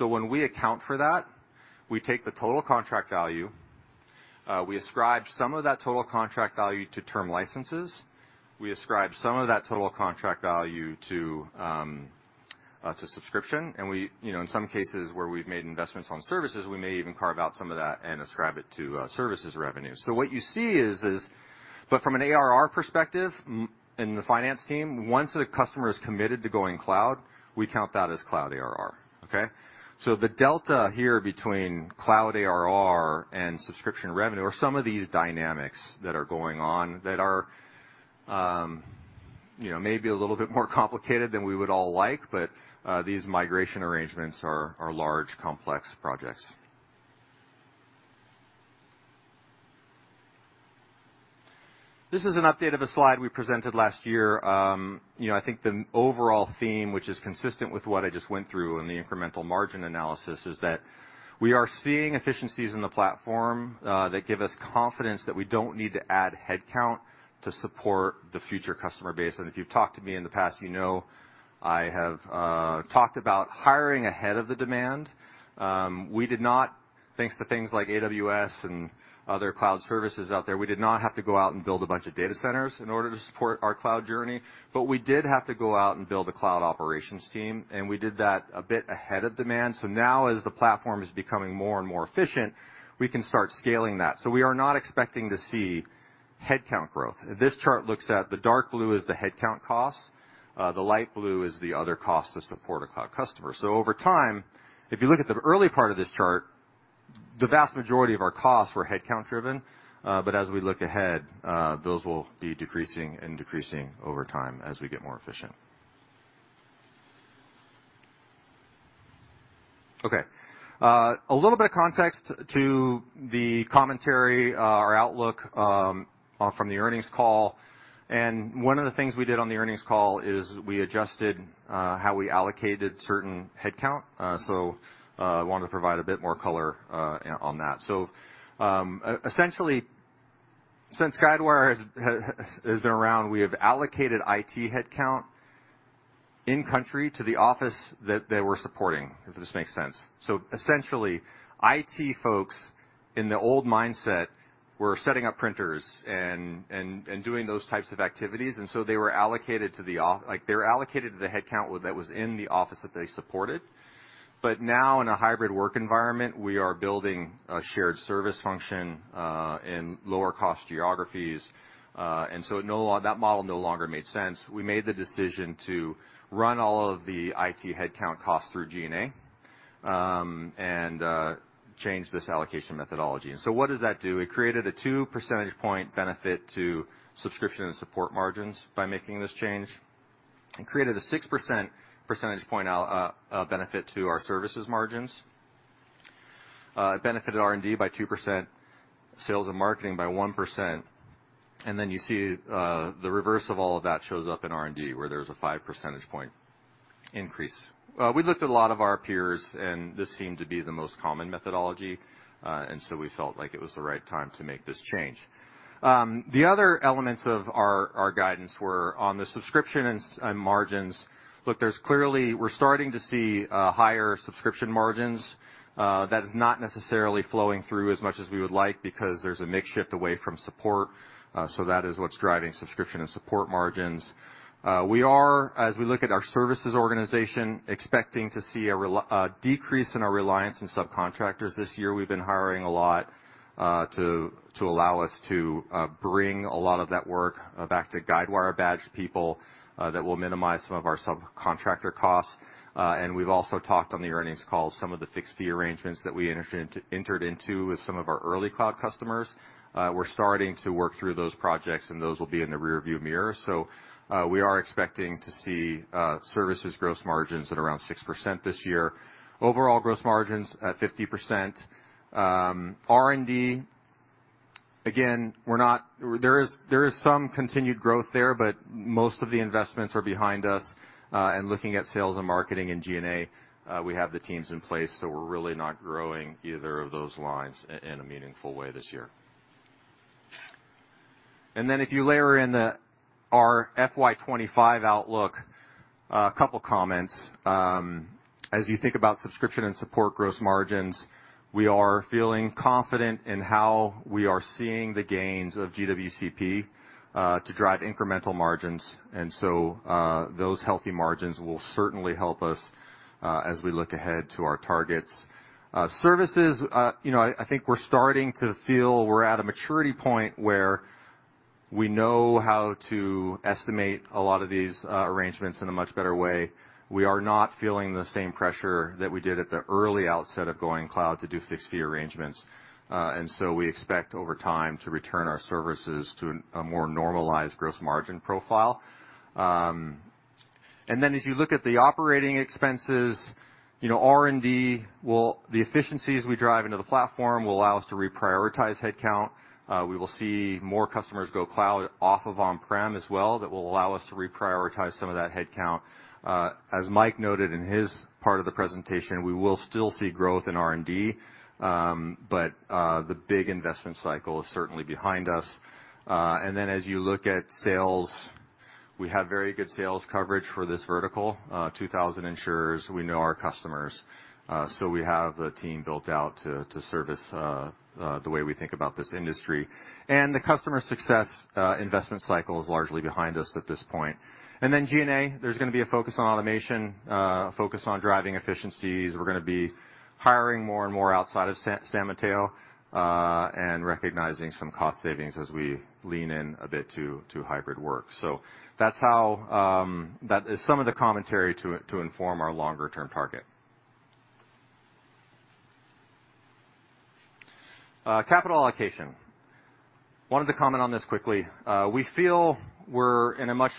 Speaker 13: When we account for that, we take the total contract value, we ascribe some of that total contract value to term licenses, we ascribe some of that total contract value to subscription, and we, you know, in some cases where we've made investments on services, we may even carve out some of that and ascribe it to services revenue. What you see is but from an ARR perspective, and the finance team, once a customer is committed to going cloud, we count that as cloud ARR. Okay? The delta here between cloud ARR and subscription revenue are some of these dynamics that are going on that are, you know, maybe a little bit more complicated than we would all like. These migration arrangements are large, complex projects. This is an update of a slide we presented last year. You know, I think the overall theme, which is consistent with what I just went through in the incremental margin analysis, is that we are seeing efficiencies in the platform, that give us confidence that we don't need to add headcount to support the future customer base. If you've talked to me in the past, you know I have talked about hiring ahead of the demand. Thanks to things like AWS and other cloud services out there, we did not have to go out and build a bunch of data centers in order to support our cloud journey, but we did have to go out and build a cloud operations team, and we did that a bit ahead of demand. Now as the platform is becoming more and more efficient, we can start scaling that. We are not expecting to see headcount growth. This chart looks at. The dark blue is the headcount costs, the light blue is the other cost to support a cloud customer. Over time, if you look at the early part of this chart, the vast majority of our costs were headcount-driven, but as we look ahead, those will be decreasing and decreasing over time as we get more efficient. Okay. A little bit of context to the commentary or outlook from the earnings call, and one of the things we did on the earnings call is we adjusted how we allocated certain headcount. Wanted to provide a bit more color on that. Essentially, since Guidewire has been around, we have allocated IT headcount in country to the office that we're supporting, if this makes sense. Essentially, IT folks in the old mindset were setting up printers and doing those types of activities, and so they were allocated to the headcount that was in the office that they supported. Now in a hybrid work environment, we are building a shared service function in lower cost geographies. That model no longer made sense. We made the decision to run all of the IT headcount costs through G&A and change this allocation methodology. What does that do? It created a 2 percentage point benefit to subscription and support margins by making this change. It created a 6 percentage point benefit to our services margins. It benefited R&D by 2%, sales and marketing by 1%. You see the reverse of all of that shows up in G&A, where there's a 5 percentage point increase. We looked at a lot of our peers, and this seemed to be the most common methodology. We felt like it was the right time to make this change. The other elements of our guidance were on the subscription and support margins. Look, we're starting to see higher subscription margins. That is not necessarily flowing through as much as we would like because there's a mix shift away from support. That is what's driving subscription and support margins. We are, as we look at our services organization, expecting to see a decrease in our reliance on subcontractors this year. We've been hiring a lot to allow us to bring a lot of that work back to Guidewire-badged people that will minimize some of our subcontractor costs. We've also talked on the earnings call some of the fixed fee arrangements that we entered into with some of our early cloud customers. We're starting to work through those projects, and those will be in the rearview mirror. We are expecting to see services gross margins at around 6% this year. Overall gross margins at 50%. R&D, again, there is some continued growth there, but most of the investments are behind us. Looking at sales and marketing and G&A, we have the teams in place, so we're really not growing either of those lines in a meaningful way this year. If you layer in our FY 25 outlook, a couple comments. As you think about subscription and support gross margins, we are feeling confident in how we are seeing the gains of GWCP to drive incremental margins. Those healthy margins will certainly help us as we look ahead to our targets. Services, you know, I think we're starting to feel we're at a maturity point where we know how to estimate a lot of these arrangements in a much better way. We are not feeling the same pressure that we did at the early outset of going cloud to do fixed fee arrangements. We expect over time to return our services to a more normalized gross margin profile. As you look at the operating expenses, you know, the efficiencies we drive into the platform will allow us to reprioritize headcount. We will see more customers go cloud off of on-prem as well that will allow us to reprioritize some of that headcount. As Mike noted in his part of the presentation, we will still see growth in R&D, but the big investment cycle is certainly behind us. As you look at sales, we have very good sales coverage for this vertical. 2,000 insurers, we know our customers, so we have the team built out to service the way we think about this industry. The customer success investment cycle is largely behind us at this point. G&A, there's gonna be a focus on automation, a focus on driving efficiencies. We're gonna be hiring more and more outside of San Mateo, and recognizing some cost savings as we lean in a bit to hybrid work. That's how that is some of the commentary to inform our longer term target. Capital allocation. Wanted to comment on this quickly. We feel we're in a much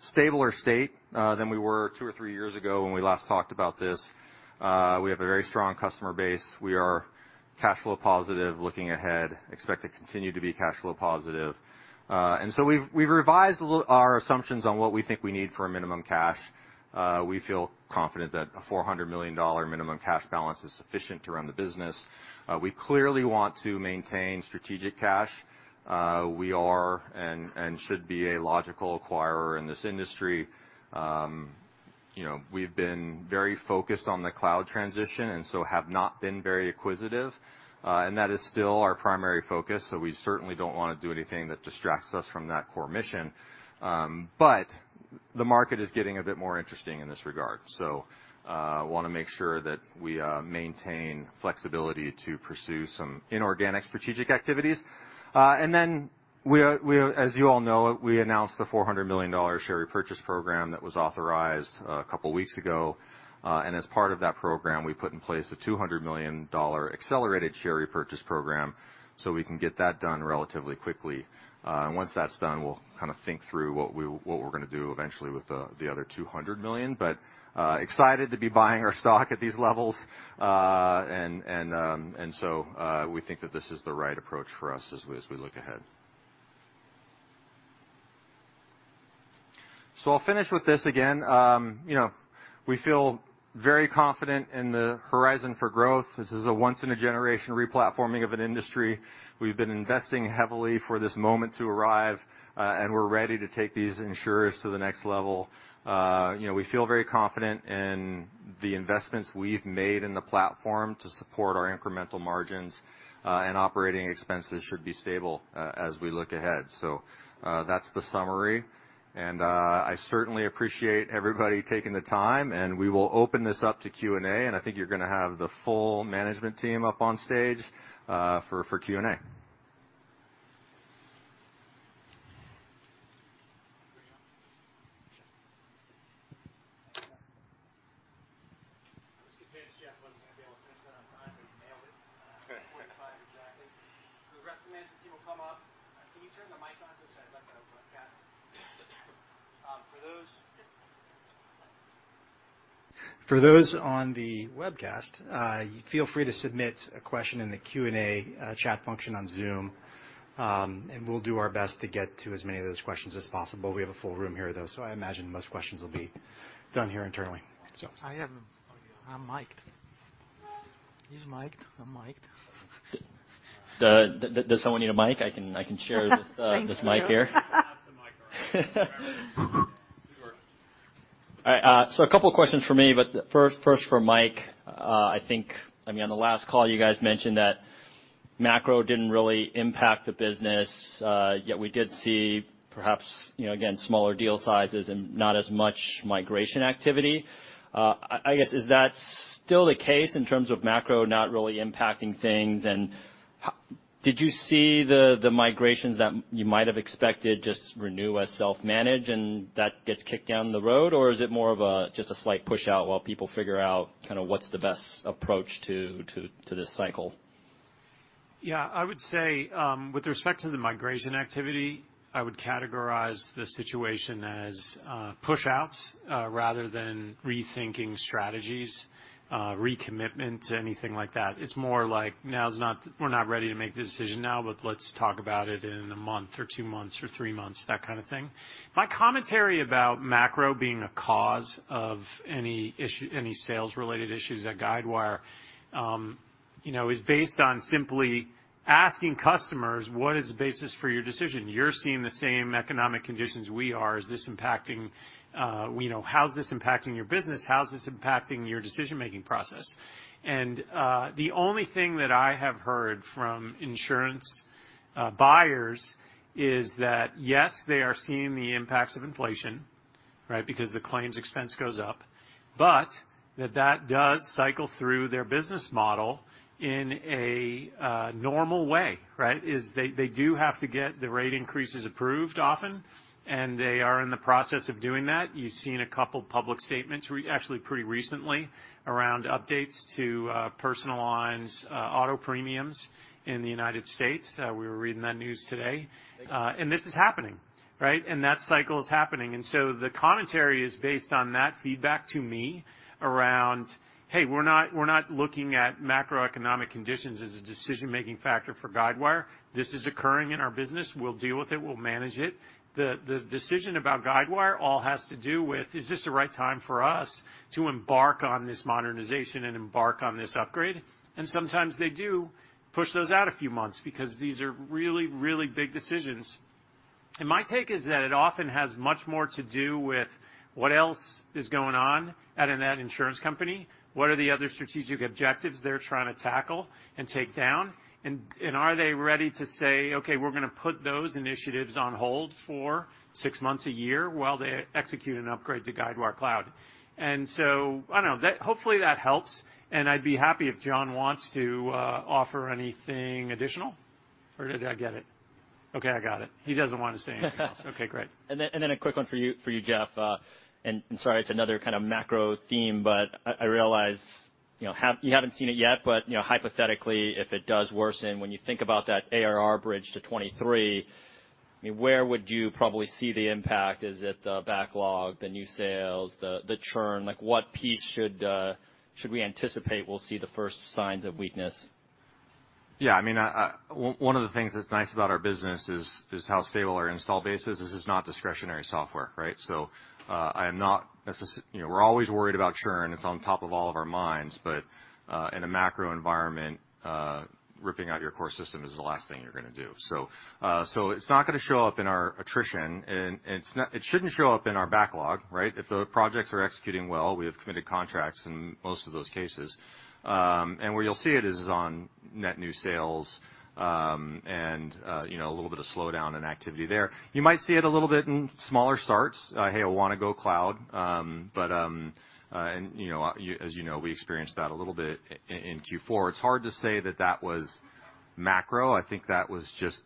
Speaker 13: stabler state than we were two or three years ago when we last talked about this. We have a very strong customer base. We are cash flow positive looking ahead, expect to continue to be cash flow positive. We've revised a little our assumptions on what we think we need for a minimum cash. We feel confident that a $400 million minimum cash balance is sufficient to run the business. We clearly want to maintain strategic cash. We are and should be a logical acquirer in this industry. You know, we've been very focused on the cloud transition and so have not been very acquisitive. That is still our primary focus. We certainly don't wanna do anything that distracts us from that core mission. The market is getting a bit more interesting in this regard. Wanna make sure that we maintain flexibility to pursue some inorganic strategic activities. As you all know, we announced the $400 million share repurchase program that was authorized a couple weeks ago. As part of that program, we put in place a $200 million accelerated share repurchase program, so we can get that done relatively quickly. Once that's done, we'll kinda think through what we're gonna do eventually with the other $200 million. Excited to be buying our stock at these levels. We think that this is the right approach for us as we look ahead. I'll finish with this again. You know, we feel very confident in the horizon for growth. This is a once in a generation replatforming of an industry. We've been investing heavily for this moment to arrive, and we're ready to take these insurers to the next level. You know, we feel very confident in the investments we've made in the platform to support our incremental margins, and operating expenses should be stable as we look ahead. That's the summary. I certainly appreciate everybody taking the time, and we will open this up to Q&A. I think you're gonna have the full management team up on stage For
Speaker 2: those on the webcast, feel free to submit a question in the Q&A chat function on Zoom. We'll do our best to get to as many of those questions as possible. We have a full room here though, so I imagine most questions will be done here internally.
Speaker 11: Yeah.
Speaker 4: I'm mic-ed. He's mic-ed.
Speaker 12: Does someone need a mic? I can share this mic here.
Speaker 11: Thanks, Mike.
Speaker 13: Pass the mic around.
Speaker 12: All right, a couple questions for me, but first for Mike. I think, I mean, on the last call you guys mentioned that macro didn't really impact the business, yet we did see perhaps, you know, again, smaller deal sizes and not as much migration activity. I guess, is that still the case in terms of macro not really impacting things? And did you see the migrations that you might have expected just renew as self-managed and that gets kicked down the road? Or is it more of just a slight push out while people figure out kind of what's the best approach to this cycle?
Speaker 3: Yeah, I would say, with respect to the migration activity, I would categorize the situation as, push-outs, rather than rethinking strategies, recommitment, anything like that. It's more like we're not ready to make the decision now, but let's talk about it in a month or two months or three months, that kind of thing. My commentary about macro being a cause of any issue, any sales related issues at Guidewire, you know, is based on simply asking customers, what is the basis for your decision? You're seeing the same economic conditions we are. Is this impacting, you know, how is this impacting your business? How is this impacting your decision-making process? The only thing that I have heard from insurance buyers is that, yes, they are seeing the impacts of inflation, right? Because the claims expense goes up. That does cycle through their business model in a normal way, right? Is they do have to get the rate increases approved often, and they are in the process of doing that. You've seen a couple public statements actually pretty recently around updates to Personal Lines auto premiums in the United States. We were reading that news today. This is happening, right? That cycle is happening. The commentary is based on that feedback to me around, hey, we're not looking at macroeconomic conditions as a decision-making factor for Guidewire. This is occurring in our business. We'll deal with it. We'll manage it. The decision about Guidewire all has to do with, is this the right time for us to embark on this modernization and embark on this upgrade? Sometimes they do push those out a few months because these are really, really big decisions. My take is that it often has much more to do with what else is going on at an insurance company, what are the other strategic objectives they're trying to tackle and take down, and are they ready to say, okay, we're gonna put those initiatives on hold for six months, a year while they execute an upgrade to Guidewire Cloud. I don't know. That. Hopefully, that helps. I'd be happy if Jon wants to offer anything additional, or did I get it? Okay, I got it. He doesn't want to say anything else. Okay, great.
Speaker 12: A quick one for you, Jeff. Sorry, it's another kind of macro theme, but I realize, you know, you haven't seen it yet. You know, hypothetically, if it does worsen, when you think about that ARR bridge to 2023, I mean, where would you probably see the impact? Is it the backlog, the new sales, the churn? Like, what piece should we anticipate we'll see the first signs of weakness?
Speaker 13: Yeah. I mean, one of the things that's nice about our business is how stable our installed base is. This is not discretionary software, right? You know, we're always worried about churn. It's on top of all of our minds. In a macro environment, ripping out your core system is the last thing you're gonna do. It's not gonna show up in our attrition, and it shouldn't show up in our backlog, right? If the projects are executing well, we have committed contracts in most of those cases. Where you'll see it is on net new sales, you know, a little bit of slowdown in activity there. You might see it a little bit in smaller starts. Hey, I wanna go cloud. As you know, we experienced that a little bit in Q4. It's hard to say that was macro. I think that was just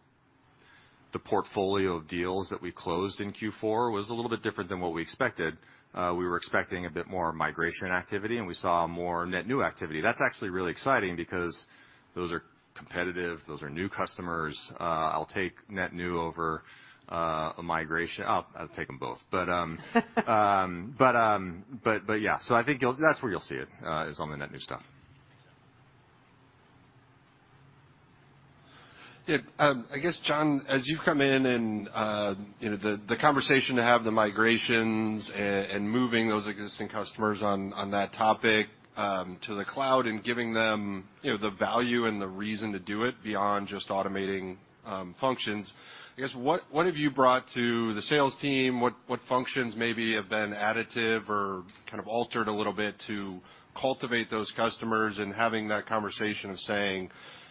Speaker 13: the portfolio of deals that we closed in Q4 was a little bit different than what we expected. We were expecting a bit more migration activity, and we saw more net new activity. That's actually really exciting because those are competitive, those are new customers. I'll take net new over a migration. Oh, I'll take them both. Yeah. I think that's where you'll see it is on the net new stuff.
Speaker 11: Yeah. I guess, Jon, as you come in and, you know, the conversation to have the migrations and moving those existing customers on that topic, to the cloud and giving them, you know, the value and the reason to do it beyond just automating functions. I guess, what have you brought to the sales team? What functions maybe have been additive or kind of altered a little bit to cultivate those customers and having that conversation of saying,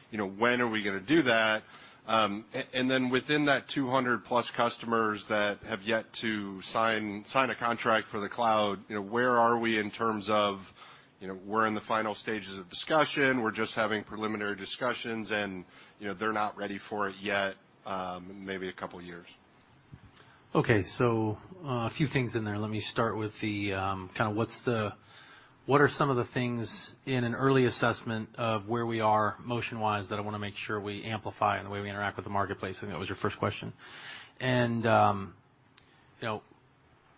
Speaker 11: you know, when are we gonna do that? And then within that 200 plus customers that have yet to sign a contract for the cloud, you know, where are we in terms of, you know, we're in the final stages of discussion, we're just having preliminary discussions, and, you know, they're not ready for it yet, maybe a couple years?
Speaker 4: Okay. A few things in there. Let me start with the kind of. What are some of the things in an early assessment of where we are motion-wise that I wanna make sure we amplify in the way we interact with the marketplace? I think that was your first question. You know,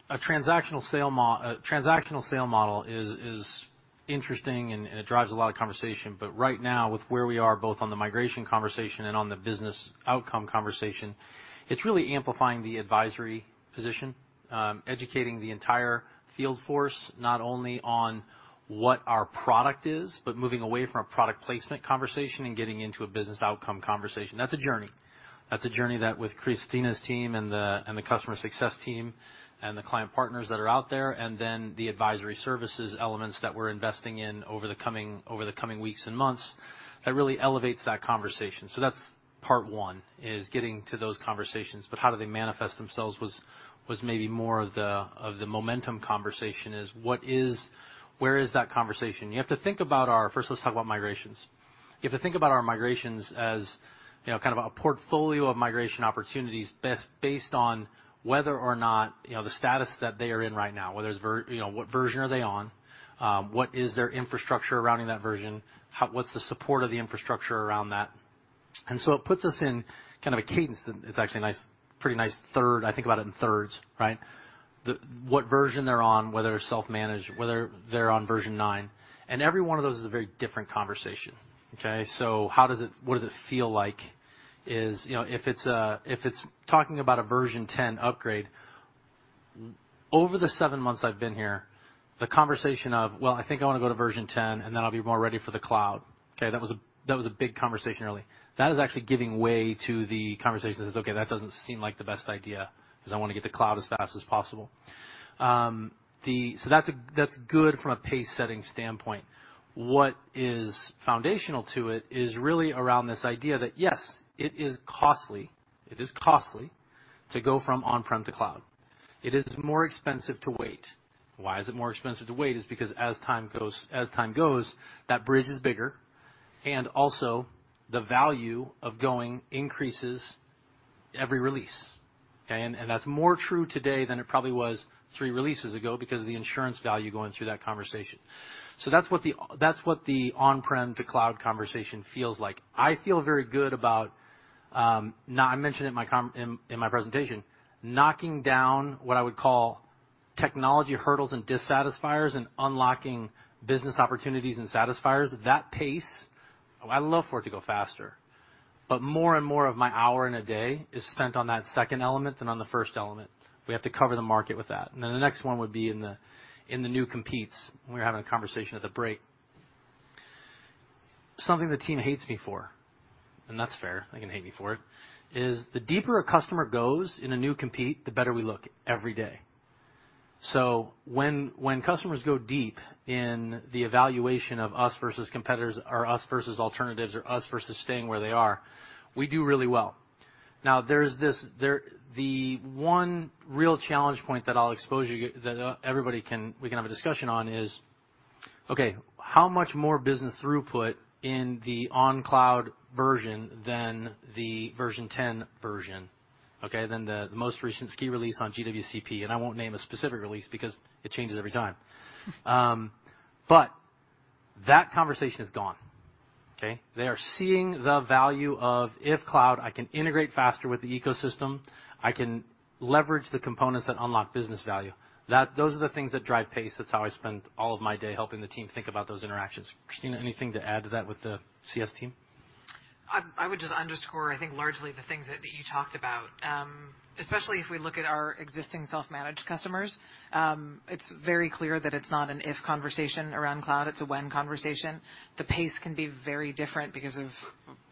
Speaker 4: a transactional sale model is interesting and it drives a lot of conversation. But right now, with where we are both on the migration conversation and on the business outcome conversation, it's really amplifying the advisory position, educating the entire field force, not only on what our product is, but moving away from a product placement conversation and getting into a business outcome conversation. That's a journey. That's a journey that with Christina's team and the customer success team and the client partners that are out there, and then the advisory services elements that we're investing in over the coming weeks and months, that really elevates that conversation. That's part one, is getting to those conversations. How do they manifest themselves was maybe more of the momentum conversation, is where is that conversation? You have to think about our migrations. First, let's talk about migrations. You have to think about our migrations as, you know, kind of a portfolio of migration opportunities based on whether or not, you know, the status that they are in right now, whether it's you know, what version are they on, what is their infrastructure around in that version, what's the support of the infrastructure around that. It puts us in kind of a cadence that it's actually a nice, pretty nice third. I think about it in thirds, right? What version they're on, whether it's self-managed, whether they're on version 9. Every one of those is a very different conversation, okay? What it feels like is, you know, if it's talking about a version 10 upgrade, over the seven months I've been here, the conversation of, "Well, I think I wanna go to version 10, and then I'll be more ready for the cloud." Okay? That was a big conversation early. That is actually giving way to the conversation that says, "Okay, that doesn't seem like the best idea 'cause I wanna get to cloud as fast as possible." That's good from a pace-setting standpoint. What is foundational to it is really around this idea that, yes, it is costly. It is costly to go from on-prem to cloud. It is more expensive to wait. Why is it more expensive to wait? It's because as time goes, that bridge is bigger, and also the value of going increases every release, okay? That's more true today than it probably was three releases ago because of the insurance value going through that conversation. That's what the on-prem to cloud conversation feels like. I feel very good about I mentioned it in my presentation, knocking down what I would call technology hurdles and dissatisfiers and unlocking business opportunities and satisfiers. That pace, I'd love for it to go faster. More and more of my hour in a day is spent on that second element than on the first element. We have to cover the market with that. Then the next one would be in the new comps. We were having a conversation at the break. Something the team hates me for, and that's fair, they can hate me for it, is the deeper a customer goes in a new comp, the better we look every day. When customers go deep in the evaluation of us versus competitors or us versus alternatives or us versus staying where they are, we do really well. Now, there's the one real challenge point that we can have a discussion on is, okay, how much more business throughput in the on-cloud version than the version 10 version, okay, than the most recent Ski Release on GWCP, and I won't name a specific release because it changes every time. That conversation is gone, okay? They are seeing the value of cloud, I can integrate faster with the ecosystem, I can leverage the components that unlock business value. Those are the things that drive pace. That's how I spend all of my day helping the team think about those interactions. Christina, anything to add to that with the CS team?
Speaker 6: I would just underscore, I think, largely the things that you talked about. Especially if we look at our existing self-managed customers, it's very clear that it's not an if conversation around cloud, it's a when conversation. The pace can be very different because of,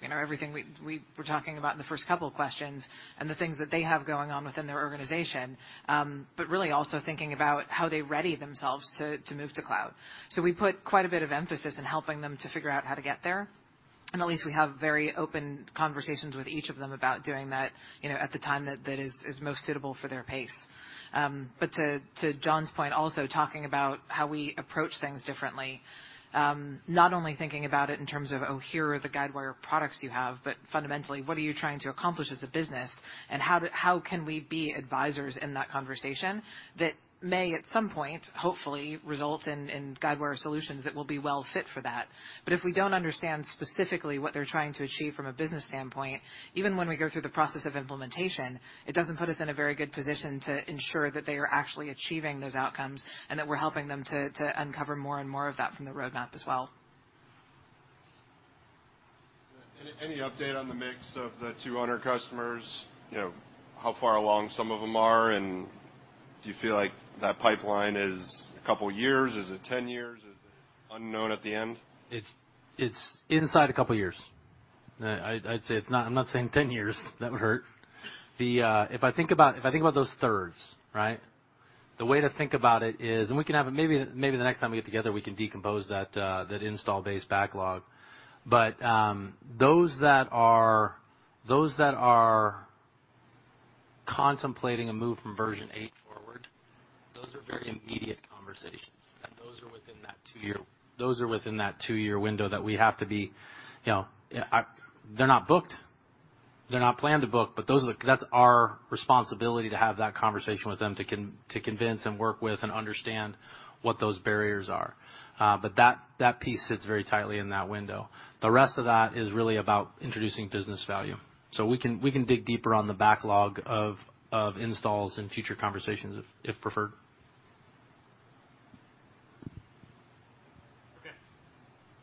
Speaker 6: you know, everything we were talking about in the first couple questions and the things that they have going on within their organization, but really also thinking about how they ready themselves to move to cloud. We put quite a bit of emphasis in helping them to figure out how to get there. At least we have very open conversations with each of them about doing that, you know, at the time that is most suitable for their pace. To John's point, also talking about how we approach things differently, not only thinking about it in terms of, oh, here are the Guidewire products you have, but fundamentally, what are you trying to accomplish as a business? How can we be advisors in that conversation that may, at some point, hopefully, result in Guidewire solutions that will be well fit for that. If we don't understand specifically what they're trying to achieve from a business standpoint, even when we go through the process of implementation, it doesn't put us in a very good position to ensure that they are actually achieving those outcomes and that we're helping them to uncover more and more of that from the roadmap as well.
Speaker 11: Any update on the mix of the 200 customers, you know, how far along some of them are? Do you feel like that pipeline is a couple years? Is it 10 years? Is it unknown at the end?
Speaker 4: It's inside a couple of years. I'd say it's not. I'm not saying 10 years. That would hurt. If I think about those thirds, right? The way to think about it is, we can have it maybe the next time we get together. We can decompose that install base backlog. Those that are contemplating a move from version 8 forward are very immediate conversations, and those are within that 2-year window that we have to be, you know. They're not booked. They're not planned to book, but those are the. That's our responsibility to have that conversation with them to convince and work with and understand what those barriers are. That piece sits very tightly in that window. The rest of that is really about introducing business value. We can dig deeper on the backlog of installs in future conversations if preferred.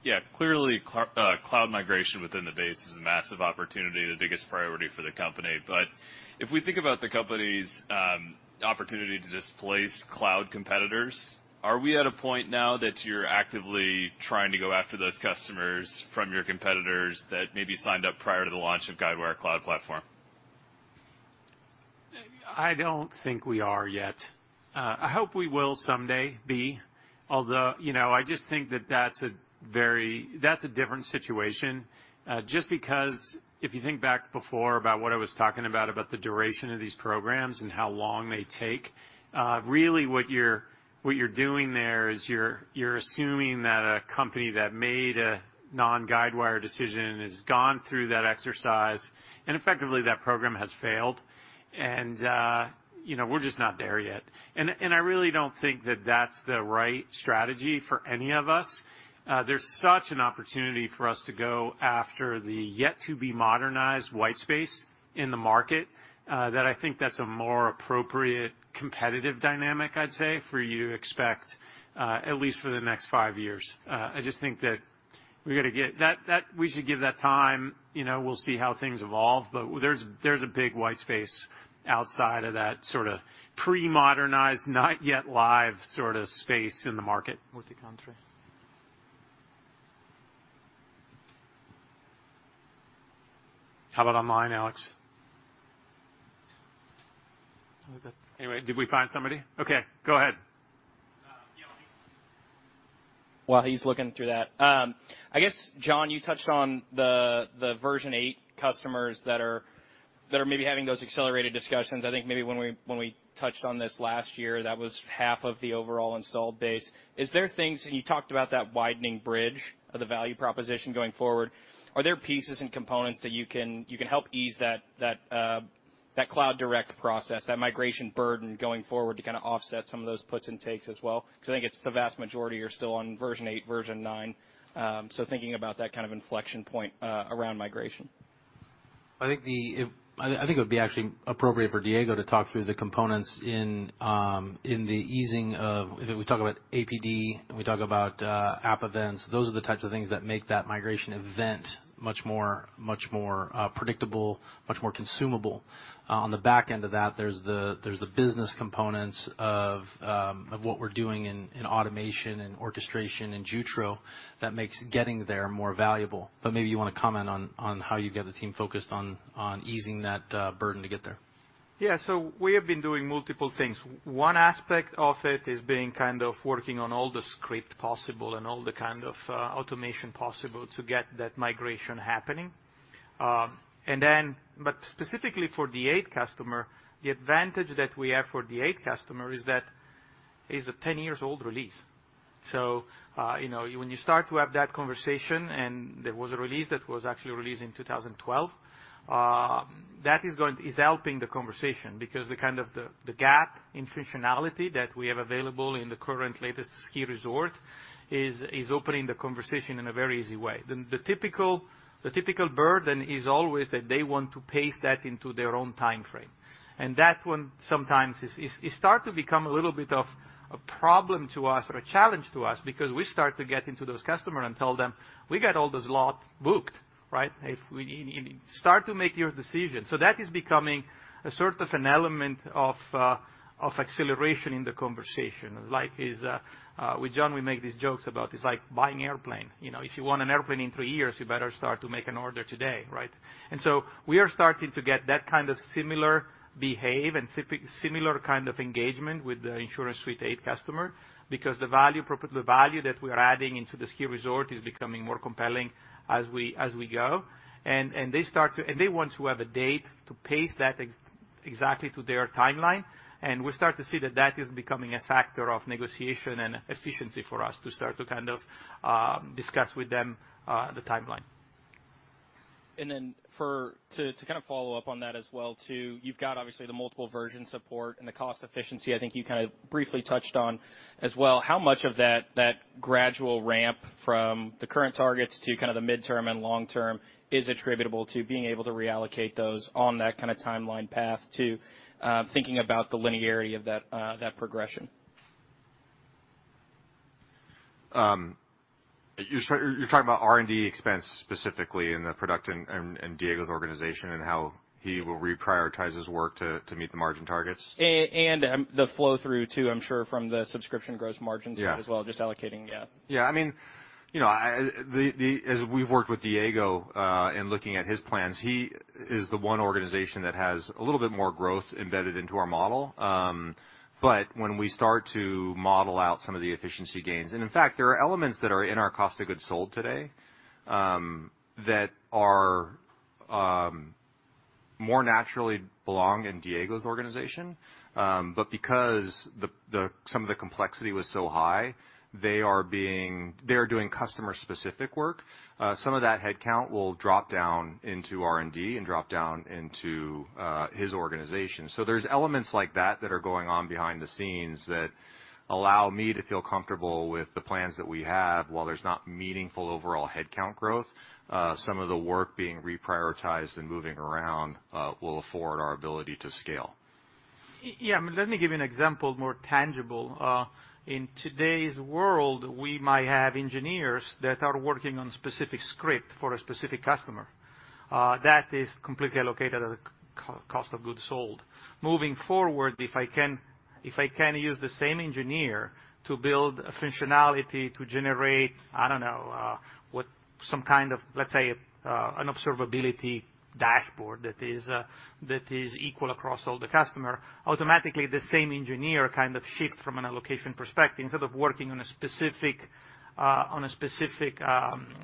Speaker 13: Okay. Yeah. Clearly, cloud migration within the base is a massive opportunity, the biggest priority for the company. If we think about the company's opportunity to displace cloud competitors, are we at a point now that you're actively trying to go after those customers from your competitors that maybe signed up prior to the launch of Guidewire Cloud Platform?
Speaker 3: I don't think we are yet. I hope we will someday be. Although, you know, I just think that that's a very different situation. Just because if you think back before about what I was talking about the duration of these programs and how long they take, really what you're doing there is you're assuming that a company that made a non-Guidewire decision has gone through that exercise, and effectively that program has failed. You know, we're just not there yet. I really don't think that that's the right strategy for any of us. There's such an opportunity for us to go after the yet to be modernized white space in the market that I think that's a more appropriate competitive dynamic, I'd say, for you to expect at least for the next five years. I just think that we should give that time. You know, we'll see how things evolve. There's a big white space outside of that sorta pre-modernized, not yet live sorta space in the market.
Speaker 13: With the country.
Speaker 3: How about on mine, Alex? Anyway, did we find somebody? Okay, go ahead.
Speaker 10: Yeah. While he's looking through that. I guess, John, you touched on the version eight customers that are maybe having those accelerated discussions. I think maybe when we touched on this last year, that was half of the overall installed base. Is there things. You talked about that widening bridge of the value proposition going forward. Are there pieces and components that you can help ease that cloud direct process, that migration burden going forward to kinda offset some of those puts and takes as well? 'Cause I think the vast majority are still on version eight, version nine. Thinking about that kind of inflection point around migration.
Speaker 4: I think it would be actually appropriate for Diego to talk through the components. We talk about APD, and we talk about App Events. Those are the types of things that make that migration event much more predictable, much more consumable. On the back end of that, there's the business components of what we're doing in automation and orchestration in Jutro that makes getting there more valuable. Maybe you wanna comment on how you've got the team focused on easing that burden to get there.
Speaker 1: Yeah. We have been doing multiple things. One aspect of it is being kind of working on all the script possible and all the kind of automation possible to get that migration happening. But specifically for the 8 customer, the advantage that we have for the 8 customer is that it's a 10 years old release. You know, when you start to have that conversation, and there was a release that was actually released in 2012, that is helping the conversation because the gap in functionality that we have available in the current latest Ski Release is opening the conversation in a very easy way. The typical burden is always that they want to pace that into their own timeframe. That one sometimes is it starts to become a little bit of a problem to us or a challenge to us because we start to get into those customers and tell them, "We got all the slots booked," right? You need to start to make your decision. That is becoming a sort of an element of acceleration in the conversation. With John, we make these jokes about it's like buying airplane. You know, if you want an airplane in three years, you better start to make an order today, right? We are starting to get that kind of similar behavior and similar kind of engagement with the InsuranceSuite 8 customers because the value that we're adding into the Ski Release is becoming more compelling as we go. They want to have a date to pace that exactly to their timeline, and we start to see that is becoming a factor of negotiation and efficiency for us to start to kind of discuss with them the timeline.
Speaker 10: To kind of follow up on that as well too, you've got obviously the multiple version support and the cost efficiency I think you kind of briefly touched on as well. How much of that gradual ramp from the current targets to kind of the midterm and long term is attributable to being able to reallocate those on that kinda timeline path to thinking about the linearity of that progression?
Speaker 13: You're talking about R&D expense specifically in the product and Diego's organization and how he will reprioritize his work to meet the margin targets?
Speaker 10: The flow through too, I'm sure, from the subscription gross margin side.
Speaker 13: Yeah.
Speaker 10: As well, just allocating. Yeah.
Speaker 13: Yeah. I mean, you know, as we've worked with Diego, in looking at his plans, he is the one organization that has a little bit more growth embedded into our model. When we start to model out some of the efficiency gains. In fact, there are elements that are in our cost of goods sold today, that are more naturally belong in Diego's organization. Because some of the complexity was so high, they are doing customer-specific work. Some of that headcount will drop down into R&D and drop down into his organization. There's elements like that that are going on behind the scenes that allow me to feel comfortable with the plans that we have. While there's not meaningful overall headcount growth, some of the work being reprioritized and moving around will afford our ability to scale.
Speaker 1: Yeah, let me give you an example more tangible. In today's world, we might have engineers that are working on specific script for a specific customer, that is completely allocated at the cost of goods sold. Moving forward, if I can use the same engineer to build a functionality to generate, I don't know, what some kind of, let's say, an observability dashboard that is equal across all the customer, automatically the same engineer kind of shift from an allocation perspective. Instead of working on a specific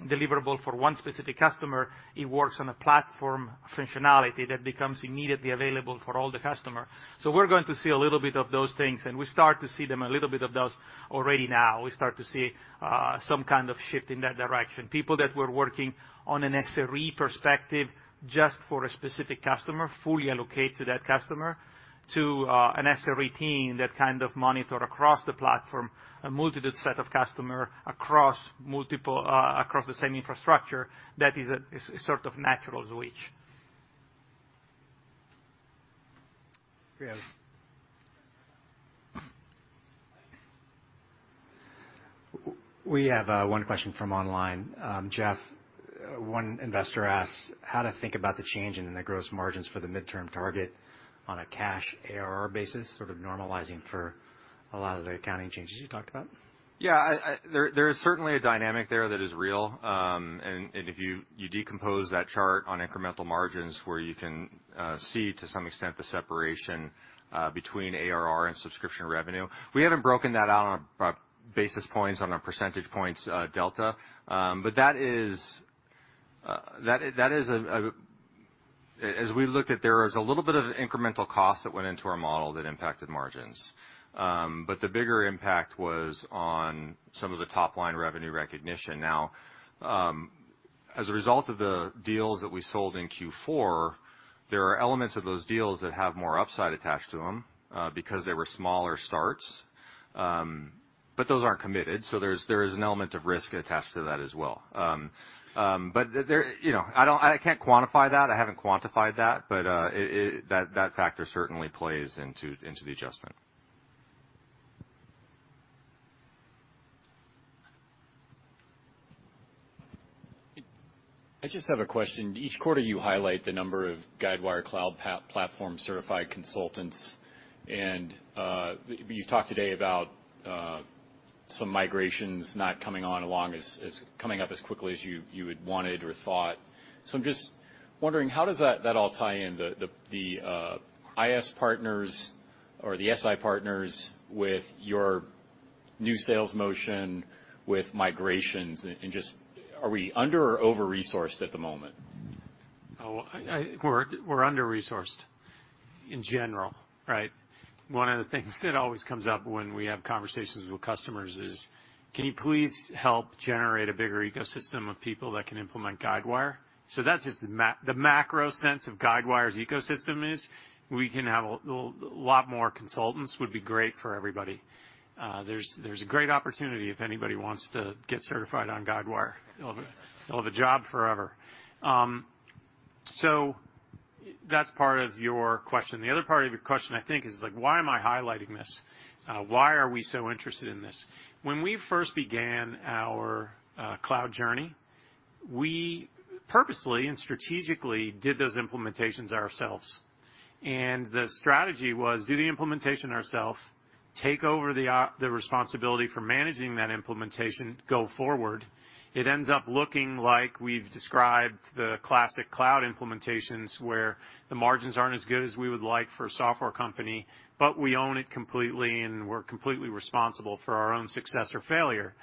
Speaker 1: deliverable for one specific customer, he works on a platform functionality that becomes immediately available for all the customer. We're going to see a little bit of those things, and we start to see them, a little bit of those already now. We start to see some kind of shift in that direction. People that were working on an SRE perspective just for a specific customer, fully allocate to that customer to an SRE team that kind of monitor across the platform a multitude set of customer across multiple across the same infrastructure. That is a sort of natural switch.
Speaker 13: Yes.
Speaker 2: We have one question from online. Jeff, one investor asks how to think about the change in the gross margins for the midterm target on a cash ARR basis, sort of normalizing for a lot of the accounting changes you talked about.
Speaker 13: Yeah, there is certainly a dynamic there that is real. If you decompose that chart on incremental margins where you can see to some extent the separation between ARR and subscription revenue. We haven't broken that out on a basis points, on a percentage points delta. That is as we looked at, there was a little bit of incremental cost that went into our model that impacted margins. The bigger impact was on some of the top-line revenue recognition. Now, as a result of the deals that we sold in Q4, there are elements of those deals that have more upside attached to them because they were smaller starts. Those aren't committed, so there is an element of risk attached to that as well. You know, I can't quantify that. I haven't quantified that. It, that factor, certainly plays into the adjustment.
Speaker 10: I just have a question. Each quarter, you highlight the number of Guidewire Cloud Platform certified consultants, and you've talked today about some migrations not coming along as quickly as you had wanted or thought. I'm just wondering, how does that all tie in, the SI partners with your new sales motion with migrations and just are we under or over-resourced at the moment?
Speaker 3: We're under-resourced in general, right? One of the things that always comes up when we have conversations with customers is, "Can you please help generate a bigger ecosystem of people that can implement Guidewire?" That's just the macro sense of Guidewire's ecosystem is we can have a lot more consultants would be great for everybody. There's a great opportunity if anybody wants to get certified on Guidewire. They'll have a job forever. That's part of your question. The other part of your question, I think, is like, why am I highlighting this? Why are we so interested in this? When we first began our cloud journey, we purposely and strategically did those implementations ourselves. The strategy was do the implementation ourselves, take over the responsibility for managing that implementation going forward. It ends up looking like we've described the Classic cloud implementations, where the margins aren't as good as we would like for a software company, but we own it completely, and we're completely responsible for our own success or failure.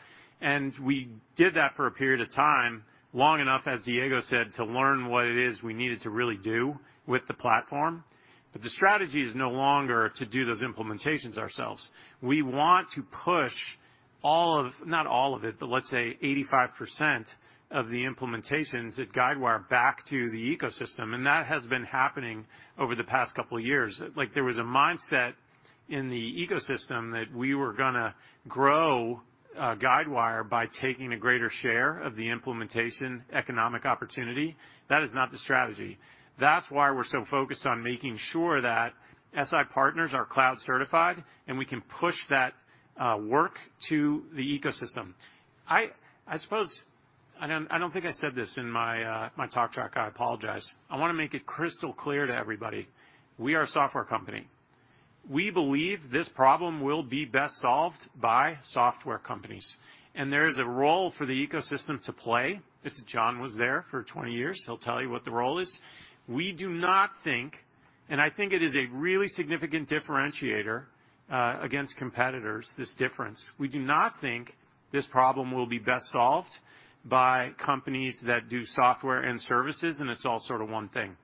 Speaker 3: We did that for a period of time, long enough, as Diego said, to learn what it is we needed to really do with the platform. The strategy is no longer to do those implementations ourselves. We want to push not all of it, but let's say 85% of the implementations at Guidewire back to the ecosystem. That has been happening over the past couple years. Like, there was a mindset in the ecosystem that we were gonna grow Guidewire by taking a greater share of the implementation economic opportunity. That is not the strategy. That's why we're so focused on making sure that SI partners are cloud certified, and we can push that work to the ecosystem. I suppose I don't think I said this in my talk track. I apologize. I wanna make it crystal clear to everybody, we are a software company. We believe this problem will be best solved by software companies, and there is a role for the ecosystem to play. If John was there for 20 years, he'll tell you what the role is. We do not think. I think it is a really significant differentiator against competitors, this difference. We do not think this problem will be best solved by companies that do software and services, and it's all sort of one thing.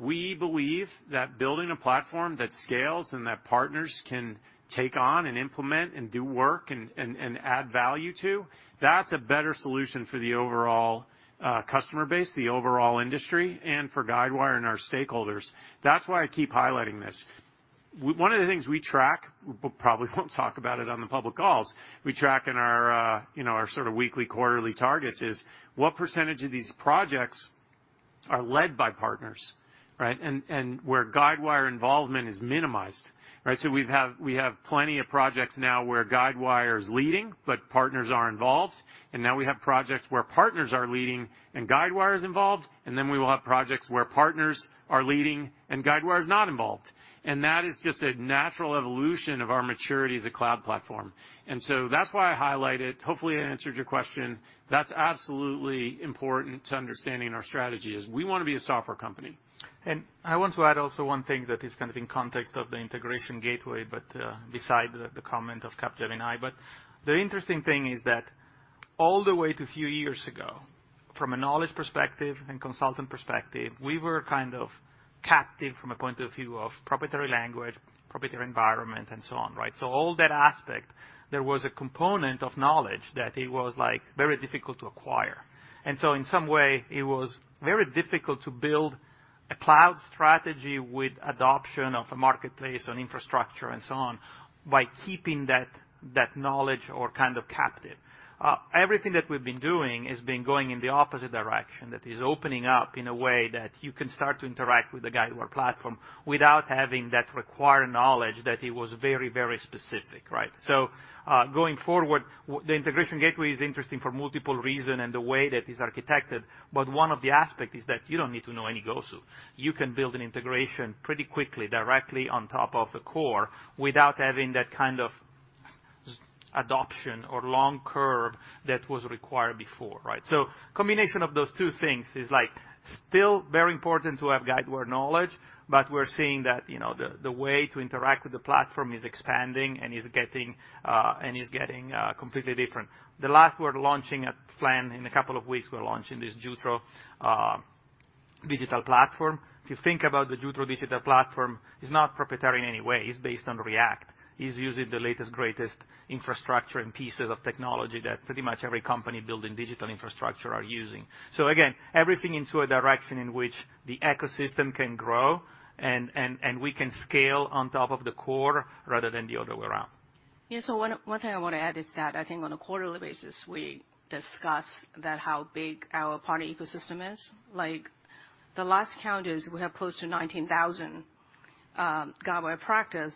Speaker 3: We believe that building a platform that scales and that partners can take on and implement and do work and add value to, that's a better solution for the overall customer base, the overall industry, and for Guidewire and our stakeholders. That's why I keep highlighting this. One of the things we track, we probably won't talk about it on the public calls, we track in our you know, our sort of weekly, quarterly targets is what percentage of these projects are led by partners, right? Where Guidewire involvement is minimized, right? We have plenty of projects now where Guidewire is leading, but partners are involved. Now we have projects where partners are leading and Guidewire is involved. Then we will have projects where partners are leading and Guidewire is not involved. That is just a natural evolution of our maturity as a cloud platform. That's why I highlight it. Hopefully, I answered your question. That's absolutely important to understanding our strategy is we wanna be a software company.
Speaker 1: I want to add also one thing that is kind of in context of the Integration Gateway, but besides the comment of Captive AI. The interesting thing is that all the way to few years ago, from a knowledge perspective and consultant perspective, we were kind of captive from a point of view of proprietary language, proprietary environment, and so on, right? All that aspect, there was a component of knowledge that it was, like, very difficult to acquire. In some way, it was very difficult to build a cloud strategy with adoption of the marketplace and infrastructure and so on by keeping that knowledge all kind of captive. Everything that we've been doing has been going in the opposite direction. That is opening up in a way that you can start to interact with the Guidewire platform without having that required knowledge that it was very, very specific, right? Going forward, the Integration Gateway is interesting for multiple reasons and the way that it's architected, but one of the aspects is that you don't need to know any Gosu. You can build an integration pretty quickly directly on top of the core without having that kind of steep learning curve that was required before, right? Combination of those two things is, like, still very important to have Guidewire knowledge, but we're seeing that, you know, the way to interact with the platform is expanding and is getting completely different. Lastly, we're launching a platform in a couple of weeks, we're launching this Jutro Digital Platform. If you think about the Jutro Digital Platform, it's not proprietary in any way. It's based on React. It's using the latest, greatest infrastructure and pieces of technology that pretty much every company building digital infrastructure are using. Again, everything into a direction in which the ecosystem can grow and we can scale on top of the core rather than the other way around.
Speaker 14: Yeah. One thing I wanna add is that I think on a quarterly basis, we discuss that how big our partner ecosystem is. Like, the last count is we have close to 19,000 Guidewire practice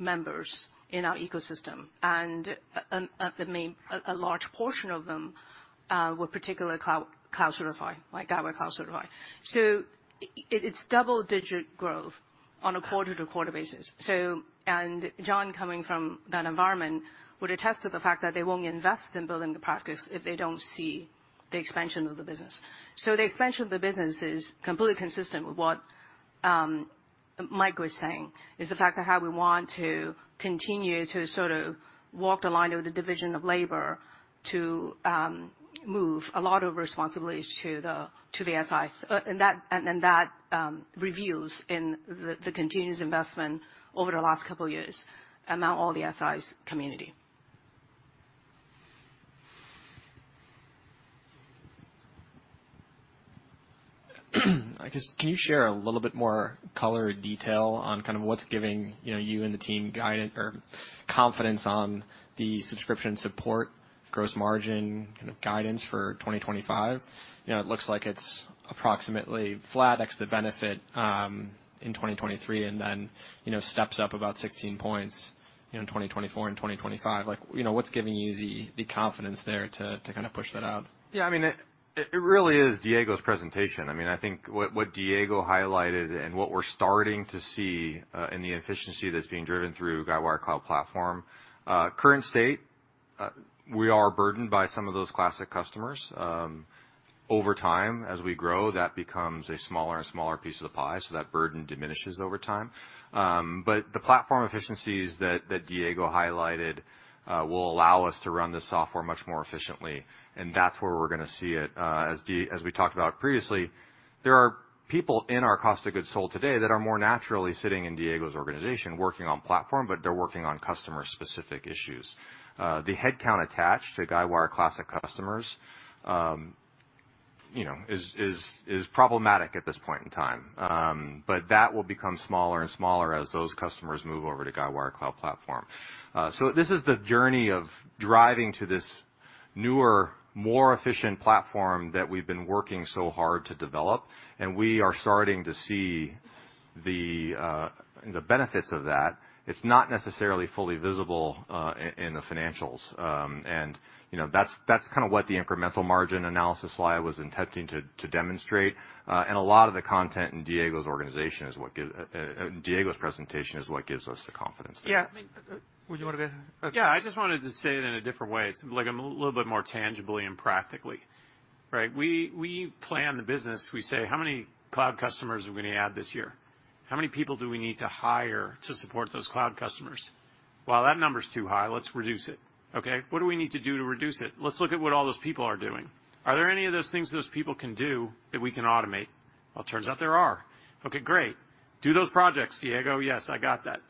Speaker 14: members in our ecosystem. A large portion of them were particularly cloud certified, like Guidewire Cloud certified. It's double-digit growth on a quarter-to-quarter basis. John, coming from that environment, would attest to the fact that they won't invest in building the practice if they don't see the expansion of the business. The expansion of the business is completely consistent with what Mike was saying, is the fact of how we want to continue to sort of walk the line of the division of labor to move a lot of responsibilities to the SIs. That reflects the continuous investment over the last couple years among all the SIs community.
Speaker 15: I guess, can you share a little bit more color or detail on kind of what's giving, you know, you and the team guidance or confidence on the subscription support gross margin kind of guidance for 2025? You know, it looks like it's approximately flat ex the benefit in 2023 and then, you know, steps up about 16 points in 2024 and 2025. Like, you know, what's giving you the confidence there to kind of push that out?
Speaker 13: Yeah. I mean, it really is Diego's presentation. I mean, I think what Diego highlighted and what we're starting to see in the efficiency that's being driven through Guidewire Cloud Platform. Current state, we are burdened by some of those Classic customers. Over time, as we grow, that becomes a smaller and smaller piece of the pie, so that burden diminishes over time. The platform efficiencies that Diego highlighted will allow us to run the software much more efficiently, and that's where we're gonna see it. As we talked about previously, there are people in our cost of goods sold today that are more naturally sitting in Diego's organization working on platform, but they're working on customer-specific issues. The headcount attached to Guidewire Classic customers, you know, is problematic at this point in time. That will become smaller and smaller as those customers move over to Guidewire Cloud Platform. This is the journey of driving to this newer, more efficient platform that we've been working so hard to develop, and we are starting to see the benefits of that. It's not necessarily fully visible in the financials. You know, that's kind of what the incremental margin analysis slide was attempting to demonstrate. A lot of the content in Diego's organization is what Diego's presentation is what gives us the confidence there.
Speaker 1: Yeah. I mean, would you wanna go ahead? Okay.
Speaker 14: Yeah. I just wanted to say it in a different way. It's like a little bit more tangibly and practically, right? We plan the business. We say, "How many cloud customers are we gonna add this year?
Speaker 3: How many people do we need to hire to support those cloud customers? Well, that number is too high. Let's reduce it. Okay, what do we need to do to reduce it? Let's look at what all those people are doing. Are there any of those things those people can do that we can automate? Well, it turns out there are. Okay, great. Do those projects, Diego. Yes, I got that.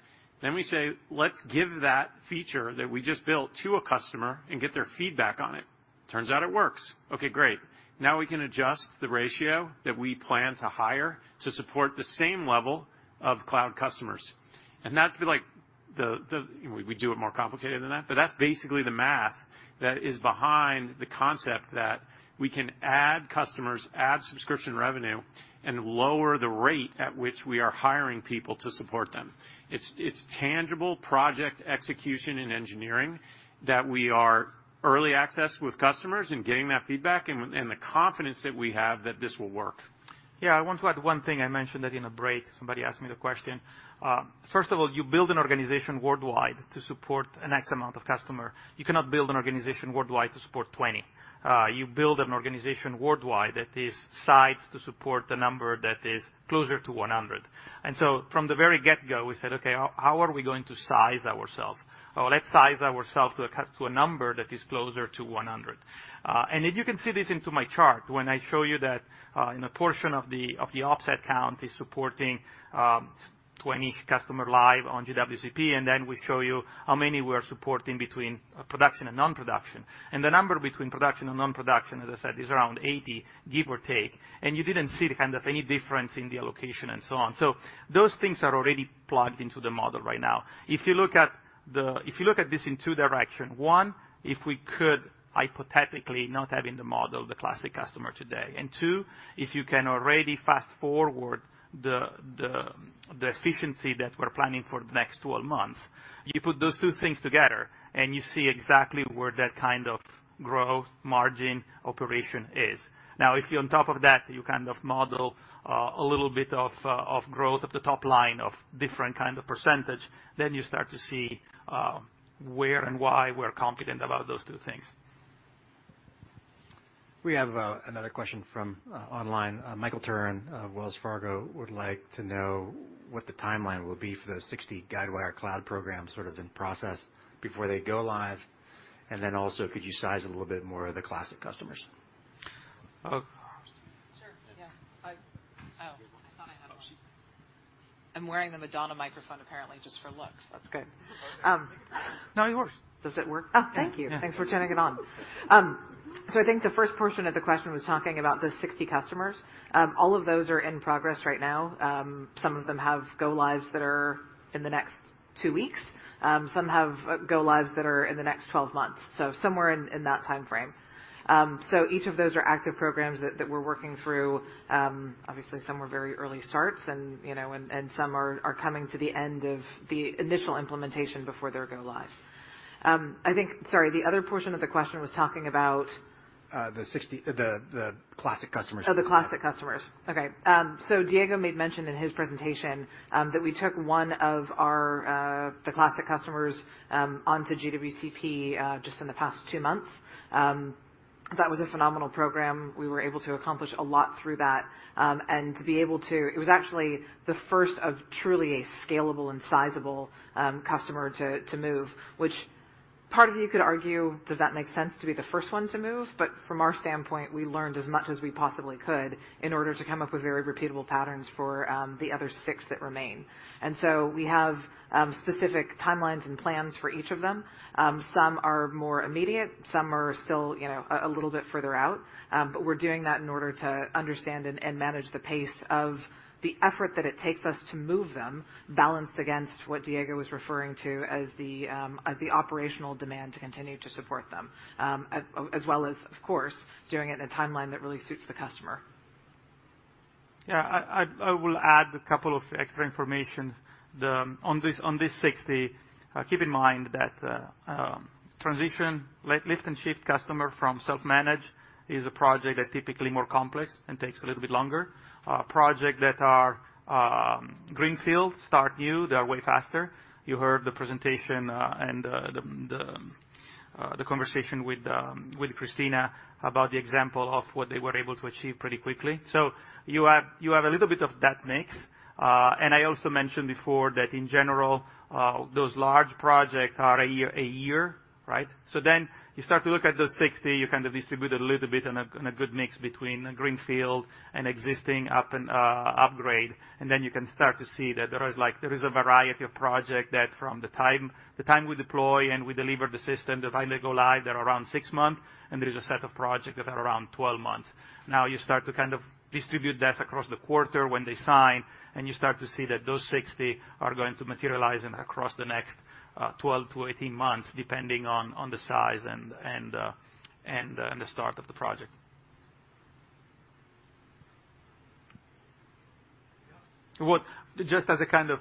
Speaker 3: We say, let's give that feature that we just built to a customer and get their feedback on it. Turns out it works. Okay, great. Now we can adjust the ratio that we plan to hire to support the same level of cloud customers. That's like. We do it more complicated than that, but that's basically the math that is behind the concept that we can add customers, add subscription revenue, and lower the rate at which we are hiring people to support them. It's tangible project execution in engineering that we are early access with customers and getting that feedback and the confidence that we have that this will work.
Speaker 1: Yeah. I want to add one thing I mentioned that in a break, somebody asked me the question. First of all, you build an organization worldwide to support an X amount of customer. You cannot build an organization worldwide to support 20. You build an organization worldwide that is sized to support the number that is closer to 100. From the very get-go, we said, "Okay, how are we going to size ourselves? Well, let's size ourselves to a number that is closer to 100." You can see this in my chart when I show you that, in a portion of the, of the offset count is supporting, 20 customer live on GWCP, and then we show you how many we are supporting between production and non-production. The number between production and non-production, as I said, is around 80, give or take. You didn't see kind of any difference in the allocation and so on. Those things are already plugged into the model right now. If you look at this in two directions, one, if we could hypothetically not have in the model the Classic customer today, and two, if you can already fast-forward the efficiency that we're planning for the next 12 months, you put those two things together, and you see exactly where that kind of growth, margin, operation is. Now, if you, on top of that, kind of model a little bit of growth at the top line of different kind of percentage, then you start to see where and why we're confident about those two things.
Speaker 10: We have another question from online. Michael Turrin, Wells Fargo, would like to know what the timeline will be for the 60 Guidewire Cloud program sort of in process before they go live. Then also, could you size a little bit more of the Classic customers?
Speaker 3: Oh.
Speaker 6: Sure, yeah. Oh. I thought I had one. I'm wearing the Madonna microphone, apparently just for looks. That's good.
Speaker 1: Now it works.
Speaker 6: Does it work? Oh, thank you. Thanks for turning it on. I think the first portion of the question was talking about the 60 customers. All of those are in progress right now. Some of them have go lives that are in the next two weeks. Some have go lives that are in the next 12 months, so somewhere in that time frame. Each of those are active programs that we're working through. Obviously, some are very early starts and you know some are coming to the end of the initial implementation before their go live. I think. Sorry, the other portion of the question was talking about-
Speaker 10: The Classic customers.
Speaker 6: Oh, the classic customers. Okay. Diego made mention in his presentation that we took one of our, the classic customers, onto GWCP just in the past two months. That was a phenomenal program. We were able to accomplish a lot through that. It was actually the first of truly a scalable and sizable customer to move. Which part of you could argue does that make sense to be the first one to move? From our standpoint, we learned as much as we possibly could in order to come up with very repeatable patterns for the other six that remain. We have specific timelines and plans for each of them. Some are more immediate, some are still you know a little bit further out. We're doing that in order to understand and manage the pace of the effort that it takes us to move them, balanced against what Diego was referring to as the operational demand to continue to support them, as well as, of course, doing it in a timeline that really suits the customer.
Speaker 1: I will add a couple of extra information. On this 60, keep in mind that transition, lift and shift customer from self-managed is a project that typically more complex and takes a little bit longer. Projects that are greenfield, start new, they are way faster. You heard the presentation and the conversation with Christina about the example of what they were able to achieve pretty quickly. You have a little bit of that mix. I also mentioned before that in general, those large projects are a year, right? You start to look at those 60, you kind of distribute a little bit on a good mix between greenfield and existing upgrades. You can start to see that there is like there is a variety of projects that from the time the time we deploy and we deliver the system, the time they go live, they're around 6 months, and there is a set of projects that are around 12 months. Now you start to kind of distribute that across the quarter when they sign, and you start to see that those 60 are going to materialize across the next 12-18 months, depending on the size and the start of the project. Just as a kind of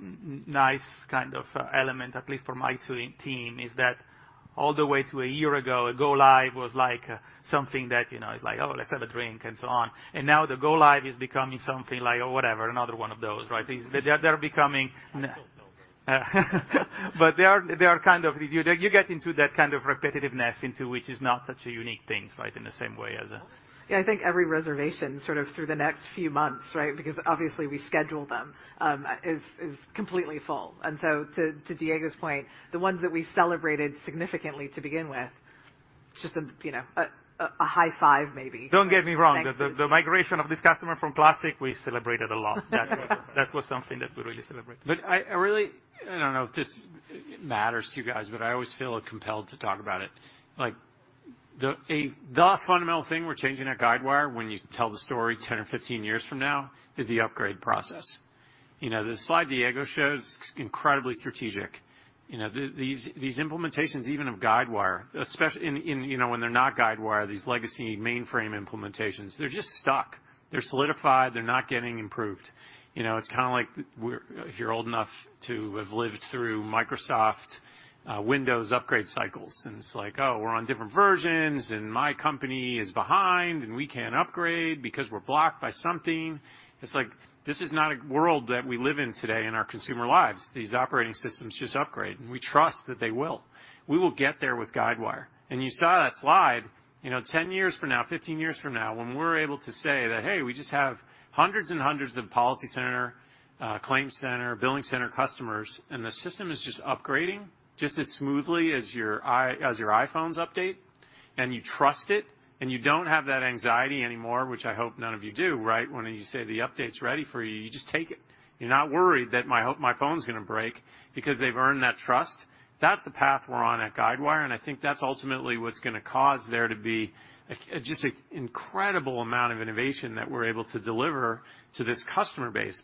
Speaker 1: nice kind of element, at least for my team, is that all the way to a year ago, a go live was like something that, you know, it's like, "Oh, let's have a drink," and so on. Now the go live is becoming something like, "Oh, whatever. Another one of those," right? These. They're becoming. They are kind of. You get into that kind of repetitiveness into which is not such a unique thing, right? In the same way as.
Speaker 6: Yeah, I think every reservation sort of through the next few months, right? Because obviously we schedule them is completely full. To Diego's point, the ones that we celebrated significantly to begin with, just a, you know, a high five maybe.
Speaker 1: Don't get me wrong. The migration of this customer from Classic, we celebrated a lot. That was something that we really celebrated.
Speaker 3: I really don't know if this matters to you guys, but I always feel compelled to talk about it. Like, the fundamental thing we're changing at Guidewire when you tell the story 10 or 15 years from now is the upgrade process. You know, the slide Diego shows is incredibly strategic. You know, these implementations even of Guidewire, and you know, when they're not Guidewire, these legacy mainframe implementations, they're just stuck. They're solidified. They're not getting improved. You know, it's kinda like if you're old enough to have lived through Microsoft Windows upgrade cycles, and it's like, "Oh, we're on different versions, and my company is behind, and we can't upgrade because we're blocked by something." It's like, this is not a world that we live in today in our consumer lives. These operating systems just upgrade, and we trust that they will. We will get there with Guidewire. You saw that slide, you know, 10 years from now, 15 years from now, when we're able to say that, "Hey, we just have hundreds and hundreds of PolicyCenter, ClaimCenter, BillingCenter customers," and the system is just upgrading just as smoothly as your iPhones update, and you trust it, and you don't have that anxiety anymore, which I hope none of you do, right? When you say the update's ready for you just take it. You're not worried that my phone's gonna break because they've earned that trust. That's the path we're on at Guidewire, and I think that's ultimately what's gonna cause there to be a, just an incredible amount of innovation that we're able to deliver to this customer base.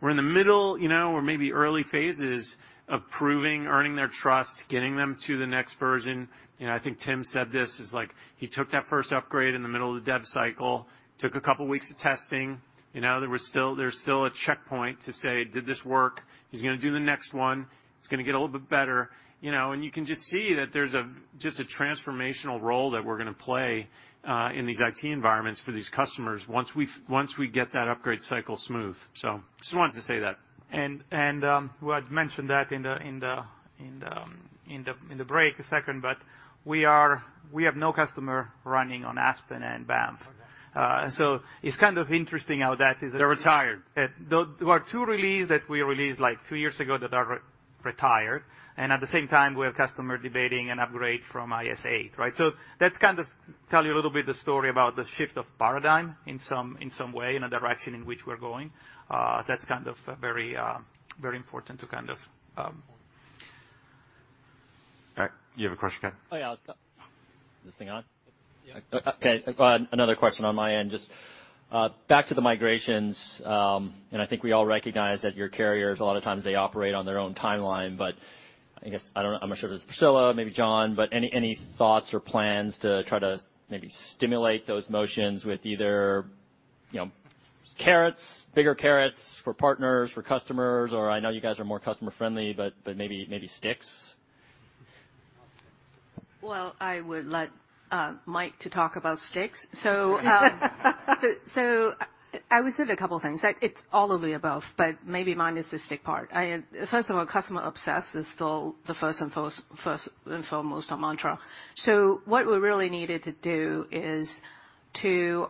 Speaker 3: We're in the middle, you know, or maybe early phases of proving, earning their trust, getting them to the next version. You know, I think Tim said this is like he took that first upgrade in the middle of the dev cycle, took a couple weeks of testing, you know. There's still a checkpoint to say, "Did this work?" He's gonna do the next one. It's gonna get a little bit better, you know. You can just see that there's just a transformational role that we're gonna play in these IT environments for these customers once we get that upgrade cycle smooth. Just wanted to say that.
Speaker 1: Well, I'd mentioned that in the break a second back. We have no customer running on Aspen and Banff. It's kind of interesting how that is.
Speaker 3: They're retired.
Speaker 1: Yeah. Those were two releases that we released, like, two years ago that are retired, and at the same time we have customers debating an upgrade from IS8, right? That's kind of tells you a little bit the story about the shift of paradigm in some way and the direction in which we're going. That's kind of very important to kind of.
Speaker 3: All right. You have a question, Ken?
Speaker 12: Oh, yeah. Is this thing on?
Speaker 1: Yeah.
Speaker 12: Okay. Another question on my end. Just, back to the migrations, and I think we all recognize that your carriers, a lot of times they operate on their own timeline. I guess, I don't know, I'm not sure if it's Priscilla, maybe Jon, but any thoughts or plans to try to maybe stimulate those motions with either, you know, carrots, bigger carrots for partners, for customers, or I know you guys are more customer-friendly, but maybe sticks?
Speaker 6: Well, I would let Mike to talk about sticks. I would say a couple things. It's all of the above, but maybe mine is the stick part. I am first of all, customer obsessed is still the first and foremost mantra. What we really needed to do is to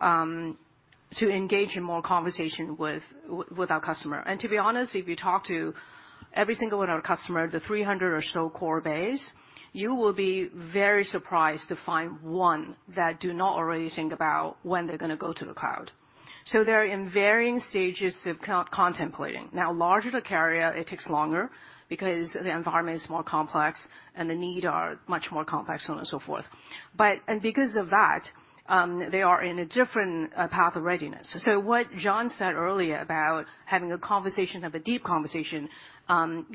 Speaker 6: engage in more conversation with our customer. To be honest, if you talk to every single one of our customer, the 300 or so core base, you will be very surprised to find one that do not already think about when they're gonna go to the cloud. They're in varying stages of contemplating. Now, larger the carrier, it takes longer because the environment is more complex and the need are much more complex so on and so forth. Because of that, they are in a different path of readiness. What Jon said earlier about having a deep conversation,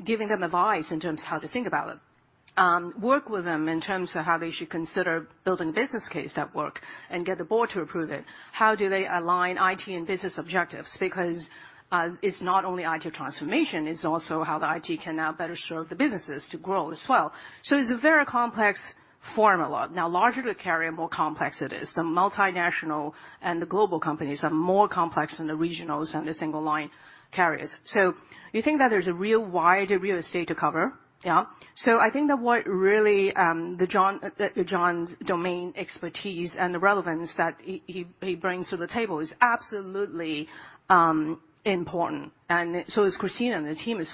Speaker 6: giving them advice in terms of how to think about it, work with them in terms of how they should consider building a business case that works and get the board to approve it. How do they align IT and business objectives? It's not only IT transformation, it's also how the IT can now better serve the businesses to grow as well. It's a very complex formula. Larger the carrier, more complex it is. The multinational and the global companies are more complex than the regionals and the single line carriers. You think that there's a real wide real estate to cover, yeah. I think that what really, the Jon's domain expertise and the relevance that he brings to the table is absolutely important, and so is Christina and the team as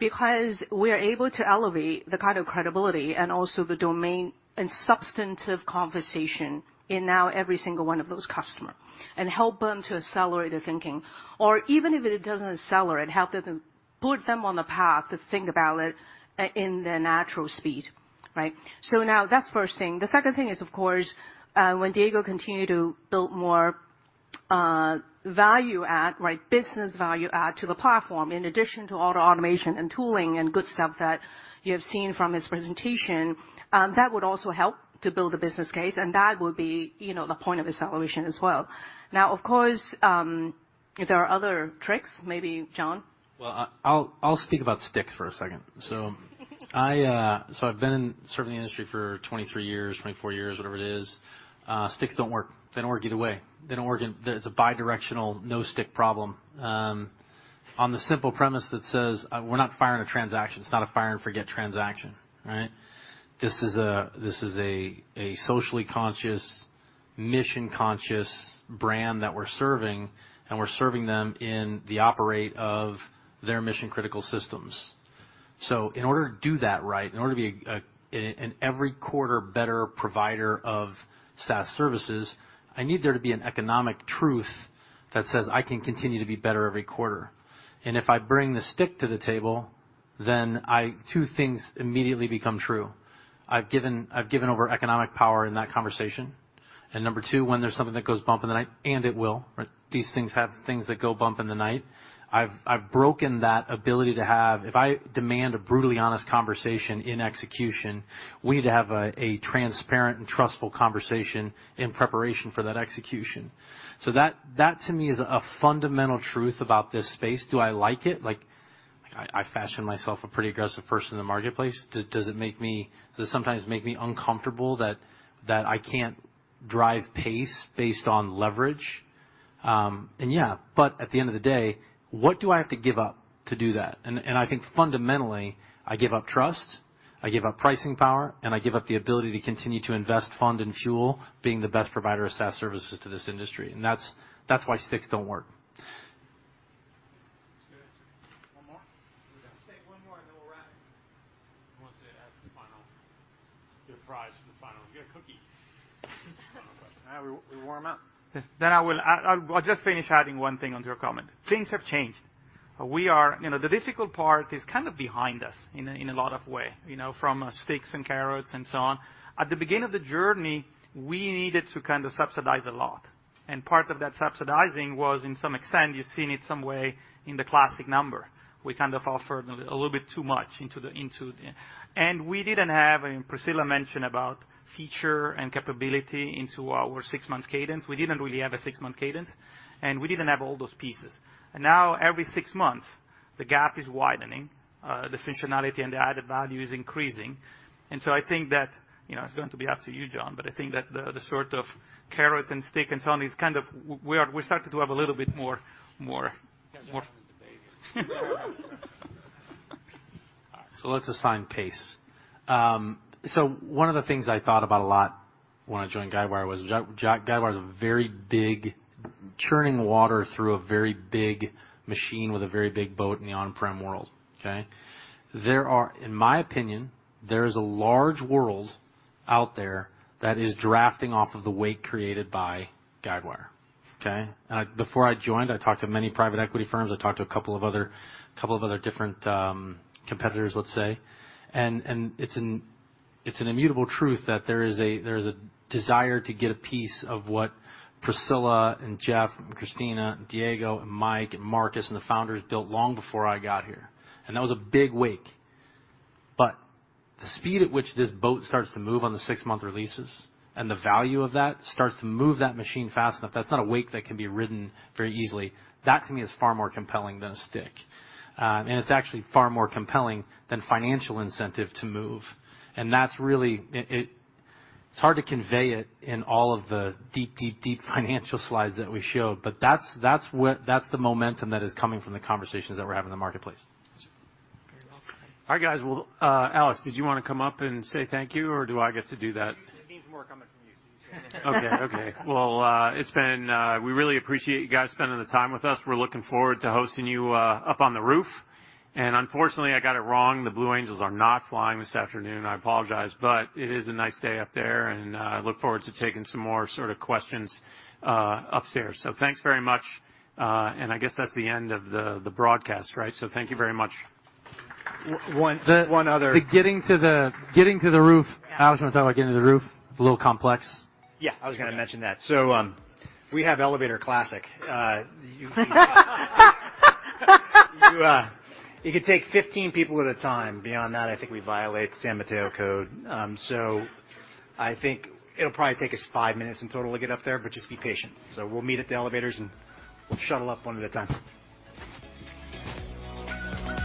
Speaker 6: well, because we're able to elevate the kind of credibility and also the domain and substantive conversation in now every single one of those customer and help them to accelerate their thinking. Or even if it doesn't accelerate, help them to put them on the path to think about it in their natural speed, right? Now that's first thing. The second thing is, of course, when Diego continue to build more, value add, right, business value add to the platform, in addition to all the automation and tooling and good stuff that you have seen from his presentation, that would also help to build a business case, and that would be, you know, the point of acceleration as well. Now, of course, if there are other tricks, maybe Jon?
Speaker 3: Well, I'll speak about sticks for a second.
Speaker 4: I've been serving the industry for 23 years, 24 years, whatever it is. Sticks don't work. They don't work either way. They don't work. There's a bi-directional no stick problem on the simple premise that says we're not firing a transaction. It's not a fire and forget transaction, right? This is a socially conscious, mission conscious brand that we're serving, and we're serving them in the operation of their mission-critical systems. In order to do that right, in order to be an every quarter better provider of SaaS services, I need there to be an economic truth that says I can continue to be better every quarter. If I bring the stick to the table, two things immediately become true. I've given over economic power in that conversation. Number two, when there's something that goes bump in the night, and it will, these things have things that go bump in the night. I've broken that ability to have. If I demand a brutally honest conversation in execution, we need to have a transparent and trustful conversation in preparation for that execution. So that to me is a fundamental truth about this space. Do I like it? Like, I fashion myself a pretty aggressive person in the marketplace. Does it sometimes make me uncomfortable that I can't drive pace based on leverage? Yeah. At the end of the day, what do I have to give up to do that? I think fundamentally, I give up trust, I give up pricing power, and I give up the ability to continue to invest fund and fuel being the best provider of SaaS services to this industry. That's why sticks don't work.
Speaker 3: That's good. One more?
Speaker 10: Let's take one more, and then we'll wrap it.
Speaker 3: Who wants to add the final? Your prize for the final. You get a cookie.
Speaker 10: Now we warm up.
Speaker 1: I'll just finish adding one thing onto your comment. Things have changed. You know, the difficult part is kind of behind us in a lot of ways, you know, from sticks and carrots and so on. At the beginning of the journey, we needed to kind of subsidize a lot. Part of that subsidizing was, to some extent, something you've seen somewhat in the Classic number. We kind of offered a little bit too much. We didn't have, and Priscilla mentioned features and capabilities in our six-month cadence. We didn't really have a six-month cadence, and we didn't have all those pieces. Now every six months, the gap is widening, the functionality and the added value is increasing. I think that, you know, it's going to be up to you, John, but I think that the sort of carrot and stick and so on is kind of we started to have a little bit more.
Speaker 3: This guy's having a debate here.
Speaker 4: Let's assign pace. One of the things I thought about a lot when I joined Guidewire was Guidewire is a very big churning water through a very big machine with a very big boat in the on-prem world, okay? In my opinion, there is a large world out there that is drafting off of the wake created by Guidewire, okay? Before I joined, I talked to many private equity firms. I talked to a couple of other different competitors, let's say. It's an immutable truth that there is a desire to get a piece of what Priscilla and Jeff, Christina, Diego and Mike and Marcus and the founders built long before I got here. That was a big wake. The speed at which this boat starts to move on the six-month releases and the value of that starts to move that machine fast enough. That's not a wake that can be ridden very easily. That to me is far more compelling than a stick. It's actually far more compelling than financial incentive to move. That's really it. It's hard to convey it in all of the deep financial slides that we show. That's what the momentum that is coming from the conversations that we're having in the marketplace.
Speaker 3: Very awesome. All right, guys. Well, Alex, did you want to come up and say thank you, or do I get to do that?
Speaker 10: It needs more coming from you.
Speaker 3: Okay. Well, it's been, we really appreciate you guys spending the time with us. We're looking forward to hosting you up on the roof. Unfortunately, I got it wrong, the Blue Angels are not flying this afternoon. I apologize, but it is a nice day up there, and I look forward to taking some more sort of questions upstairs. Thanks very much. I guess that's the end of the broadcast, right? Thank you very much.
Speaker 4: 1 other
Speaker 3: Getting to the roof. Alex, do you want to talk about getting to the roof? It's a little complex.
Speaker 14: Yeah, I was gonna mention that. We have elevator classic. You could take 15 people at a time. Beyond that, I think we violate San Mateo code. I think it'll probably take us 5 minutes in total to get up there, but just be patient. We'll meet at the elevators, and we'll shuttle up one at a time.